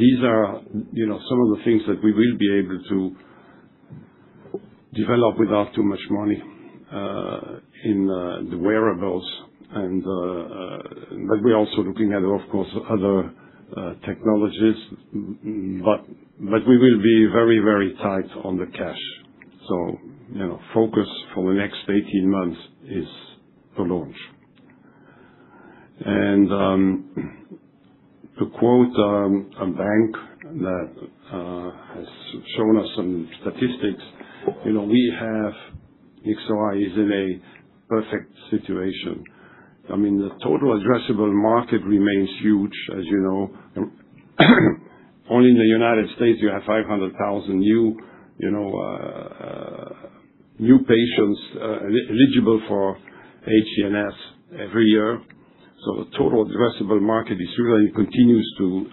These are some of the things that we will be able to develop without too much money in the wearables. We're also looking at, of course, other technologies. We will be very, very tight on the cash. Focus for the next 18 months is the launch. To quote a bank that has shown us some statistics, we have Nyxoah is in a perfect situation. I mean, the total addressable market remains huge, as you know. Only in the U.S., you have 500,000 new patients eligible for HGNS every year. The total addressable market continues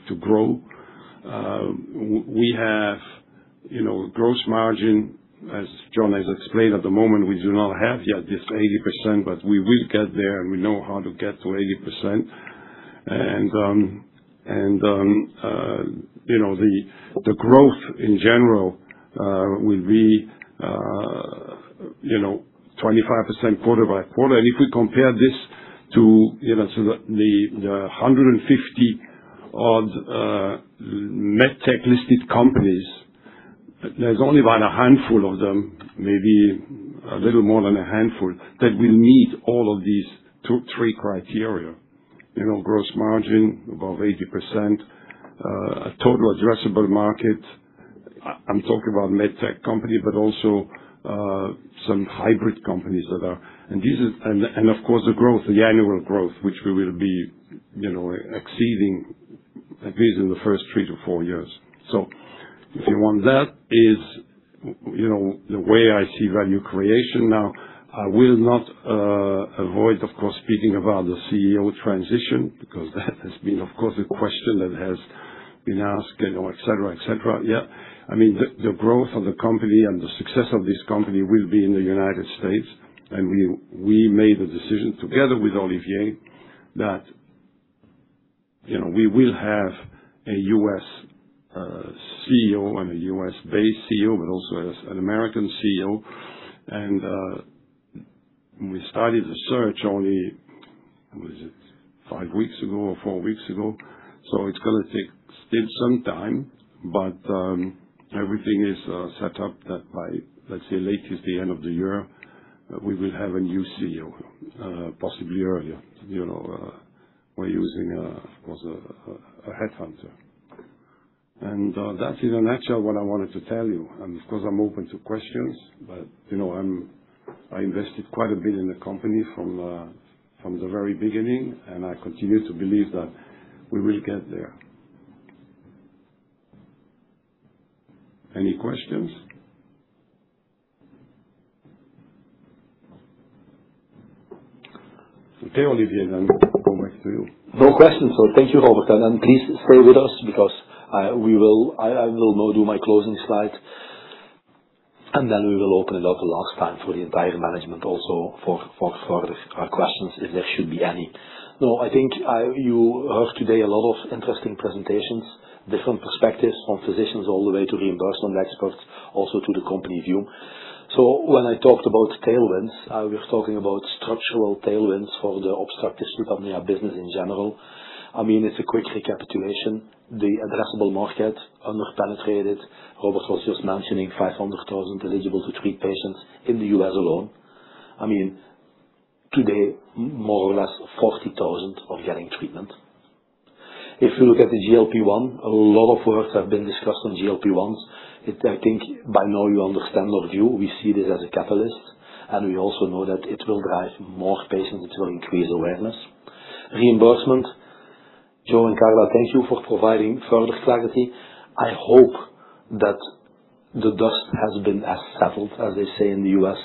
to grow. We have gross margin, as John has explained, at the moment, we do not have yet this 80%, but we will get there. We know how to get to 80%. The growth in general will be 25% quarter by quarter. If we compare this to the 150-odd MedTech listed companies, there's only about a handful of them, maybe a little more than a handful, that will meet all of these three criteria: gross margin above 80%, a total addressable market. I'm talking about MedTech company, but also some hybrid companies that are. Of course, the growth, the annual growth, which we will be exceeding at least in the first three to four years. If you want, that is the way I see value creation. Now, I will not avoid, of course, speaking about the CEO transition because that has been, of course, a question that has been asked, etc., etc. Yeah. I mean, the growth of the company and the success of this company will be in the U.S. We made the decision together with Olivier that we will have a U.S. CEO and a U.S.-based CEO, but also an American CEO. We started the search only, what is it, five weeks ago or four weeks ago. It's going to take still some time, but everything is set up that by, let's say, latest the end of the year, we will have a new CEO, possibly earlier. We're using, of course, a headhunter. That's in a nutshell what I wanted to tell you. I'm open to questions. I invested quite a bit in the company from the very beginning. I continue to believe that we will get there. Any questions? Okay, Olivier, go back to you. No questions. Thank you, Robert. Please stay with us because I will now do my closing slide. We will open it up last time for the entire management also for questions if there should be any. I think you heard today a lot of interesting presentations, different perspectives from physicians all the way to reimbursement experts, also to the company view. When I talked about tailwinds, we're talking about structural tailwinds for the obstructive sleep apnea business in general. I mean, it's a quick recapitulation. The addressable market underpenetrated. Robert was just mentioning 500,000 eligible to treat patients in the U.S. alone. I mean, today, more or less 40,000 are getting treatment. If you look at the GLP-1s, a lot of words have been discussed on GLP-1s. I think by now you understand our view. We see this as a catalyst. We also know that it will drive more patients. It will increase awareness. Reimbursement, Joe and Carla, thank you for providing further clarity. I hope that the dust has been settled, as they say in the U.S.,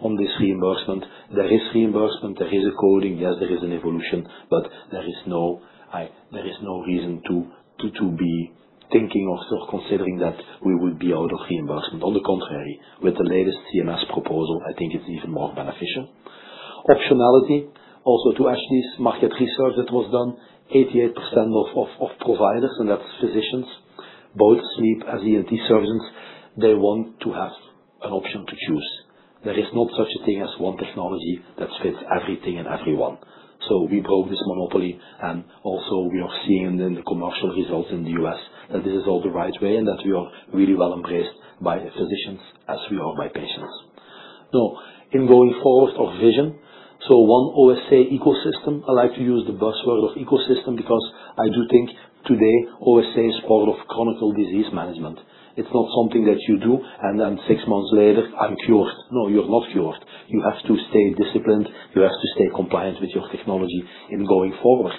on this reimbursement. There is reimbursement. There is a coding. Yes, there is an evolution, but there is no reason to be thinking or considering that we would be out of reimbursement. On the contrary, with the latest CMS proposal, I think it's even more beneficial. Optionality, also to Ashlea's market research that was done, 88% of providers, and that's physicians, both sleep as ENT surgeons, they want to have an option to choose. There is not such a thing as one technology that fits everything and everyone. We broke this monopoly. Also, we are seeing in the commercial results in the U.S. that this is all the right way. We are really well embraced by physicians as we are by patients. Now, in going forward of vision, one OSA ecosystem. I like to use the buzzword of ecosystem because I do think today OSA is part of chronic disease management. It's not something that you do, and then six months later, I'm cured. You're not cured. You have to stay disciplined. You have to stay compliant with your technology in going forward.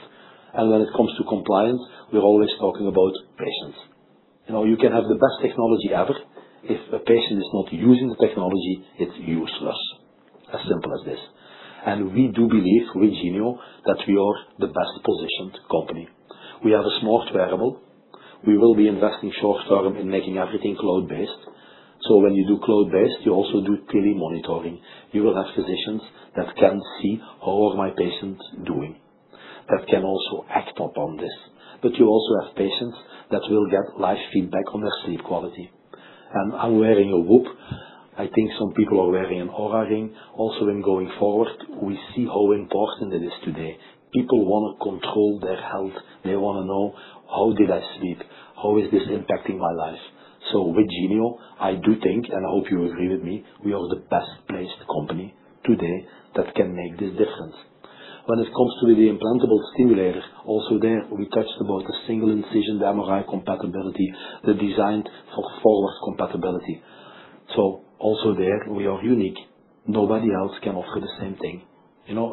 When it comes to compliance, we're always talking about patients. You can have the best technology ever. If a patient is not using the technology, it's useless. As simple as this. We do believe with Genio that we are the best positioned company. We have a smart wearable. We will be investing short-term in making everything cloud-based. When you do cloud-based, you also do telemonitoring. You will have physicians that can see how are my patients doing that can also act upon this. But you also have patients that will get live feedback on their sleep quality. I am wearing a WHOOP. I think some people are wearing an Oura Ring. Also, in going forward, we see how important it is today. People want to control their health. They want to know, "How did I sleep? How is this impacting my life?" So with Genio, I do think, and I hope you agree with me, we are the best placed company today that can make this difference. When it comes to the implantable stimulator, also there, we touched about the single incision MRI compatibility, the design for forward compatibility. Also there, we are unique. Nobody else can offer the same thing.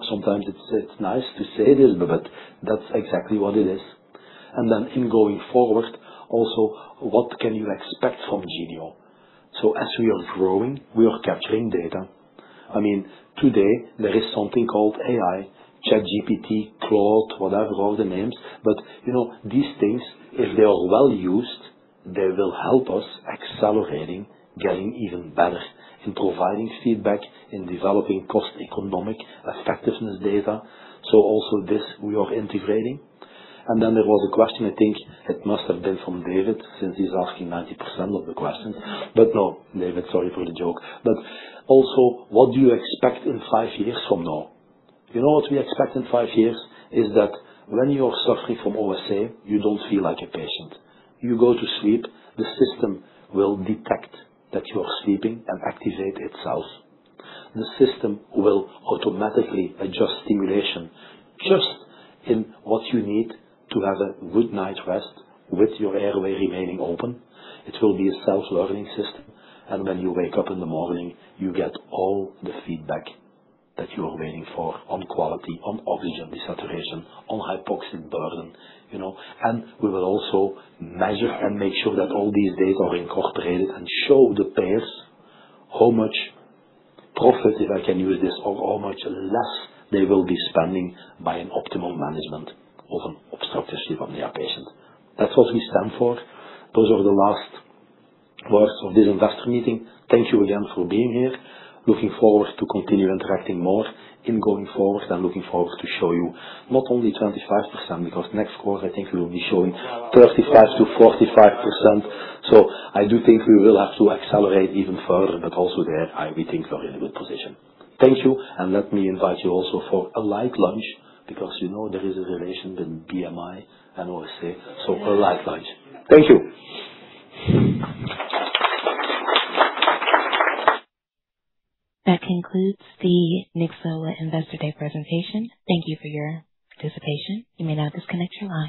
Sometimes it is nice to say this, but that is exactly what it is. What can you expect from Genio? As we are growing, we are capturing data. I mean, today, there is something called AI, ChatGPT, Claude, whatever, all the names. These things, if they are well used, they will help us accelerating, getting even better in providing feedback, in developing cost-economic effectiveness data. Also this, we are integrating. There was a question. I think it must have been from David since he is asking 90% of the questions. No, David, sorry for the joke. What do you expect in five years from now? You know what we expect in five years is that when you are suffering from OSA, you don't feel like a patient. You go to sleep, the system will detect that you are sleeping and activate itself. The system will automatically adjust stimulation just in what you need to have a good night rest with your airway remaining open. It will be a self-learning system. When you wake up in the morning, you get all the feedback that you are waiting for on quality, on oxygen desaturation, on hypoxic burden. We will also measure and make sure that all these data are incorporated and show the payers how much profit, if I can use this, or how much less they will be spending by an optimal management of an obstructive sleep apnea patient. That is what we stand for. Those are the last words of this investor meeting. Thank you again for being here. Looking forward to continue interacting more in going forward and looking forward to show you not only 25% because next quarter, I think we will be showing 35%-45%. I do think we will have to accelerate even further. Also there, we think you are in a good position. Thank you. Let me invite you also for a light lunch because you know there is a relation between BMI and OSA. A light lunch. Thank you. That concludes the Nyxoah investor day presentation. Thank you for your participation. You may now disconnect your line.